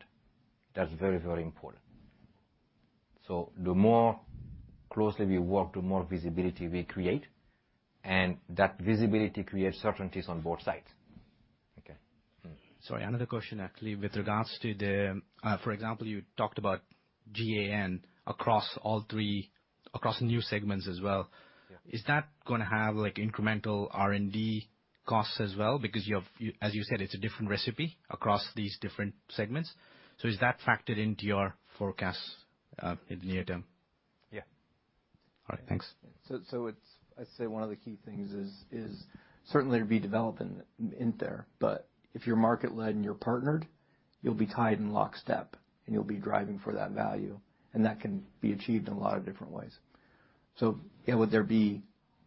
Speaker 2: that's very, very important. The more closely we work, the more visibility we create, and that visibility creates certainties on both sides.
Speaker 22: Okay. Sorry, another question, actually, with regards to the, for example, you talked about GaN across all three, across new segments as well.
Speaker 2: Yeah.
Speaker 22: Is that gonna have, like, incremental R&D costs as well? Because you have as you said, it's a different recipe across these different segments. Is that factored into your forecasts in the near term?
Speaker 2: Yeah.
Speaker 9: All right, thanks. It's... I'd say one of the key things is certainly there'd be development in there. But if you're market-led and you're partnered, you'll be tied in lockstep, and you'll be driving for that value, and that can be achieved in a lot of different ways. Yeah, would there be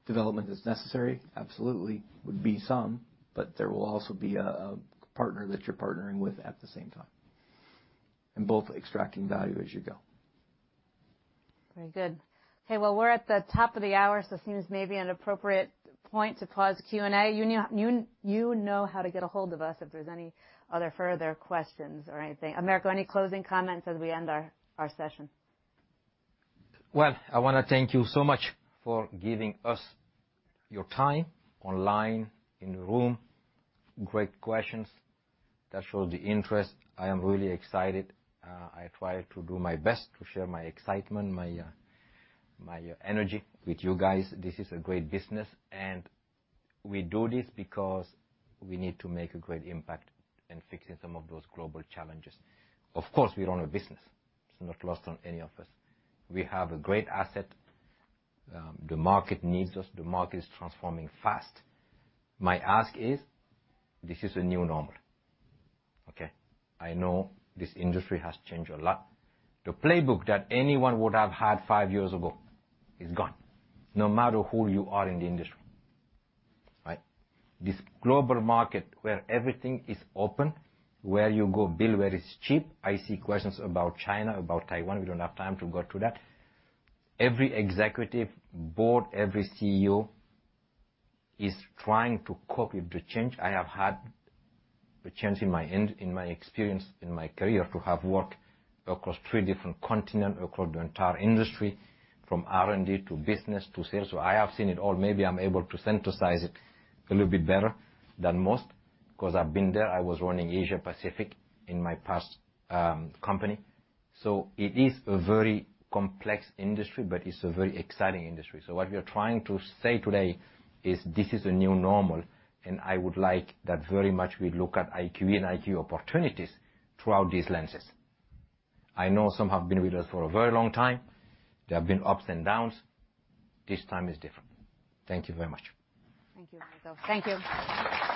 Speaker 9: development that's necessary? Absolutely. Would be some, but there will also be a partner that you're partnering with at the same time, and both extracting value as you go.
Speaker 1: Very good. Okay, well, we're at the top of the hour, so it seems maybe an appropriate point to pause the Q&A. You know how to get ahold of us if there's any other further questions or anything. Americo, any closing comments as we end our session?
Speaker 2: Well, I wanna thank you so much for giving us your time online, in the room. Great questions that show the interest. I am really excited. I try to do my best to share my excitement, my energy with you guys. This is a great business, and we do this because we need to make a great impact in fixing some of those global challenges. Of course, we run a business. It's not lost on any of us. We have a great asset. The market needs us. The market is transforming fast. My ask is, this is a new normal, okay? I know this industry has changed a lot. The playbook that anyone would have had five years ago is gone, no matter who you are in the industry, right? This global market where everything is open, where you go build where it's cheap. I see questions about China, about Taiwan. We don't have time to go through that. Every executive board, every CEO is trying to cope with the change. I have had the chance in my end, in my experience, in my career, to have worked across three different continents, across the entire industry, from R&D to business to sales. I have seen it all. Maybe I'm able to synthesize it a little bit better than most 'cause I've been there. I was running Asia-Pacific in my past company. It is a very complex industry, but it's a very exciting industry. What we are trying to say today is this is a new normal, and I would like that very much we look at IQE and IQE opportunities throughout these lenses. I know some have been with us for a very long time. There have been ups and downs. This time is different. Thank you very much.
Speaker 1: Thank you, Americo. Thank you.